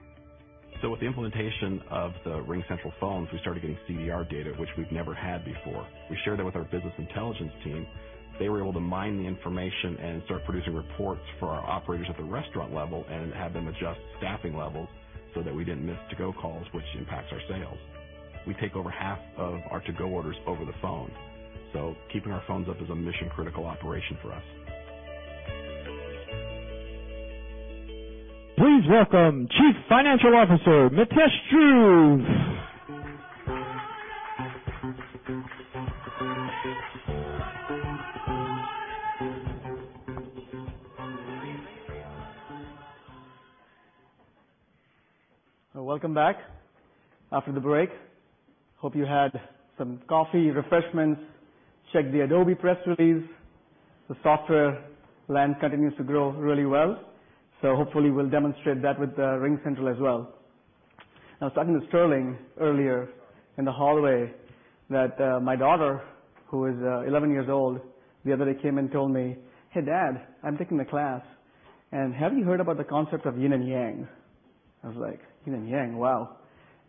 With the implementation of the RingCentral phones, we started getting CDR data, which we've never had before. We shared that with our business intelligence team. They were able to mine the information and start producing reports for our operators at the restaurant level and have them adjust staffing levels so that we didn't miss to-go calls, which impacts our sales. We take over half of our to-go orders over the phone, so keeping our phones up is a mission-critical operation for us. Please welcome Chief Financial Officer, Mitesh Dhruv. Welcome back after the break. Hope you had some coffee, refreshments, checked the Adobe press release. The software land continues to grow really well. Hopefully we'll demonstrate that with RingCentral as well. I was talking to Sterling earlier in the hallway that my daughter, who is 11 years old, the other day came and told me, "Hey, Dad, I'm taking a class, and have you heard about the concept of yin and yang?" I was like, "Yin and yang? Wow."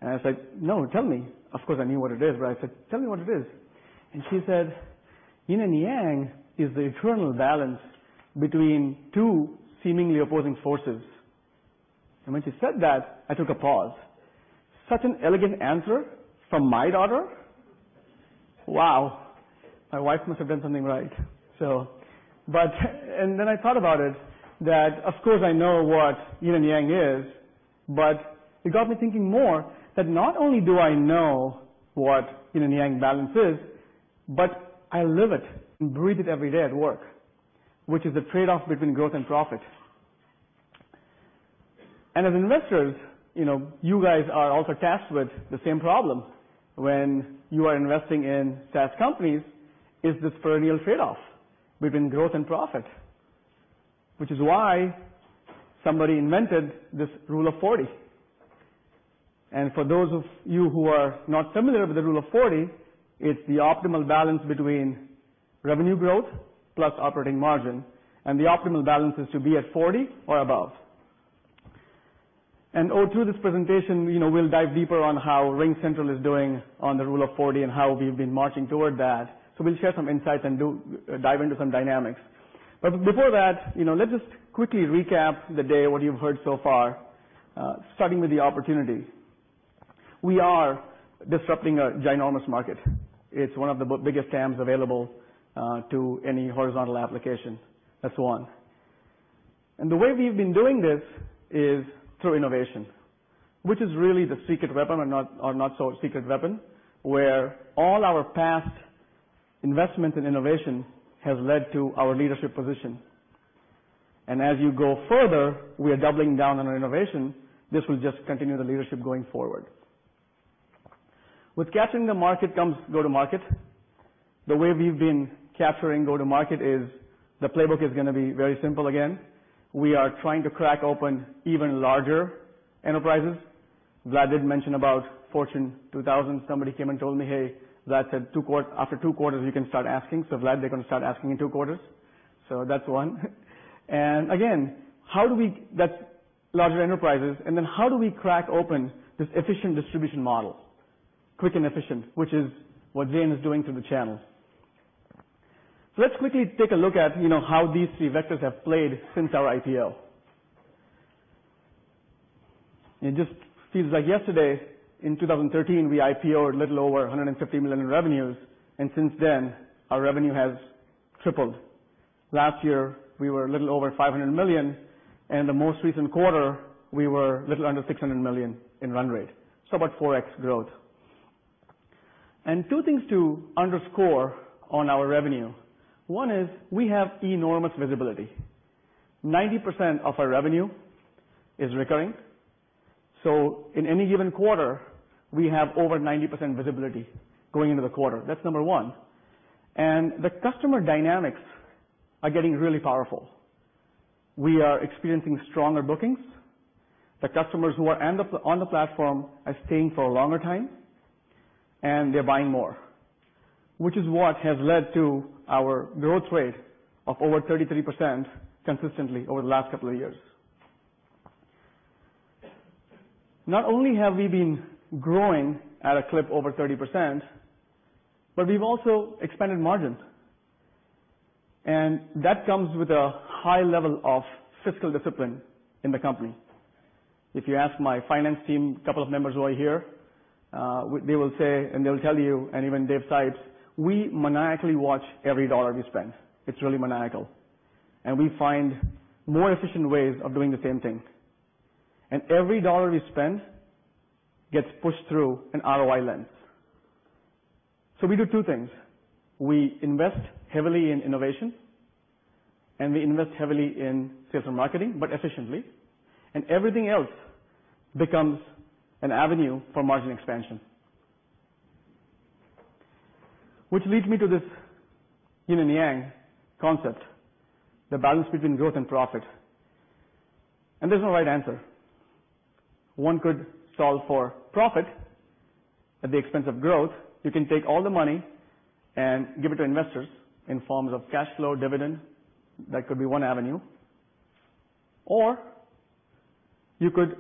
I was like, "No, tell me." Of course, I knew what it is, but I said, "Tell me what it is." She said, "Yin and yang is the eternal balance between two seemingly opposing forces." When she said that, I took a pause. Such an elegant answer from my daughter. Wow. My wife must have done something right. I thought about it, that of course, I know what yin and yang is, it got me thinking more that not only do I know what yin and yang balance is, I live it and breathe it every day at work, which is the trade-off between growth and profit. As investors, you guys are also tasked with the same problem when you are investing in SaaS companies, is this perennial trade-off between growth and profit, which is why somebody invented this Rule of 40. For those of you who are not familiar with the Rule of 40, it's the optimal balance between revenue growth plus operating margin, and the optimal balance is to be at 40 or above. All through this presentation, we'll dive deeper on how RingCentral is doing on the Rule of 40 and how we've been marching toward that. We'll share some insights and dive into some dynamics. Before that, let's just quickly recap the day, what you've heard so far, starting with the opportunity. We are disrupting a ginormous market. It's one of the biggest TAMs available to any horizontal application. That's one. The way we've been doing this is through innovation, which is really the secret weapon or not-so-secret weapon, where all our past investments in innovation have led to our leadership position. As you go further, we are doubling down on our innovation. This will just continue the leadership going forward. With capturing the market comes go-to-market. The way we've been capturing go-to-market is the playbook is going to be very simple again. We are trying to crack open even larger enterprises. Vlad did mention about Fortune 2000. Somebody came and told me, "Hey, Vlad said after two quarters, you can start asking." Vlad, they're going to start asking in two quarters. That's one. Again, that's larger enterprises, and then how do we crack open this efficient distribution model? Quick and efficient, which is what Zane is doing through the channels. Let's quickly take a look at how these three vectors have played since our IPO. It just feels like yesterday, in 2013, we IPO'd a little over $150 million in revenues, since then, our revenue has tripled. Last year, we were a little over $500 million, and the most recent quarter, we were a little under $600 million in run rate. About 4x growth. Two things to underscore on our revenue. One is we have enormous visibility. 90% of our revenue is recurring. In any given quarter, we have over 90% visibility going into the quarter. That's number one. The customer dynamics are getting really powerful. We are experiencing stronger bookings. The customers who are on the platform are staying for a longer time, and they're buying more, which is what has led to our growth rate of over 33% consistently over the last couple of years. Not only have we been growing at a clip over 30%, we've also expanded margins. That comes with a high level of fiscal discipline in the company. If you ask my finance team, a couple of members who are here, they will say, and they will tell you, and even Dave Sipes, we maniacally watch every dollar we spend. It's really maniacal. We find more efficient ways of doing the same thing. Every dollar we spend gets pushed through an ROI lens. We do two things. We invest heavily in innovation, and we invest heavily in sales and marketing, but efficiently. Everything else becomes an avenue for margin expansion. Which leads me to this yin and yang concept, the balance between growth and profit. There's no right answer. One could solve for profit at the expense of growth. You can take all the money and give it to investors in forms of cash flow, dividend. That could be one avenue. You could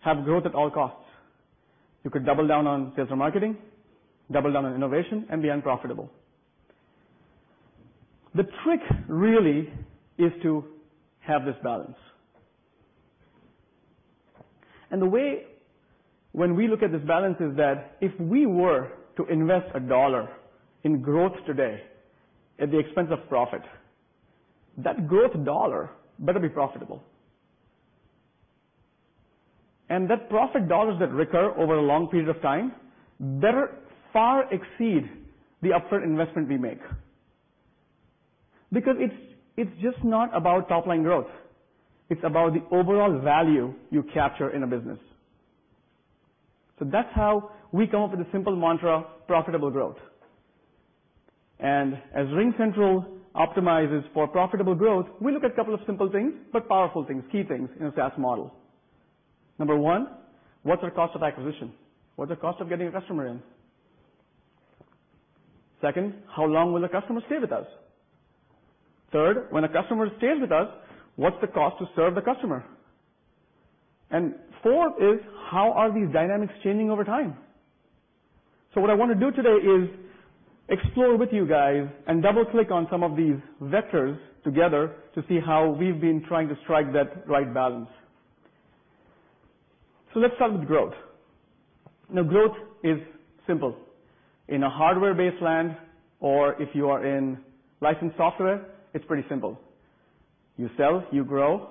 have growth at all costs. You could double down on sales and marketing, double down on innovation, and be unprofitable. The trick really is to have this balance. The way when we look at this balance is that if we were to invest a dollar in growth today at the expense of profit, that growth dollar better be profitable. That profit dollars that recur over a long period of time better far exceed the upfront investment we make. Because it's just not about top-line growth. It's about the overall value you capture in a business. That's how we come up with a simple mantra, profitable growth. As RingCentral optimizes for profitable growth, we look at a couple of simple things, but powerful things, key things in a SaaS model. Number one, what's our cost of acquisition? What's the cost of getting a customer in? Second, how long will a customer stay with us? Third, when a customer stays with us, what's the cost to serve the customer? Fourth is, how are these dynamics changing over time? What I want to do today is explore with you guys and double-click on some of these vectors together to see how we've been trying to strike that right balance. Let's start with growth. Now, growth is simple. In a hardware-based land, or if you are in licensed software, it's pretty simple. You sell, you grow.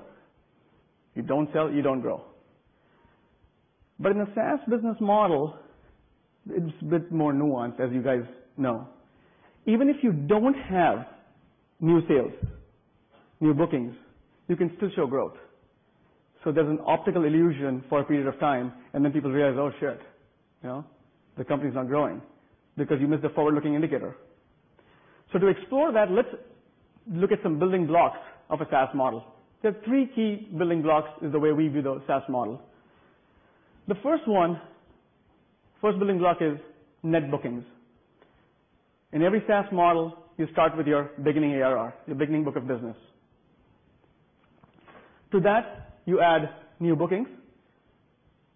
You don't sell, you don't grow. In a SaaS business model, it's a bit more nuanced, as you guys know. Even if you don't have new sales, new bookings, you can still show growth. There's an optical illusion for a period of time, and then people realize, "Oh, shit, the company's not growing," because you missed the forward-looking indicator. To explore that, let's look at some building blocks of a SaaS model. There are three key building blocks is the way we view the SaaS model. The first one, first building block is net bookings. In every SaaS model, you start with your beginning ARR, your beginning book of business. To that, you add new bookings.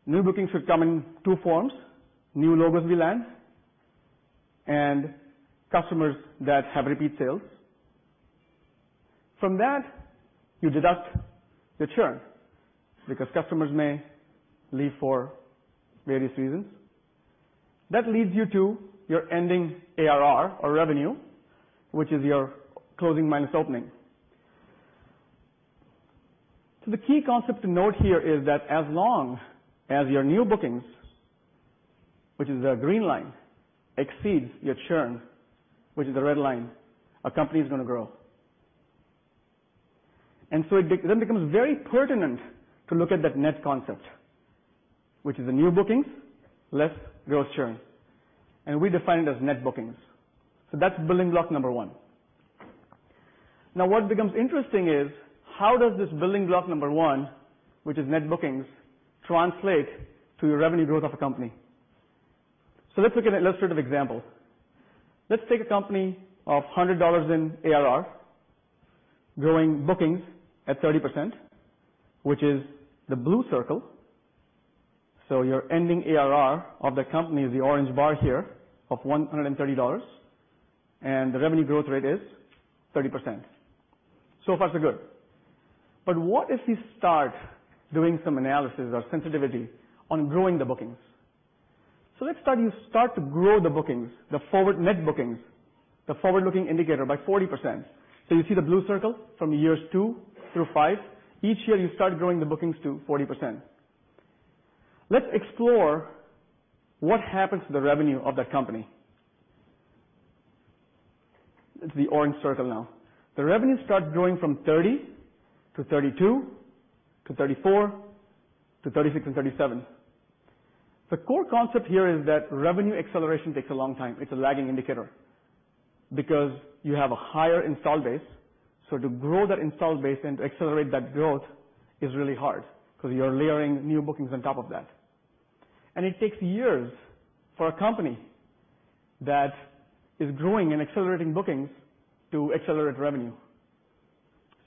New bookings should come in two forms, new logos we land and customers that have repeat sales. From that, you deduct the churn because customers may leave for various reasons. That leads you to your ending ARR or revenue, which is your closing minus opening. The key concept to note here is that as long as your new bookings, which is the green line, exceeds your churn, which is the red line, a company is going to grow. It then becomes very pertinent to look at that net concept, which is the new bookings less gross churn, and we define it as net bookings. That's building block number 1. What becomes interesting is how does this building block number 1, which is net bookings, translate to your revenue growth of a company? Let's look at an illustrative example. Let's take a company of $100 in ARR, growing bookings at 30%, which is the blue circle. Your ending ARR of the company is the orange bar here of $130, and the revenue growth rate is 30%. Far, so good. What if we start doing some analysis or sensitivity on growing the bookings? Let's start to grow the bookings, the forward net bookings, the forward-looking indicator by 40%. You see the blue circle from years two through five, each year you start growing the bookings to 40%. Let's explore what happens to the revenue of that company. It's the orange circle now. The revenue starts growing from 30 to 32 to 34 to 36 and 37. The core concept here is that revenue acceleration takes a long time, it's a lagging indicator because you have a higher install base. To grow that install base and to accelerate that growth is really hard because you're layering new bookings on top of that. It takes years for a company that is growing and accelerating bookings to accelerate revenue.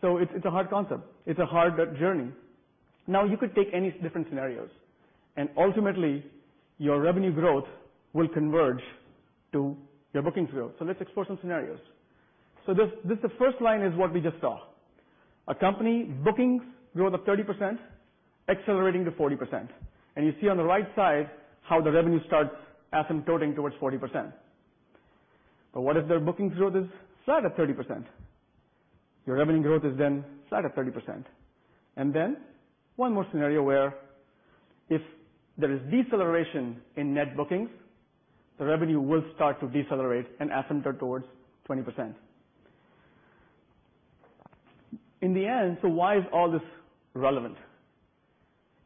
It's a hard concept. It's a hard journey. You could take any different scenarios, and ultimately, your revenue growth will converge to your bookings growth. Let's explore some scenarios. This first line is what we just saw. A company bookings growth of 30%, accelerating to 40%. You see on the right side how the revenue starts asymptoting towards 40%. What if their bookings growth is flat at 30%? Your revenue growth is then flat at 30%. One more scenario where if there is deceleration in net bookings, the revenue will start to decelerate and asymptote towards 20%. In the end, why is all this relevant?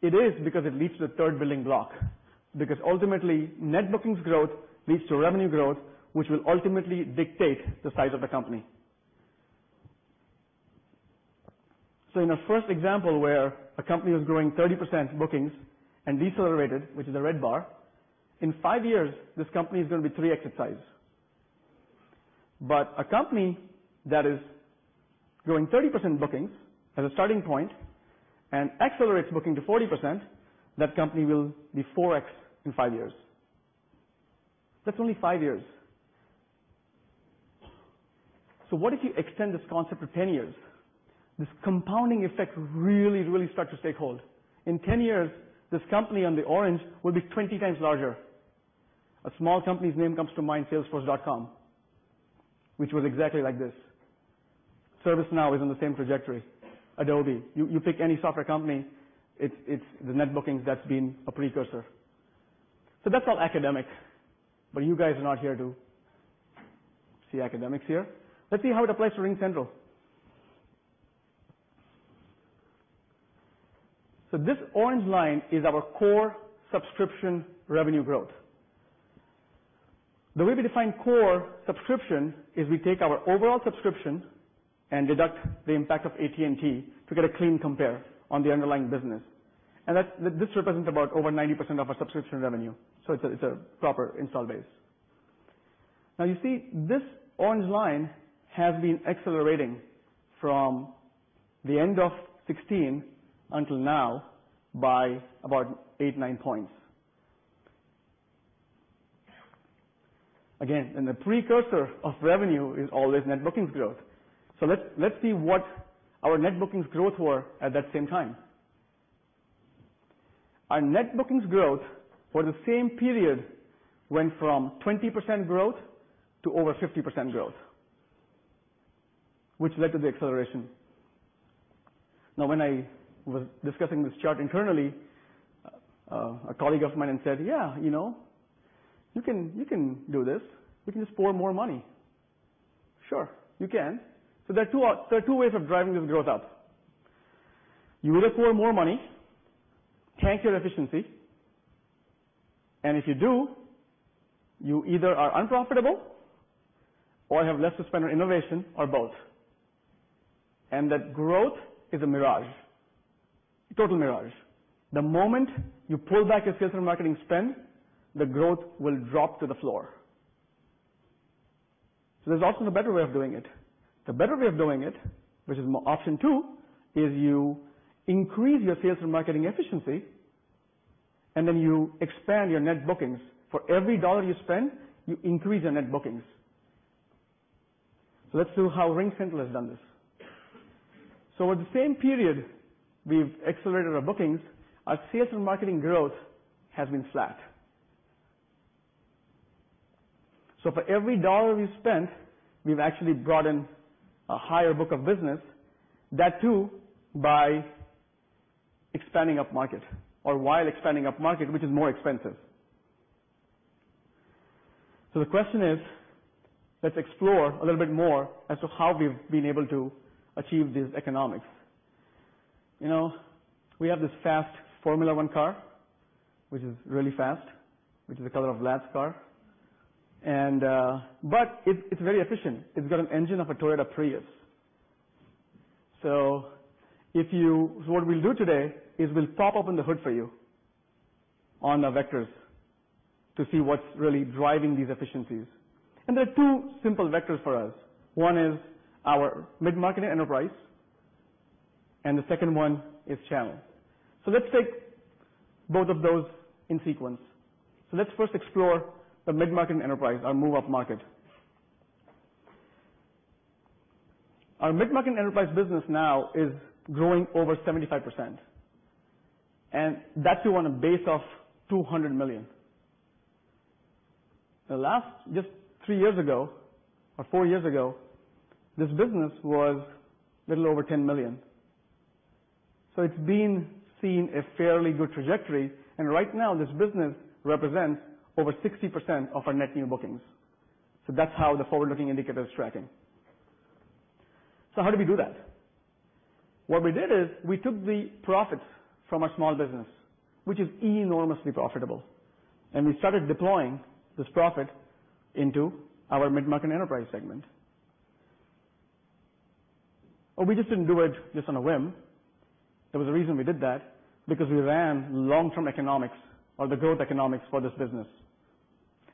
It is because it leads to the third building block, because ultimately, net bookings growth leads to revenue growth, which will ultimately dictate the size of the company. In our first example, where a company was growing 30% bookings and decelerated, which is a red bar, in five years, this company is going to be 3x its size. A company that is growing 30% bookings as a starting point and accelerates booking to 40%, that company will be 4x in five years. That's only five years. What if you extend this concept to 10 years? This compounding effect really, really starts to take hold. In 10 years, this company on the orange will be 20 times larger. A small company's name comes to mind, Salesforce, which was exactly like this. ServiceNow is on the same trajectory. Adobe. You pick any software company, it's the net bookings that's been a precursor. That's all academic, you guys are not here to see academics here. Let's see how it applies to RingCentral. This orange line is our core subscription revenue growth. The way we define core subscription is we take our overall subscription and deduct the impact of AT&T to get a clean compare on the underlying business. This represents about over 90% of our subscription revenue. It's a proper install base. You see this orange line has been accelerating from the end of 2016 until now by about eight, nine points. Again, the precursor of revenue is always net bookings growth. Let's see what our net bookings growth were at that same time. Our net bookings growth for the same period went from 20% growth to over 50% growth. Which led to the acceleration. When I was discussing this chart internally, a colleague of mine said, "Yeah, you can do this. We can just pour more money." Sure, you can. There are two ways of driving this growth up. You either pour more money, tank your efficiency, and if you do, you either are unprofitable or have less to spend on innovation or both. That growth is a mirage, total mirage. The moment you pull back your sales and marketing spend, the growth will drop to the floor. There's also the better way of doing it. The better way of doing it, which is option two, is you increase your sales and marketing efficiency, and then you expand your net bookings. For every dollar you spend, you increase your net bookings. Let's see how RingCentral has done this. Over the same period we've accelerated our bookings, our sales and marketing growth has been flat. For every dollar we've spent, we've actually brought in a higher book of business. That too, by expanding upmarket or while expanding upmarket, which is more expensive. The question is, let's explore a little bit more as to how we've been able to achieve these economics. We have this fast Formula One car, which is really fast, which is the color of last car. It's very efficient. It's got an engine of a Toyota Prius. What we'll do today is we'll pop open the hood for you on the vectors to see what's really driving these efficiencies. There are two simple vectors for us. One is our mid-market enterprise, and the second one is channel. Let's take both of those in sequence. Let's first explore the mid-market enterprise, our move upmarket. Our mid-market enterprise business now is growing over 75%, and that too, on a base of $200 million. Just three years ago or four years ago, this business was little over $10 million. It's been seeing a fairly good trajectory, and right now this business represents over 60% of our net new bookings. That's how the forward-looking indicator is tracking. How do we do that? What we did is we took the profits from our small business, which is enormously profitable, and we started deploying this profit into our mid-market enterprise segment. We just didn't do it just on a whim. There was a reason we did that, because we ran long-term economics or the growth economics for this business.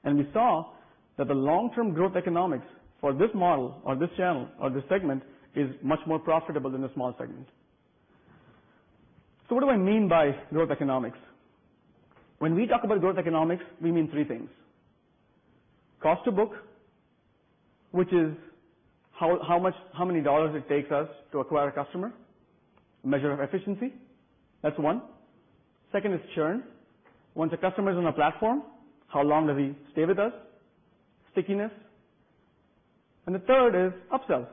We saw that the long-term growth economics for this model or this channel or this segment is much more profitable than the small segment. What do I mean by growth economics? When we talk about growth economics, we mean three things. Cost to book, which is how many dollars it takes us to acquire a customer, measure of efficiency. That's one. Second is churn. Once a customer is on a platform, how long does he stay with us? Stickiness. The third is upsells.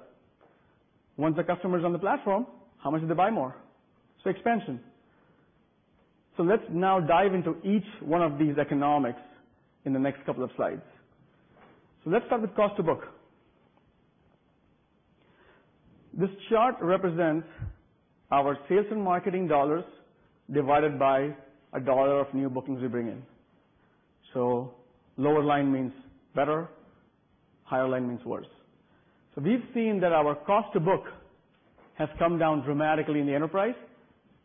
Once a customer is on the platform, how much do they buy more? Expansion. Let's now dive into each one of these economics in the next couple of slides. Let's start with cost to book. This chart represents our sales and marketing dollars divided by $1 of new bookings we bring in. Lower line means better, higher line means worse. We've seen that our cost to book has come down dramatically in the enterprise,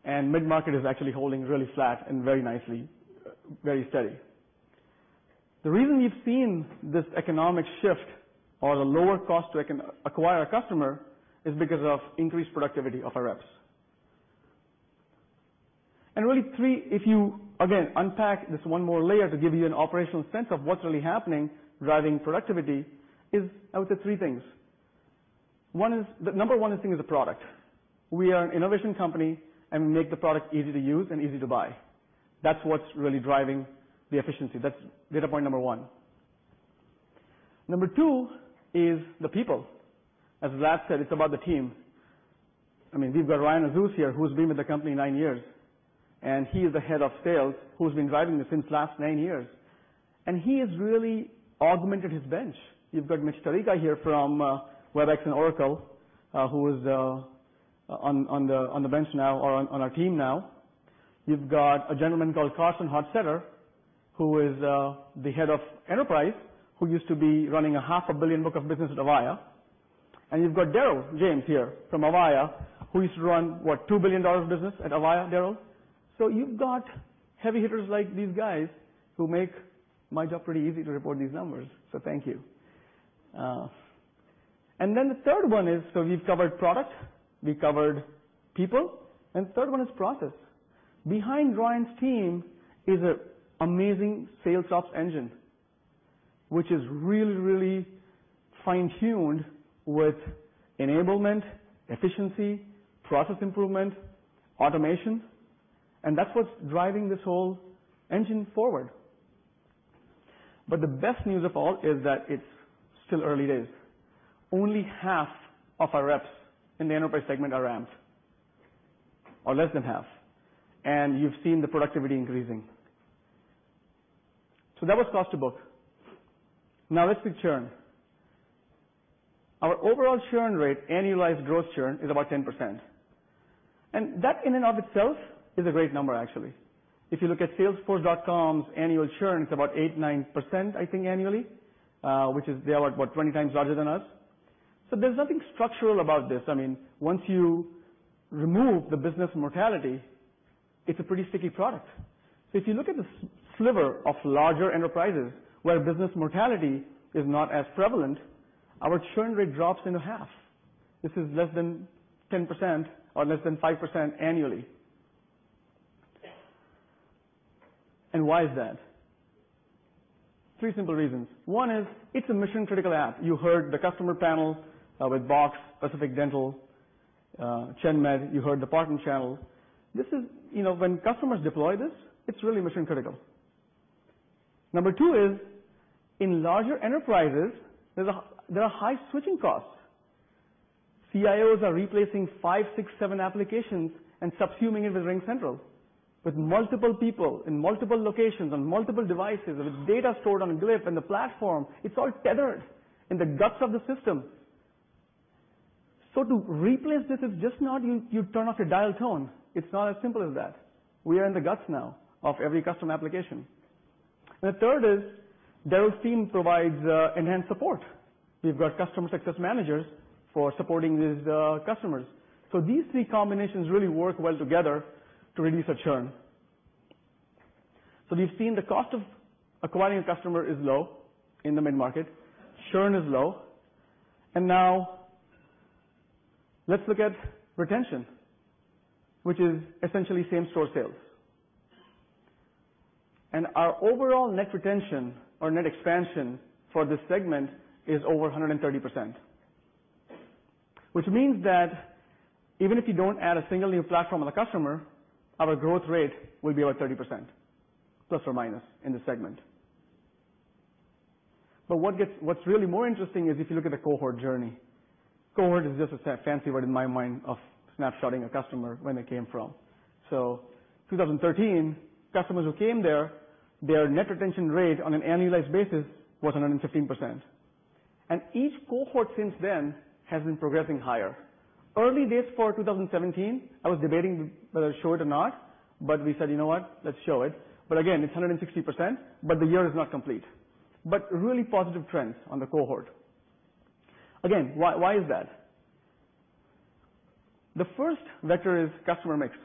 and mid-market is actually holding really flat and very nicely, very steady. The reason we've seen this economic shift or the lower cost to acquire a customer is because of increased productivity of our reps. Really, if you, again, unpack this one more layer to give you an operational sense of what's really happening, driving productivity, is I would say three things. Number one thing is the product. We are an innovation company, and we make the product easy to use and easy to buy. That's what's really driving the efficiency. That's data point number one. Number two is the people. As Vlad said, it's about the team. We've got Ryan Azus here, who's been with the company 9 years, and he is the head of sales who's been driving this since last 9 years. He has really augmented his bench. You've got Mitch Tarica here from Webex and Oracle, who is on the bench now or on our team now. You've got a gentleman called Carson Hostetter, who is the head of enterprise, who used to be running a half a billion book of business at Avaya. You've got Derrell James here from Avaya, who used to run, what, $2 billion of business at Avaya, Derrell? You've got heavy hitters like these guys who make my job pretty easy to report these numbers, thank you. Then the third one is, we've covered product, we covered people, and third one is process. Behind Ryan's team is an amazing sales ops engine, which is really, really fine-tuned with enablement, efficiency, process improvement, automation, That's what's driving this whole engine forward. The best news of all is that it's still early days. Only half of our reps in the enterprise segment are ramps, or less than half, and you've seen the productivity increasing. That was cost to book. Now let's look churn. Our overall churn rate, annualized gross churn, is about 10%. That in and of itself is a great number, actually. If you look at Salesforce.com's annual churn, it's about 8%-9%, I think, annually. Which is, they are what? 20 times larger than us. There's nothing structural about this. Once you remove the business mortality, it's a pretty sticky product. If you look at the sliver of larger enterprises where business mortality is not as prevalent, our churn rate drops into half. This is less than 10%, or less than 5% annually. Why is that? Three simple reasons. One is it's a mission-critical app. You heard the customer panel, with Box, Pacific Dental, ChenMed, you heard the partner channels. When customers deploy this, it's really mission-critical. Number two is, in larger enterprises, there are high switching costs. CIOs are replacing five, six, seven applications and subsuming it with RingCentral. With multiple people in multiple locations on multiple devices, with data stored on a Glip and the platform, it's all tethered in the guts of the system. To replace this is just not you turn off your dial tone. It's not as simple as that. We are in the guts now of every customer application. The third is Darrell's team provides enhanced support. We've got customer success managers for supporting these customers. These three combinations really work well together to reduce the churn. We've seen the cost of acquiring a customer is low in the mid-market. Churn is low. Now let's look at retention, which is essentially same-store sales. Our overall net retention or net expansion for this segment is over 130%. Which means that even if you don't add a single new platform on a customer, our growth rate will be about 30%, plus or minus in this segment. What's really more interesting is if you look at the cohort journey. Cohort is just a fancy word in my mind of snapshotting a customer where they came from. 2013, customers who came there, their net retention rate on an annualized basis was 115%. Each cohort since then has been progressing higher. Early days for 2017, I was debating whether to show it or not, but we said, "You know what? Let's show it." Again, it's 160%, but the year is not complete. Really positive trends on the cohort. Again, why is that? The first vector is customer mix.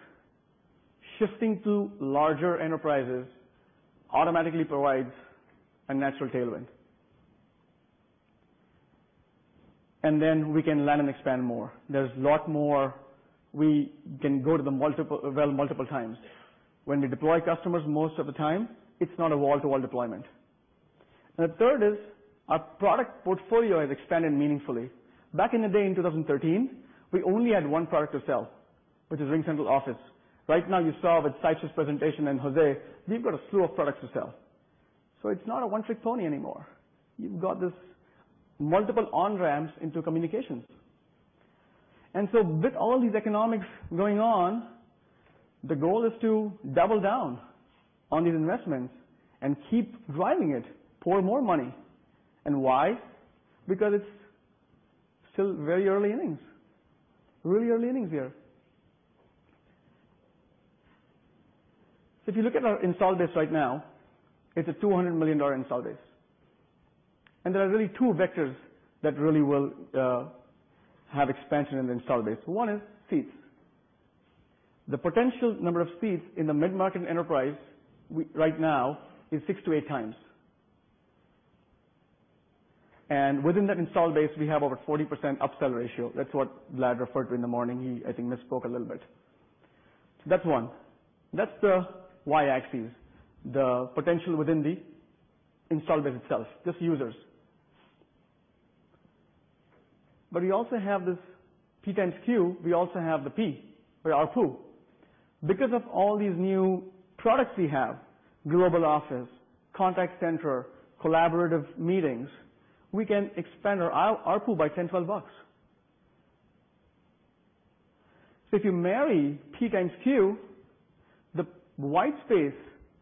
Shifting to larger enterprises automatically provides a natural tailwind. Then we can land and expand more. There's a lot more we can go to the well multiple times. When we deploy customers, most of the time, it's not a wall-to-wall deployment. The third is our product portfolio has expanded meaningfully. Back in the day in 2013, we only had one product to sell, which is RingCentral Office. Right now, you saw with Sipes's presentation and José, we've got a slew of products to sell. It's not a one-trick pony anymore. You've got these multiple on-ramps into communications. With all these economics going on, the goal is to double down on these investments and keep driving it, pour more money. Why? Because it's still very early innings. Really early innings here. If you look at our install base right now, it's a $200 million install base. There are really two vectors that really will have expansion in the install base. One is seats. The potential number of seats in the mid-market enterprise right now is six to eight times. Within that install base, we have over 40% upsell ratio. That's what Vlad referred to in the morning. He, I think, misspoke a little bit. That's one. That's the Y-axis, the potential within the install base itself, just users. We also have this P times Q, we also have the P, our ARPU. Of all these new products we have, global office, contact center, collaborative meetings, we can expand our ARPU by $10, $12. If you marry P times Q, the white space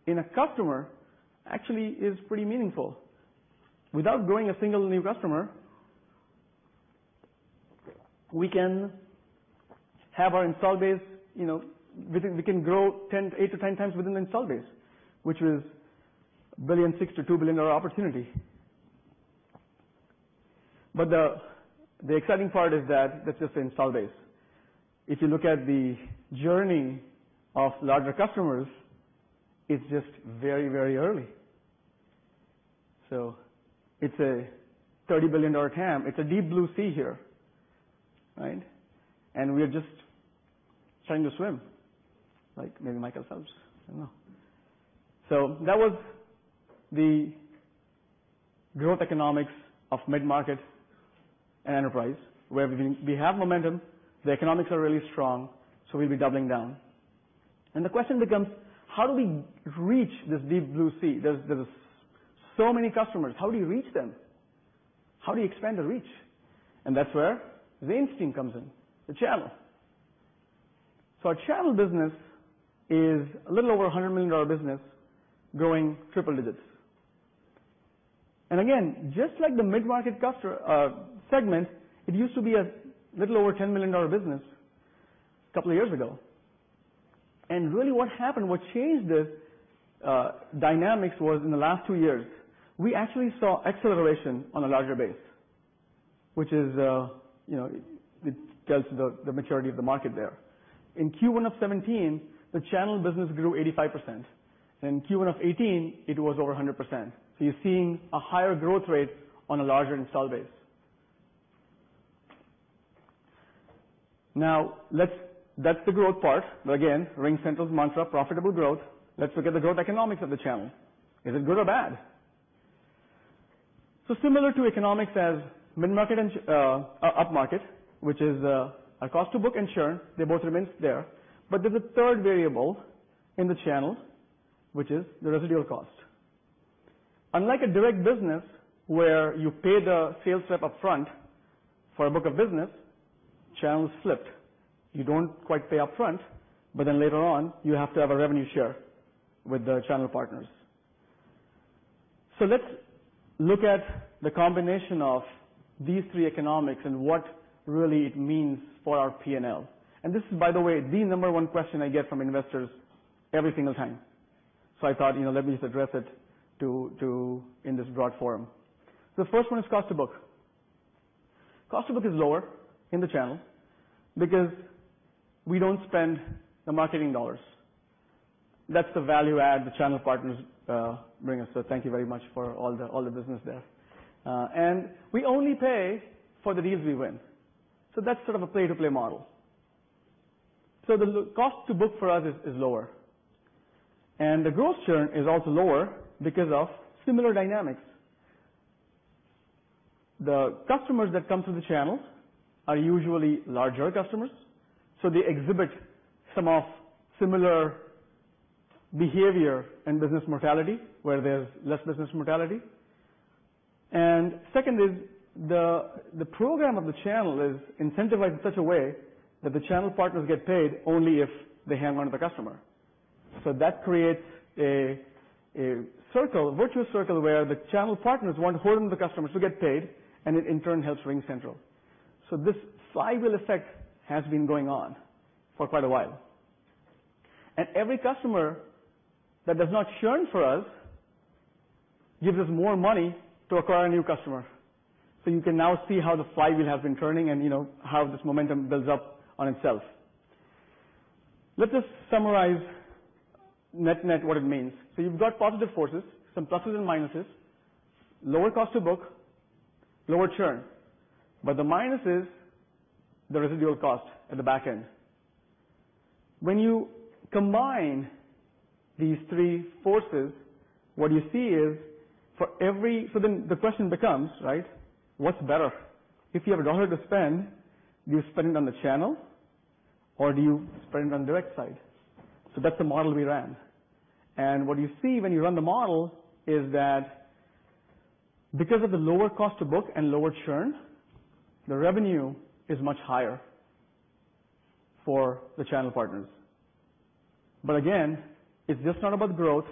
in a customer actually is pretty meaningful. Without growing a single new customer, we can have our install base, we can grow eight to 10 times within install base, which is a $1.6 billion-$2 billion opportunity. The exciting part is that that's just install base. If you look at the journey of larger customers, it's just very early. It's a $30 billion TAM. It's a deep blue sea here, right? We're just starting to swim, like maybe Michael Phelps. I don't know. That was the growth economics of mid-market and enterprise, where we have momentum, the economics are really strong, so we'll be doubling down. The question becomes, how do we reach this deep blue sea? There's so many customers, how do you reach them? How do you expand the reach? That's where the instinct comes in, the channel. Our channel business is a little over $100 million business, growing triple digits. Again, just like the mid-market segment, it used to be a little over $10 million business a couple of years ago. Really what happened, what changed this dynamics was in the last two years, we actually saw acceleration on a larger base, which tells the maturity of the market there. In Q1 of 2017, the channel business grew 85%, in Q1 of 2018, it was over 100%. You're seeing a higher growth rate on a larger install base. That's the growth part, again, RingCentral's mantra, profitable growth. Let's look at the growth economics of the channel. Is it good or bad? Similar to economics as mid-market and upmarket, which is a cost to book and churn, they both remain there. There's a third variable in the channel, which is the residual cost. Unlike a direct business where you pay the sales rep upfront for a book of business, channels flipped. You don't quite pay upfront, later on, you have to have a revenue share with the channel partners. Let's look at the combination of these three economics and what really it means for our P&L. This is, by the way, the number one question I get from investors every single time. I thought let me just address it in this broad forum. The first one is cost to book. Cost to book is lower in the channel because we don't spend the marketing dollars. That's the value add the channel partners bring us, so thank you very much for all the business there. We only pay for the deals we win. That's sort of a pay-to-play model. The cost to book for us is lower, and the gross churn is also lower because of similar dynamics. The customers that come through the channels are usually larger customers, so they exhibit some of similar behavior in business mortality, where there's less business mortality. Second is the program of the channel is incentivized in such a way that the channel partners get paid only if they hang on to the customer. That creates a virtuous circle where the channel partners want to hold on to the customers to get paid, and it in turn helps RingCentral. This flywheel effect has been going on for quite a while. Every customer that does not churn for us gives us more money to acquire a new customer. You can now see how the flywheel has been turning and how this momentum builds up on itself. Let us summarize net what it means. You've got positive forces, some pluses and minuses, lower cost to book, lower churn, but the minus is the residual cost at the back end. When you combine these three forces, what you see is The question becomes, what's better? If you have a $1 to spend, do you spend it on the channel or do you spend it on direct side? That's the model we ran. What you see when you run the model is that because of the lower cost to book and lower churn, the revenue is much higher for the channel partners. Again, it's just not about growth,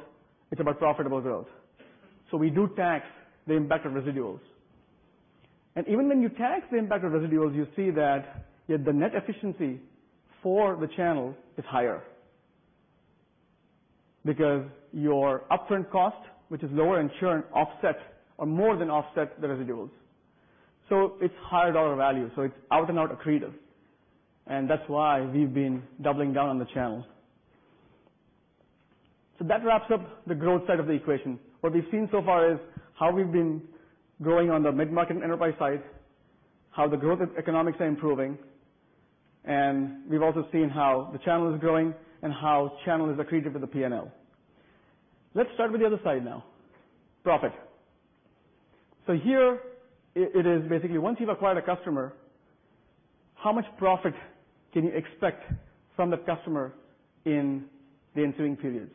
it's about profitable growth. We do tax the impact of residuals. Even when you tax the impact of residuals, you see that the net efficiency for the channel is higher because your upfront cost, which is lower in churn offsets or more than offsets the residuals. It's higher dollar value. It's out and out accretive. That's why we've been doubling down on the channels. That wraps up the growth side of the equation. What we've seen so far is how we've been growing on the mid-market and enterprise side, how the growth economics are improving, we've also seen how the channel is growing and how channel is accretive to the P&L. Let's start with the other side now, profit. Here it is basically once you've acquired a customer, how much profit can you expect from that customer in the ensuing periods?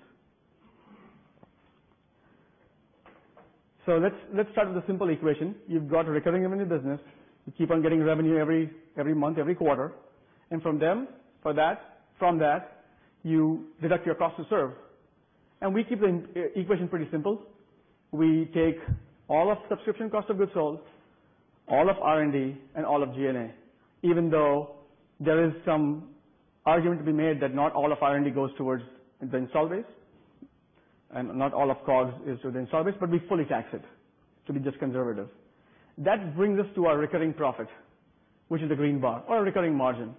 Let's start with a simple equation. You've got a recurring revenue business. You keep on getting revenue every month, every quarter, and from that, you deduct your cost to serve. We keep the equation pretty simple. We take all of subscription COGS, all of R&D, and all of G&A, even though there is some argument to be made that not all of R&D goes towards the install base and not all of COGS is towards install base, we fully tax it to be just conservative. That brings us to our recurring profit, which is the green bar, or recurring margin.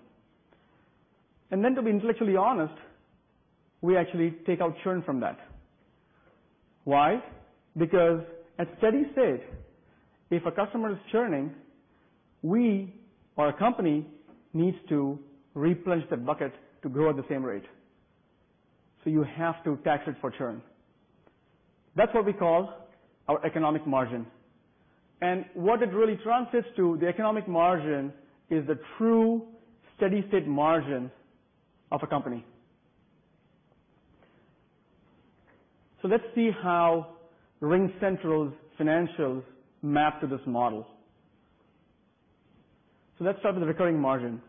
To be intellectually honest, we actually take out churn from that. Why? Because as studies state, if a customer is churning, we or a company needs to replenish that bucket to grow at the same rate. You have to tax it for churn. That's what we call our economic margin. What it really translates to, the economic margin is the true steady state margin of a company. Let's see how RingCentral's financials map to this model. Let's start with the recurring margin.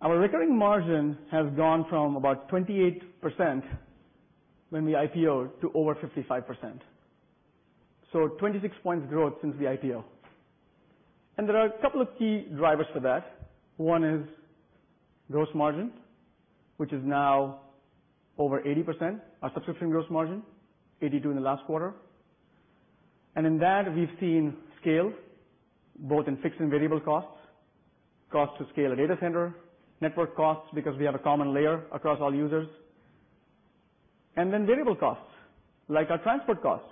Our recurring margin has gone from about 28% when we IPO'd to over 55%. 26 points growth since the IPO. There are a couple of key drivers for that. One is gross margin, which is now over 80%, our subscription gross margin, 82% in the last quarter. In that, we've seen scale both in fixed and variable costs, cost to scale a data center, network costs because we have a common layer across all users. Then variable costs, like our transport costs,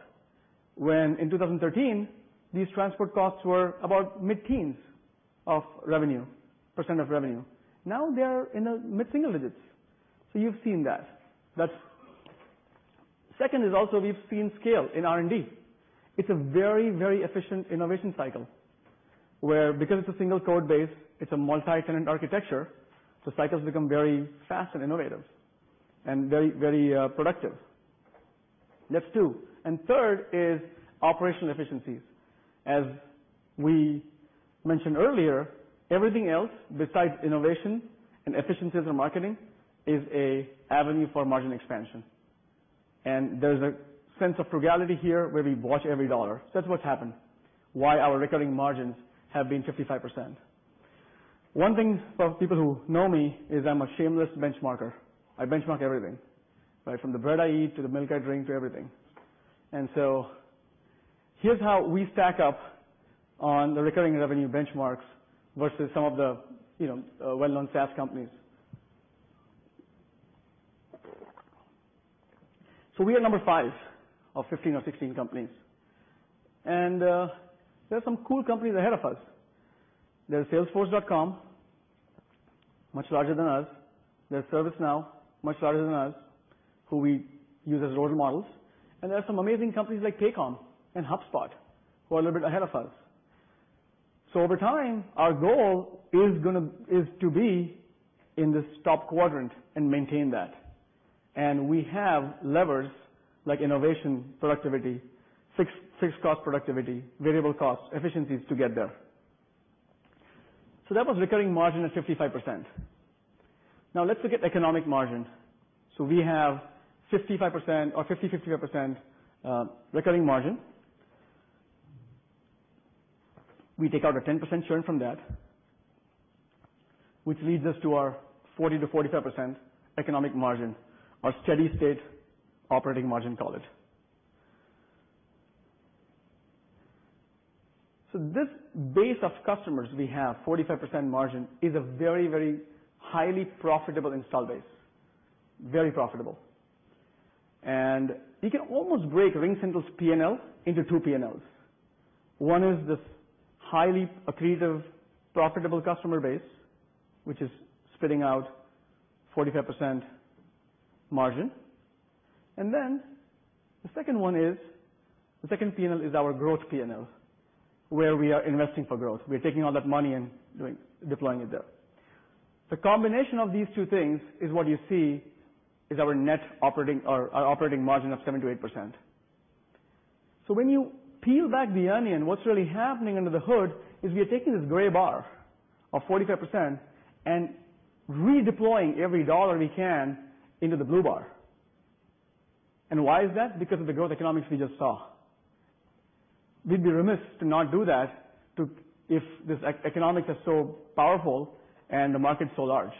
when in 2013, these transport costs were about mid-teens of revenue, percent of revenue. Now they're in the mid-single digits. You've seen that. Second is also we've seen scale in R&D. It's a very, very efficient innovation cycle, where because it's a single code base, it's a multi-tenant architecture, cycles become very fast and innovative and very productive. That's two. Third is operational efficiencies. As we mentioned earlier, everything else besides innovation and efficiencies in marketing is an avenue for margin expansion. There's a sense of frugality here where we watch every dollar. That's what's happened, why our recurring margins have been 55%. One thing for people who know me is I'm a shameless benchmarker. I benchmark everything. From the bread I eat, to the milk I drink, to everything. Here's how we stack up on the recurring revenue benchmarks versus some of the well-known SaaS companies. We are number five of 15 or 16 companies. There's some cool companies ahead of us. There's Salesforce.com, much larger than us. There's ServiceNow, much larger than us, who we use as role models. There are some amazing companies like Paycom and HubSpot who are a little bit ahead of us. Over time, our goal is to be in this top quadrant and maintain that. We have levers like innovation, productivity, fixed cost productivity, variable costs, efficiencies to get there. That was recurring margin of 55%. Now let's look at economic margin. We have 55% or 50, 55%, recurring margin. We take out a 10% churn from that, which leads us to our 40%-45% economic margin, or steady state operating margin, call it. This base of customers we have, 45% margin, is a very, very highly profitable install base, very profitable. You can almost break RingCentral's P&L into two P&Ls. One is this highly accretive profitable customer base, which is spitting out 45% margin. Then the second P&L is our growth P&L, where we are investing for growth. We're taking all that money and deploying it there. The combination of these two things is what you see is our net operating or our operating margin of 7%-8%. When you peel back the onion, what's really happening under the hood is we are taking this gray bar of 45% and redeploying every dollar we can into the blue bar. Why is that? Because of the growth economics we just saw. We'd be remiss to not do that if these economics are so powerful and the market's so large.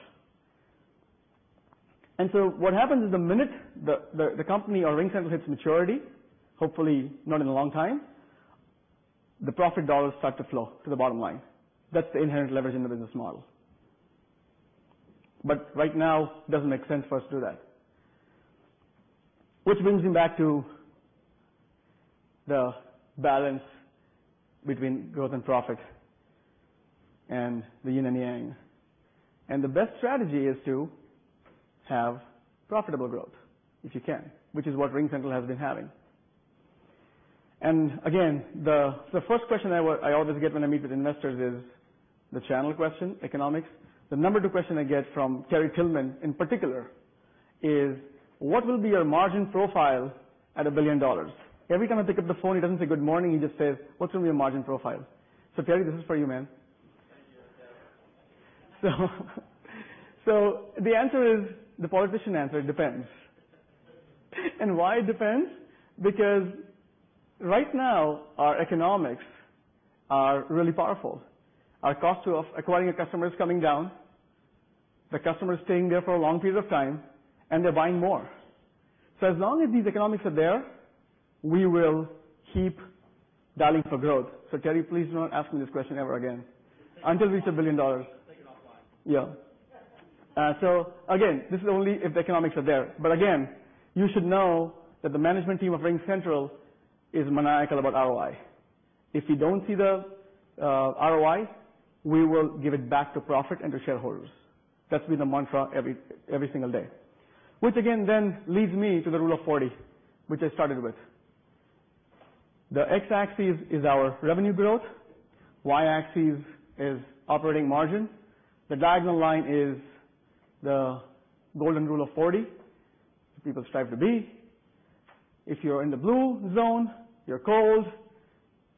What happens is the minute the company or RingCentral hits maturity, hopefully not in a long time, the profit dollars start to flow to the bottom line. That's the inherent leverage in the business model. Right now, it doesn't make sense for us to do that. Which brings me back to the balance between growth and profit and the yin and yang. The best strategy is to have profitable growth, if you can, which is what RingCentral has been having. Again, the first question I always get when I meet with investors is the channel question, economics. The number two question I get from Terry Tillman in particular is, "What will be your margin profile at $1 billion?" Every time I pick up the phone, he doesn't say good morning, he just says, "What's going to be your margin profile?" Terry, this is for you, man. Thank you. The answer is the politician answer, it depends. Why it depends? Because right now our economics are really powerful. Our cost of acquiring a customer is coming down. The customer is staying there for a long period of time, and they're buying more. As long as these economics are there, we will keep dialing for growth. Terry, please do not ask me this question ever again until we reach $1 billion. Take it offline. Yeah. Yeah. Again, this is only if the economics are there. Again, you should know that the management team of RingCentral is maniacal about ROI. If we don't see the ROI, we will give it back to profit and to shareholders. That's been the mantra every single day. Which again, then leads me to the Rule of 40, which I started with. The x-axis is our revenue growth, y-axis is operating margin. The diagonal line is the golden Rule of 40, people strive to be. If you're in the blue zone, you're cold.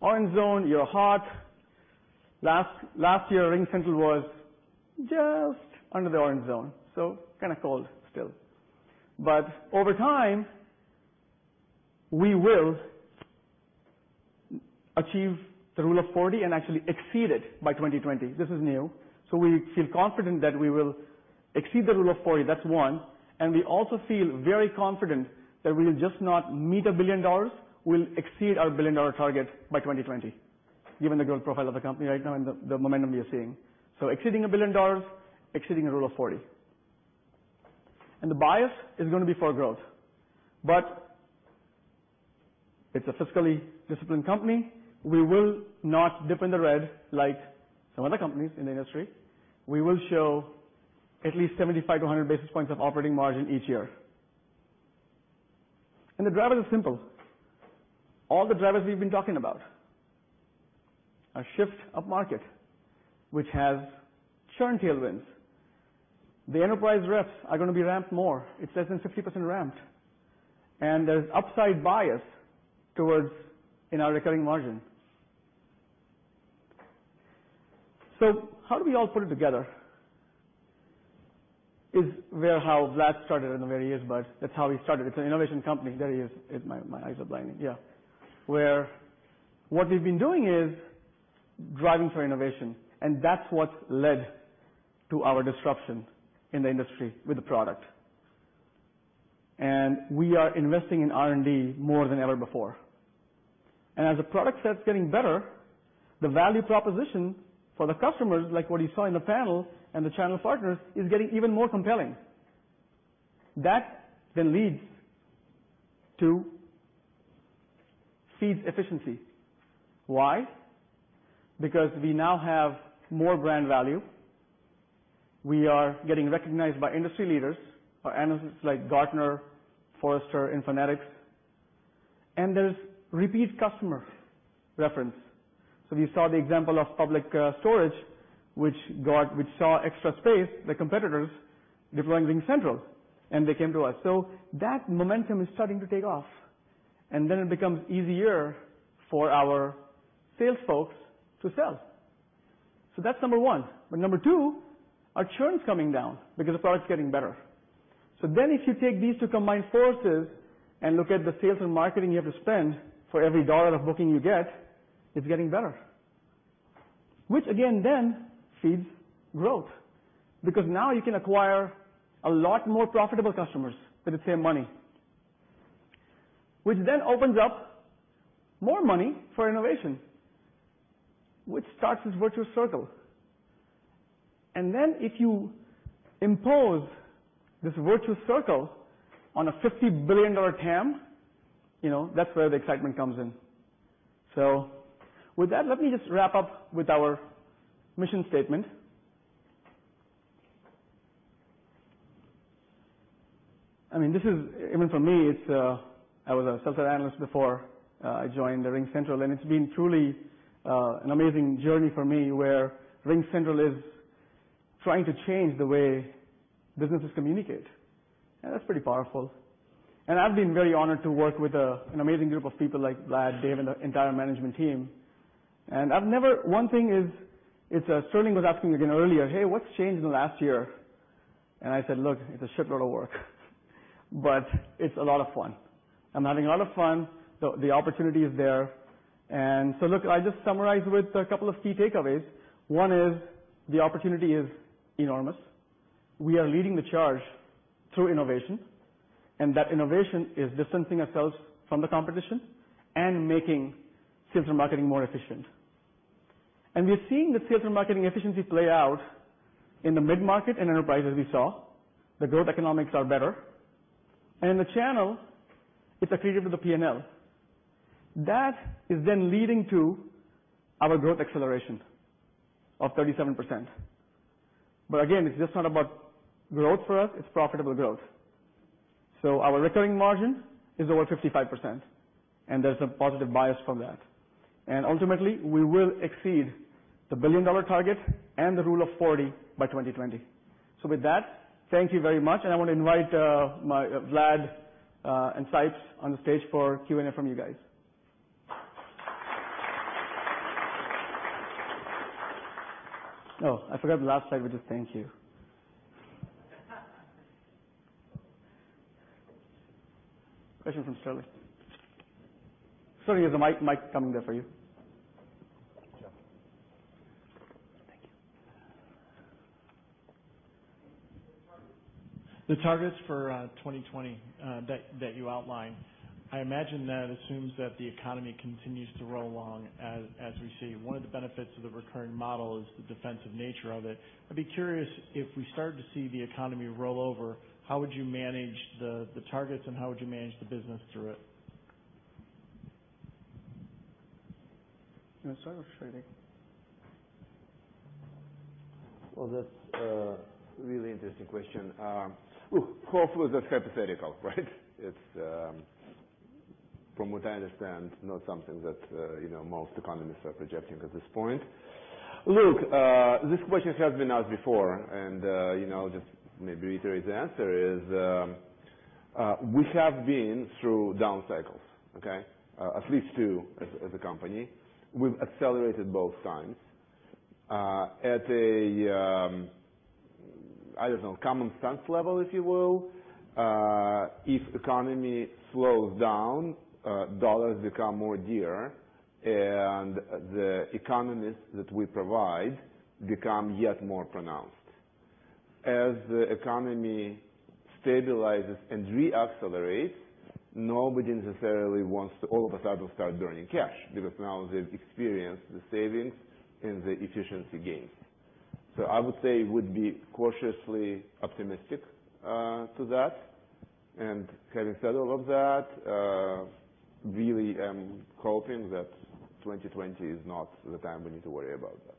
Orange zone, you're hot. Last year, RingCentral was just under the orange zone, so kind of cold still. Over time, we will achieve the Rule of 40 and actually exceed it by 2020. This is new. We feel confident that we will exceed the Rule of 40, that's one, and we also feel very confident that we'll just not meet $1 billion, we'll exceed our $1 billion target by 2020, given the growth profile of the company right now and the momentum we are seeing. Exceeding $1 billion, exceeding a Rule of 40. The bias is going to be for growth. It's a fiscally disciplined company. We will not dip in the red like some other companies in the industry. We will show at least 75 to 100 basis points of operating margin each year. The drivers are simple. All the drivers we've been talking about. A shift up market, which has churn tailwinds. The enterprise reps are going to be ramped more. It's less than 50% ramped. There's upside bias towards in our recurring margin. How do we all put it together? Is where how Vlad started. I do not know where he is, that is how we started. It is an innovation company. There he is. My eyes are blinding. What we have been doing is driving for innovation, that is what has led to our disruption in the industry with the product. We are investing in R&D more than ever before. As the product set is getting better, the value proposition for the customers, like what you saw in the panel, the channel partners, is getting even more compelling. That leads to feeds efficiency. Why? Because we now have more brand value. We are getting recognized by industry leaders or analysts like Gartner, Forrester, Infonetics, there is repeat customer reference. We saw the example of Public Storage, which saw Extra Space Storage, the competitors deploying RingCentral, they came to us. That momentum is starting to take off, it becomes easier for our sales folks to sell. That is number 1. Number 2, our churn is coming down because the product is getting better. If you take these two combined forces and look at the sales and marketing you have to spend for every dollar of booking you get, it is getting better, feeds growth. Because now you can acquire a lot more profitable customers for the same money, opens up more money for innovation, starts this virtual circle. If you impose this virtual circle on a $50 billion TAM, that is where the excitement comes in. With that, let me just wrap up with our mission statement. I mean, this is, even for me, I was a software analyst before I joined RingCentral, it has been truly an amazing journey for me RingCentral is trying to change the way businesses communicate. That is pretty powerful. I have been very honored to work with an amazing group of people like Vlad, Dave, the entire management team. One thing is, Sterling was asking again earlier, "Hey, what is changed in the last year?" I said, "Look, it is a shitload of work, it is a lot of fun." I am having a lot of fun. The opportunity is there. Look, I just summarize with a couple of key takeaways. One is the opportunity is enormous. We are leading the charge through innovation, that innovation is distancing ourselves from the competition making sales and marketing more efficient. We are seeing the sales and marketing efficiency play out in the mid-market enterprises we saw. The growth economics are better. In the channel, it is accretive to the P&L. That is leading to our growth acceleration of 37%. Again, it is just not about growth for us, it is profitable growth. Our recurring margin is over 55%, there is a positive bias from that. Ultimately, we will exceed the billion-dollar target and the Rule of 40 by 2020. With that, thank you very much, I want to invite Vlad and Sipes on the stage for Q&A from you guys. I forgot the last slide, thank you. Question from Sterling. Sterling, you have the mic coming there for you. Thank you. Thank you. The targets for 2020 that you outlined, I imagine that assumes that the economy continues to roll along as we see. One of the benefits of the recurring model is the defensive nature of it. I'd be curious if we start to see the economy roll over, how would you manage the targets and how would you manage the business through it? You want to start off, Shmunis? Well, that's a really interesting question. Hopefully, that's hypothetical, right? It's, from what I understand, not something that most economists are projecting at this point. Look, this question has been asked before, and just maybe to reiterate the answer is, we have been through down cycles, okay? At least two, as a company. We've accelerated both times. At a, I don't know, common sense level, if you will, if the economy slows down, dollars become more dear, and the economics that we provide become yet more pronounced. As the economy stabilizes and re-accelerates, nobody necessarily wants to all of a sudden start burning cash, because now they've experienced the savings and the efficiency gains. I would say would be cautiously optimistic to that. Having said all of that, really, I'm hoping that 2020 is not the time we need to worry about that.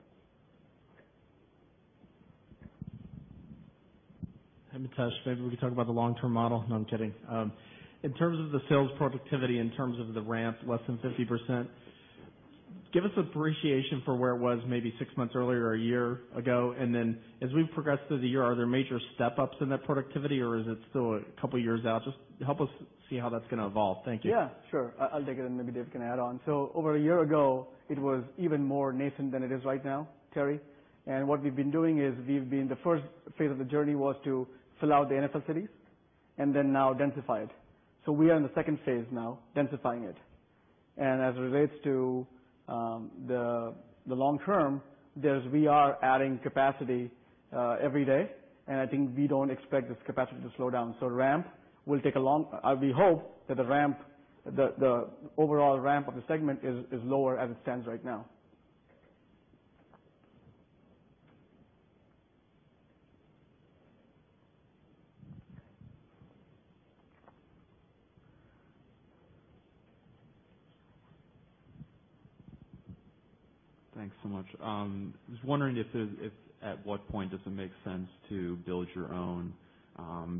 Hi, Mitesh. Maybe we can talk about the long-term model. No, I'm kidding. In terms of the sales productivity, in terms of the ramp, less than 50%, give us appreciation for where it was maybe six months earlier or a year ago. As we progress through the year, are there major step-ups in that productivity, or is it still a couple of years out? Just help us see how that's going to evolve. Thank you. Yeah, sure. I'll take it, and maybe Dave can add on. Over a year ago, it was even more nascent than it is right now, Terry. What we've been doing is we've been the first phase of the journey was to fill out the necessities and then now densify it. We are in the second phase now, densifying it. As it relates to the long-term, we are adding capacity every day, and I think we don't expect this capacity to slow down. We hope that the overall ramp of the segment is lower as it stands right now. Thanks so much. I was wondering at what point does it make sense to build your own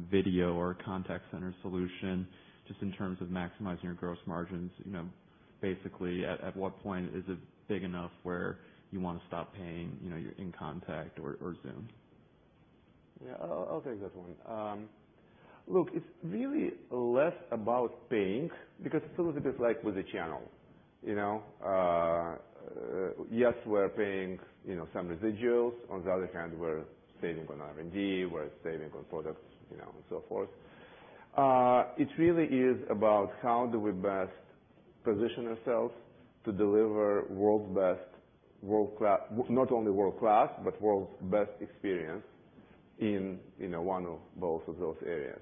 video or contact center solution, just in terms of maximizing your gross margins. Basically, at what point is it big enough where you want to stop paying your inContact or Zoom? I'll take that one. Look, it's really less about paying because it's a little bit like with the channel. Yes, we're paying some residuals. On the other hand, we're saving on R&D, we're saving on products, and so forth. It really is about how do we best position ourselves to deliver world's best, not only world-class, but world's best experience in one or both of those areas.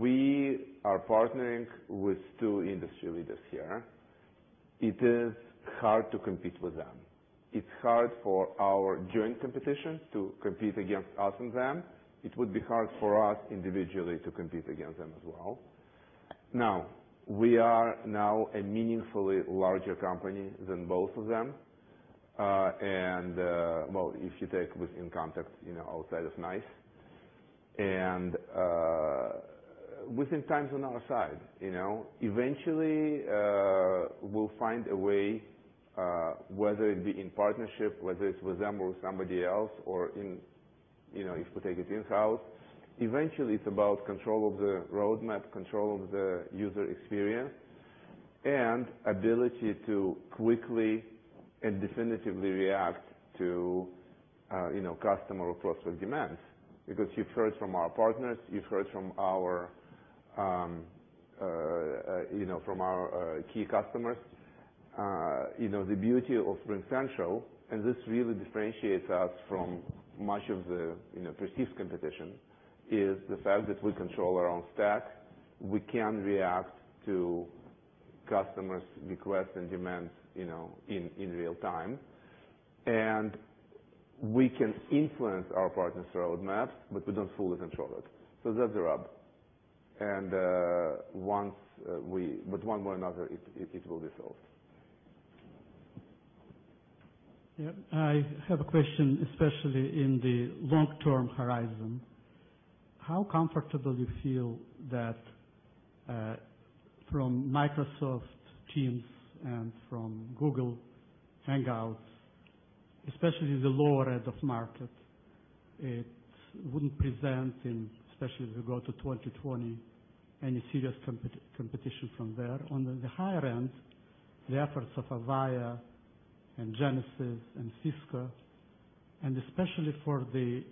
We are partnering with two industry leaders here. It is hard to compete with them. It's hard for our joint competition to compete against us and them. It would be hard for us individually to compete against them as well. Now, we are now a meaningfully larger company than both of them. Well, if you take within context, outside is nice. Time's on our side. Eventually, we'll find a way, whether it be in partnership, whether it's with them or somebody else, or if we take it in-house. Eventually, it's about control of the roadmap, control of the user experience, and ability to quickly and definitively react to customer or process demands. You've heard from our partners, you've heard from our key customers. The beauty of RingCentral, and this really differentiates us from much of the perceived competition, is the fact that we control our own stack. We can react to customers' requests and demands in real time. We can influence our partners' roadmaps, but we don't fully control it. That's the rub. One way or another, it will be solved. I have a question, especially in the long-term horizon. How comfortable do you feel that from Microsoft Teams and from Google Hangouts, especially the lower end of market, it wouldn't present, especially as we go to 2020, any serious competition from there? On the higher end, the efforts of Avaya and Genesys and Cisco, especially for the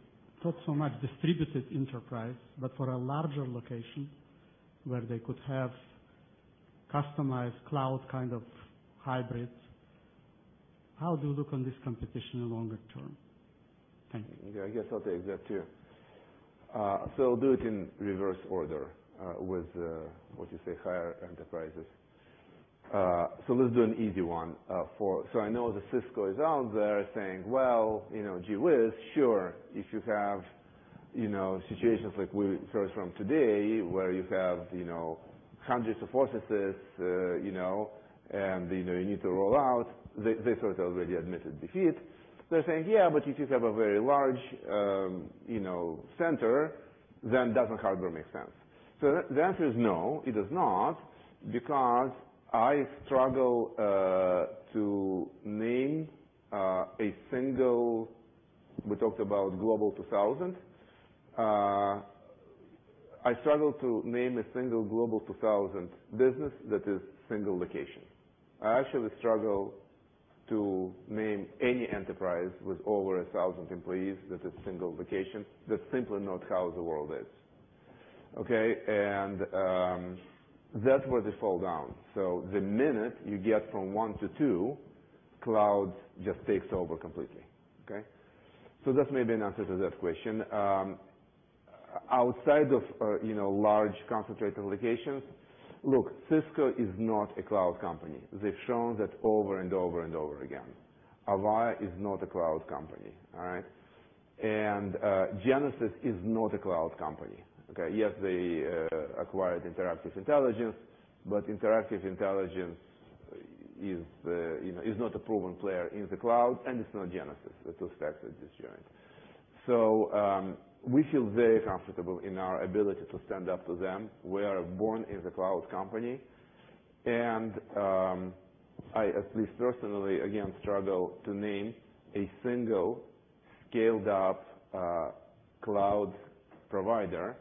not so much distributed enterprise, but for a larger location where they could have customized cloud kind of hybrids. How do you look on this competition in longer-term? Thank you. I guess I'll take that, too. I'll do it in reverse order, with, how you say, higher enterprises. Let's do an easy one. I know that Cisco is out there saying, "Well, gee whiz, sure, situations like we heard from today, where you have hundreds of processes, and you need to roll out." They sort of already admitted defeat. They're saying, "Yeah, but if you have a very large center, then doesn't hardware make sense?" The answer is no, it does not, because I struggle to name a single. We talked about Global 2000. I struggle to name a single Global 2000 business that is single location. I actually struggle to name any enterprise with over 1,000 employees that is single location. That's simply not how the world is. Okay? That's where they fall down. The minute you get from one to two, cloud just takes over completely. Okay? That may be an answer to that question. Outside of large concentrated locations, look, Cisco is not a cloud company. They've shown that over and over and over again. Avaya is not a cloud company. All right? Genesys is not a cloud company. Okay? Yes, they acquired Interactive Intelligence, but Interactive Intelligence is not a proven player in the cloud, and it's not Genesys. The two stacks are disjoint. We feel very comfortable in our ability to stand up to them. We are born as a cloud company, and I at least personally, again, struggle to name a single scaled-up cloud provider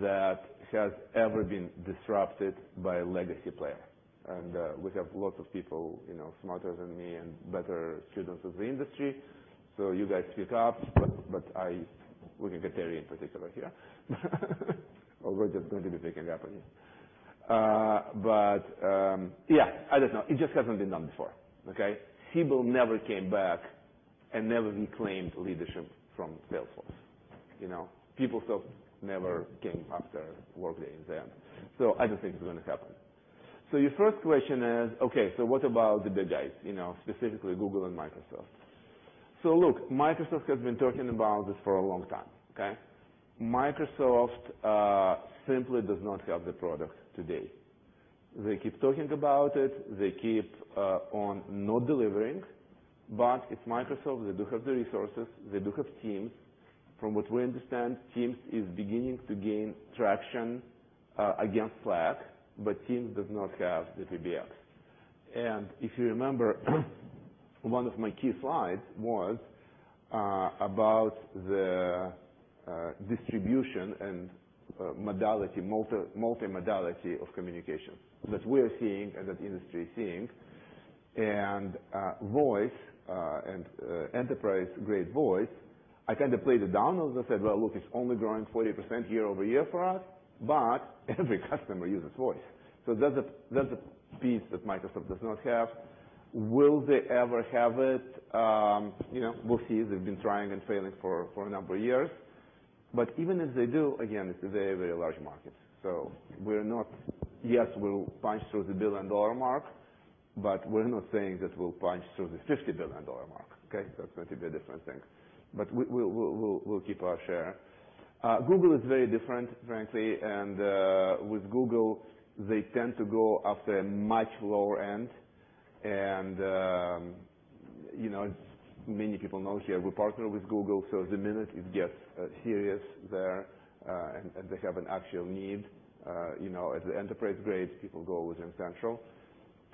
that has ever been disrupted by a legacy player. We have lots of people smarter than me and better students of the industry, so you guys speak up. We can get Terry in particular here. We're just going to be picking up on you. Yeah, I don't know. It just hasn't been done before. Okay? People never came back and never reclaimed leadership from Salesforce. PeopleSoft never came after Workday and Zendesk. I don't think it's going to happen. Your first question is, okay, what about the big guys, specifically Google and Microsoft? Look, Microsoft has been talking about this for a long time. Okay? Microsoft simply does not have the product today. They keep talking about it. They keep on not delivering. It's Microsoft. They do have the resources. They do have Teams. From what we understand, Teams is beginning to gain traction against Slack, but Teams does not have the PBX. If you remember, one of my key slides was about the distribution and multimodality of communication that we're seeing and that the industry is seeing. Voice and enterprise-grade voice, I kind of played it down, as I said. Look, it's only growing 40% year-over-year for us, but every customer uses voice. That's a piece that Microsoft does not have. Will they ever have it? We'll see. They've been trying and failing for a number of years. Even if they do, again, it's a very, very large market. Yes, we'll punch through the billion-dollar mark, but we're not saying that we'll punch through the $50 billion mark. Okay? It's going to be a different thing. We'll keep our share. Google is very different, frankly, and with Google, they tend to go after a much lower end. Many people know here we partner with Google, the minute it gets serious there and they have an actual need at the enterprise grade, people go with RingCentral.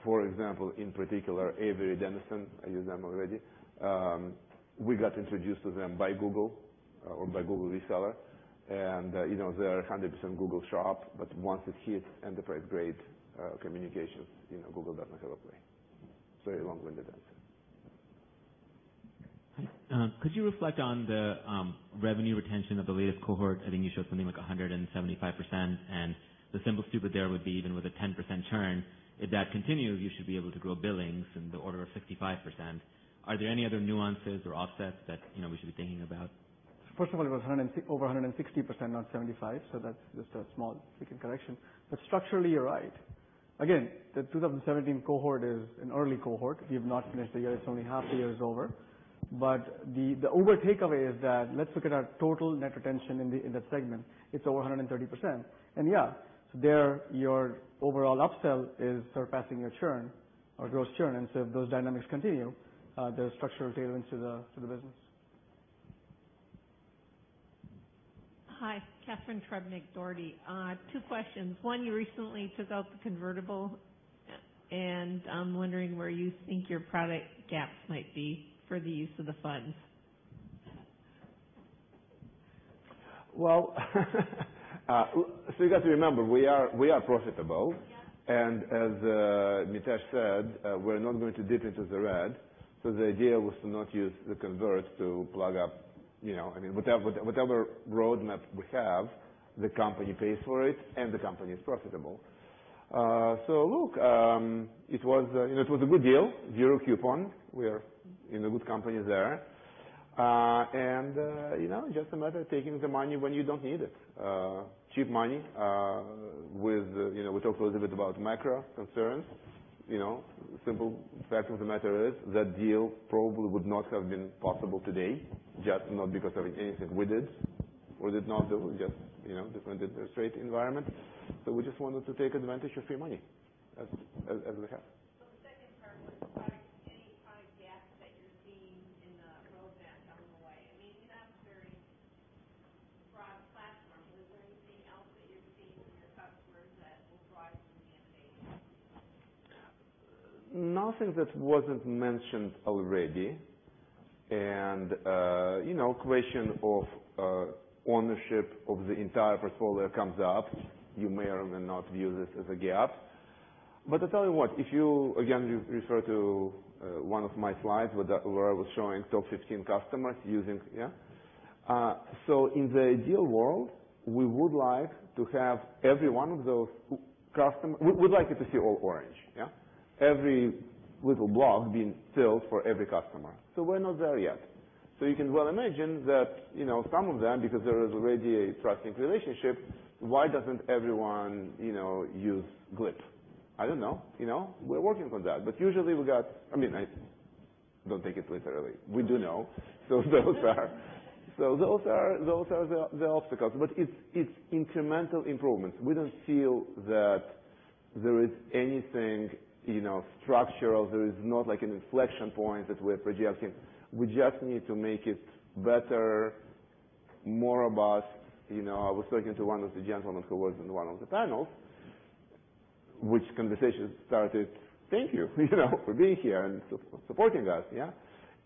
For example, in particular, Avery Dennison, I used them already. We got introduced to them by Google or by Google Reseller. They are 100% Google Shop, once it hits enterprise-grade communications, Google doesn't play. Very long-winded answer. Could you reflect on the revenue retention of the latest cohort? I think you showed something like 175%, and the simple stupid there would be even with a 10% churn. If that continues, you should be able to grow billings in the order of 65%. Are there any other nuances or offsets that we should be thinking about? First of all, it was over 160%, not 75. That's just a small wicked correction. Structurally, you're right. Again, the 2017 cohort is an early cohort. We have not finished the year. It's only half the year is over. The overall takeaway is that let's look at our total net retention in that segment. It's over 130%. Yeah, there, your overall upsell is surpassing your churn or gross churn. If those dynamics continue, there's structural tailwinds to the business. Hi. Catharine Trebnick. Two questions. One, you recently took out the convertible, and I'm wondering where you think your product gaps might be for the use of the funds. Well, you got to remember, we are profitable. Yeah. As Mitesh said, we're not going to dip into the red. The idea was to not use the convert to plug up. Whatever roadmap we have, the company pays for it, and the company is profitable. Look, it was a good deal, zero coupon. We are in a good company there. Just a matter of taking the money when you don't need it. Cheap money. We talked a little bit about macro concerns. Simple fact of the matter is that deal probably would not have been possible today, not because of anything we did. Or did not do, just different interest rate environment. We just wanted to take advantage of free money as we have. The second part was any product gaps that you're seeing in the roadmap on the way. You have a very broad platform. Is there anything else that you're seeing from your customers that will drive new innovation? Nothing that wasn't mentioned already. Question of ownership of the entire portfolio comes up. You may or may not view this as a gap. I tell you what, if you, again, you refer to one of my slides where I was showing top 15 customers using. Yeah. In the ideal world, we would like to have every one of those customer. We would like it to see all orange. Yeah. Every little block being filled for every customer. We're not there yet. You can well imagine that some of them, because there is already a trusting relationship, why doesn't everyone use Glip? I don't know. We're working on that. Usually we got I don't take it literally. We do know. Those are the obstacles, but it's incremental improvements. We don't feel that there is anything structural. There is not like an inflection point that we're projecting. We just need to make it better, more robust. I was talking to one of the gentlemen who was in one of the panels, which conversation started, "Thank you for being here and supporting us." Yeah.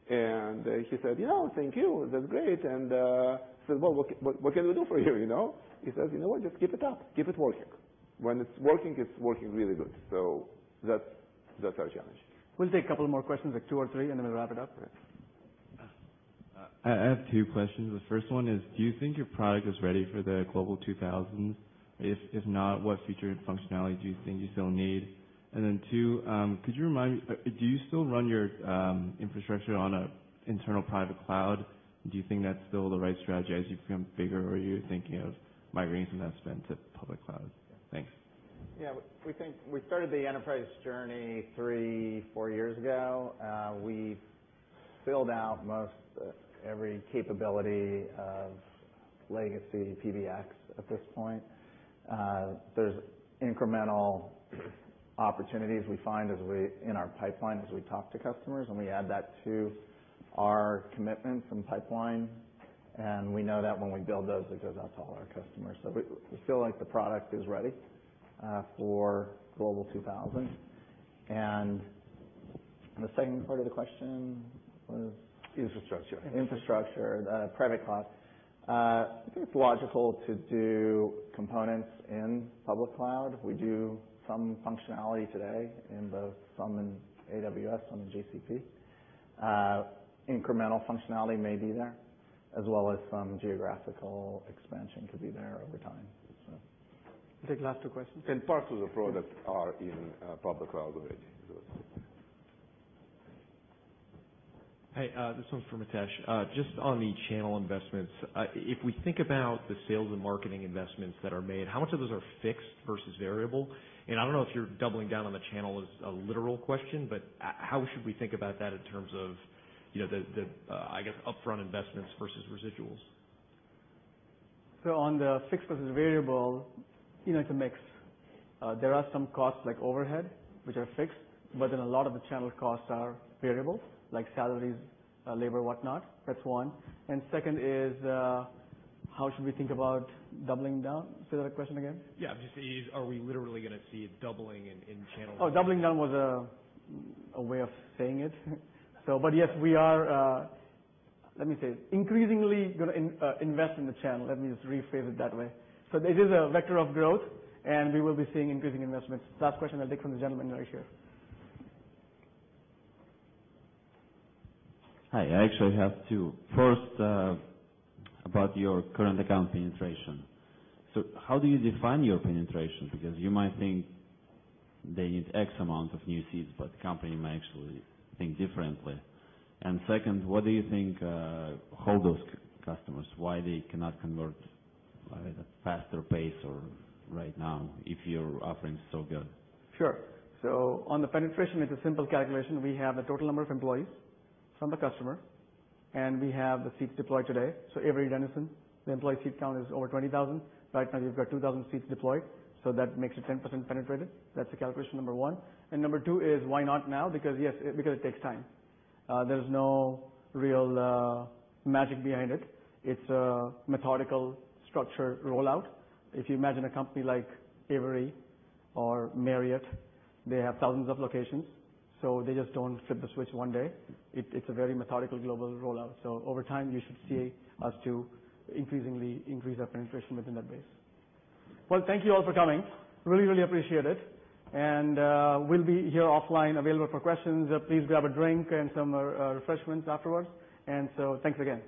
He said, "Thank you. That's great." Said, "Well, what can we do for you?" He says, "You know what? Just keep it up. Keep it working. When it's working, it's working really good." That's our challenge. We'll take a couple more questions, two or three, and then we'll wrap it up. I have two questions. The first one is, do you think your product is ready for the Global 2000? If not, what feature and functionality do you think you still need? Then two, could you remind me, do you still run your infrastructure on a internal private cloud? Do you think that's still the right strategy as you become bigger, or are you thinking of migrating that spend to public cloud? Thanks. Yeah, we think we started the enterprise journey three, four years ago. We filled out most every capability of legacy PBX at this point. There's incremental opportunities we find in our pipeline as we talk to customers. We add that to our commitment from pipeline. We know that when we build those, it goes out to all our customers. We feel like the product is ready for Global 2000. The second part of the question was? Infrastructure. Infrastructure, private cloud. I think it's logical to do components in public cloud. We do some functionality today in both, some in AWS, some in GCP. Incremental functionality may be there, as well as some geographical expansion could be there over time. Take the last two questions. Parts of the products are in public cloud already. Hey, this one's for Mitesh. Just on the channel investments. If we think about the sales and marketing investments that are made, how much of those are fixed versus variable? I don't know if you're doubling down on the channel is a literal question, but how should we think about that in terms of the, I guess, upfront investments versus residuals? On the fixed versus variable, it's a mix. There are some costs like overhead, which are fixed, a lot of the channel costs are variable, like salaries, labor, whatnot. That's one. Second is, how should we think about doubling down? Say that question again. Yeah. Are we literally going to see a doubling in channel? Doubling down was a way of saying it. Yes, we are, let me say, increasingly going to invest in the channel. Let me just rephrase it that way. This is a vector of growth, and we will be seeing increasing investments. Last question I'll take from the gentleman right here. Hi, I actually have two. First, about your current account penetration. How do you define your penetration? You might think they need X amount of new seats, but the company might actually think differently. Second, what do you think hold those customers? Why they cannot convert at a faster pace or right now if your offering's so good? Sure. On the penetration, it's a simple calculation. We have the total number of employees from the customer, and we have the seats deployed today. Avery Dennison, the employee seat count is over 20,000. Right now you've got 2,000 seats deployed, that makes it 10% penetrated. That's the calculation number one. Number two is why not now? Yes, because it takes time. There's no real magic behind it. It's a methodical structure rollout. If you imagine a company like Avery or Marriott, they have thousands of locations, they just don't flip the switch one day. It's a very methodical global rollout. Over time, you should see us to increasingly increase our penetration within that base. Well, thank you all for coming. Really, really appreciate it. We'll be here offline available for questions. Please grab a drink and some refreshments afterwards. Thanks again.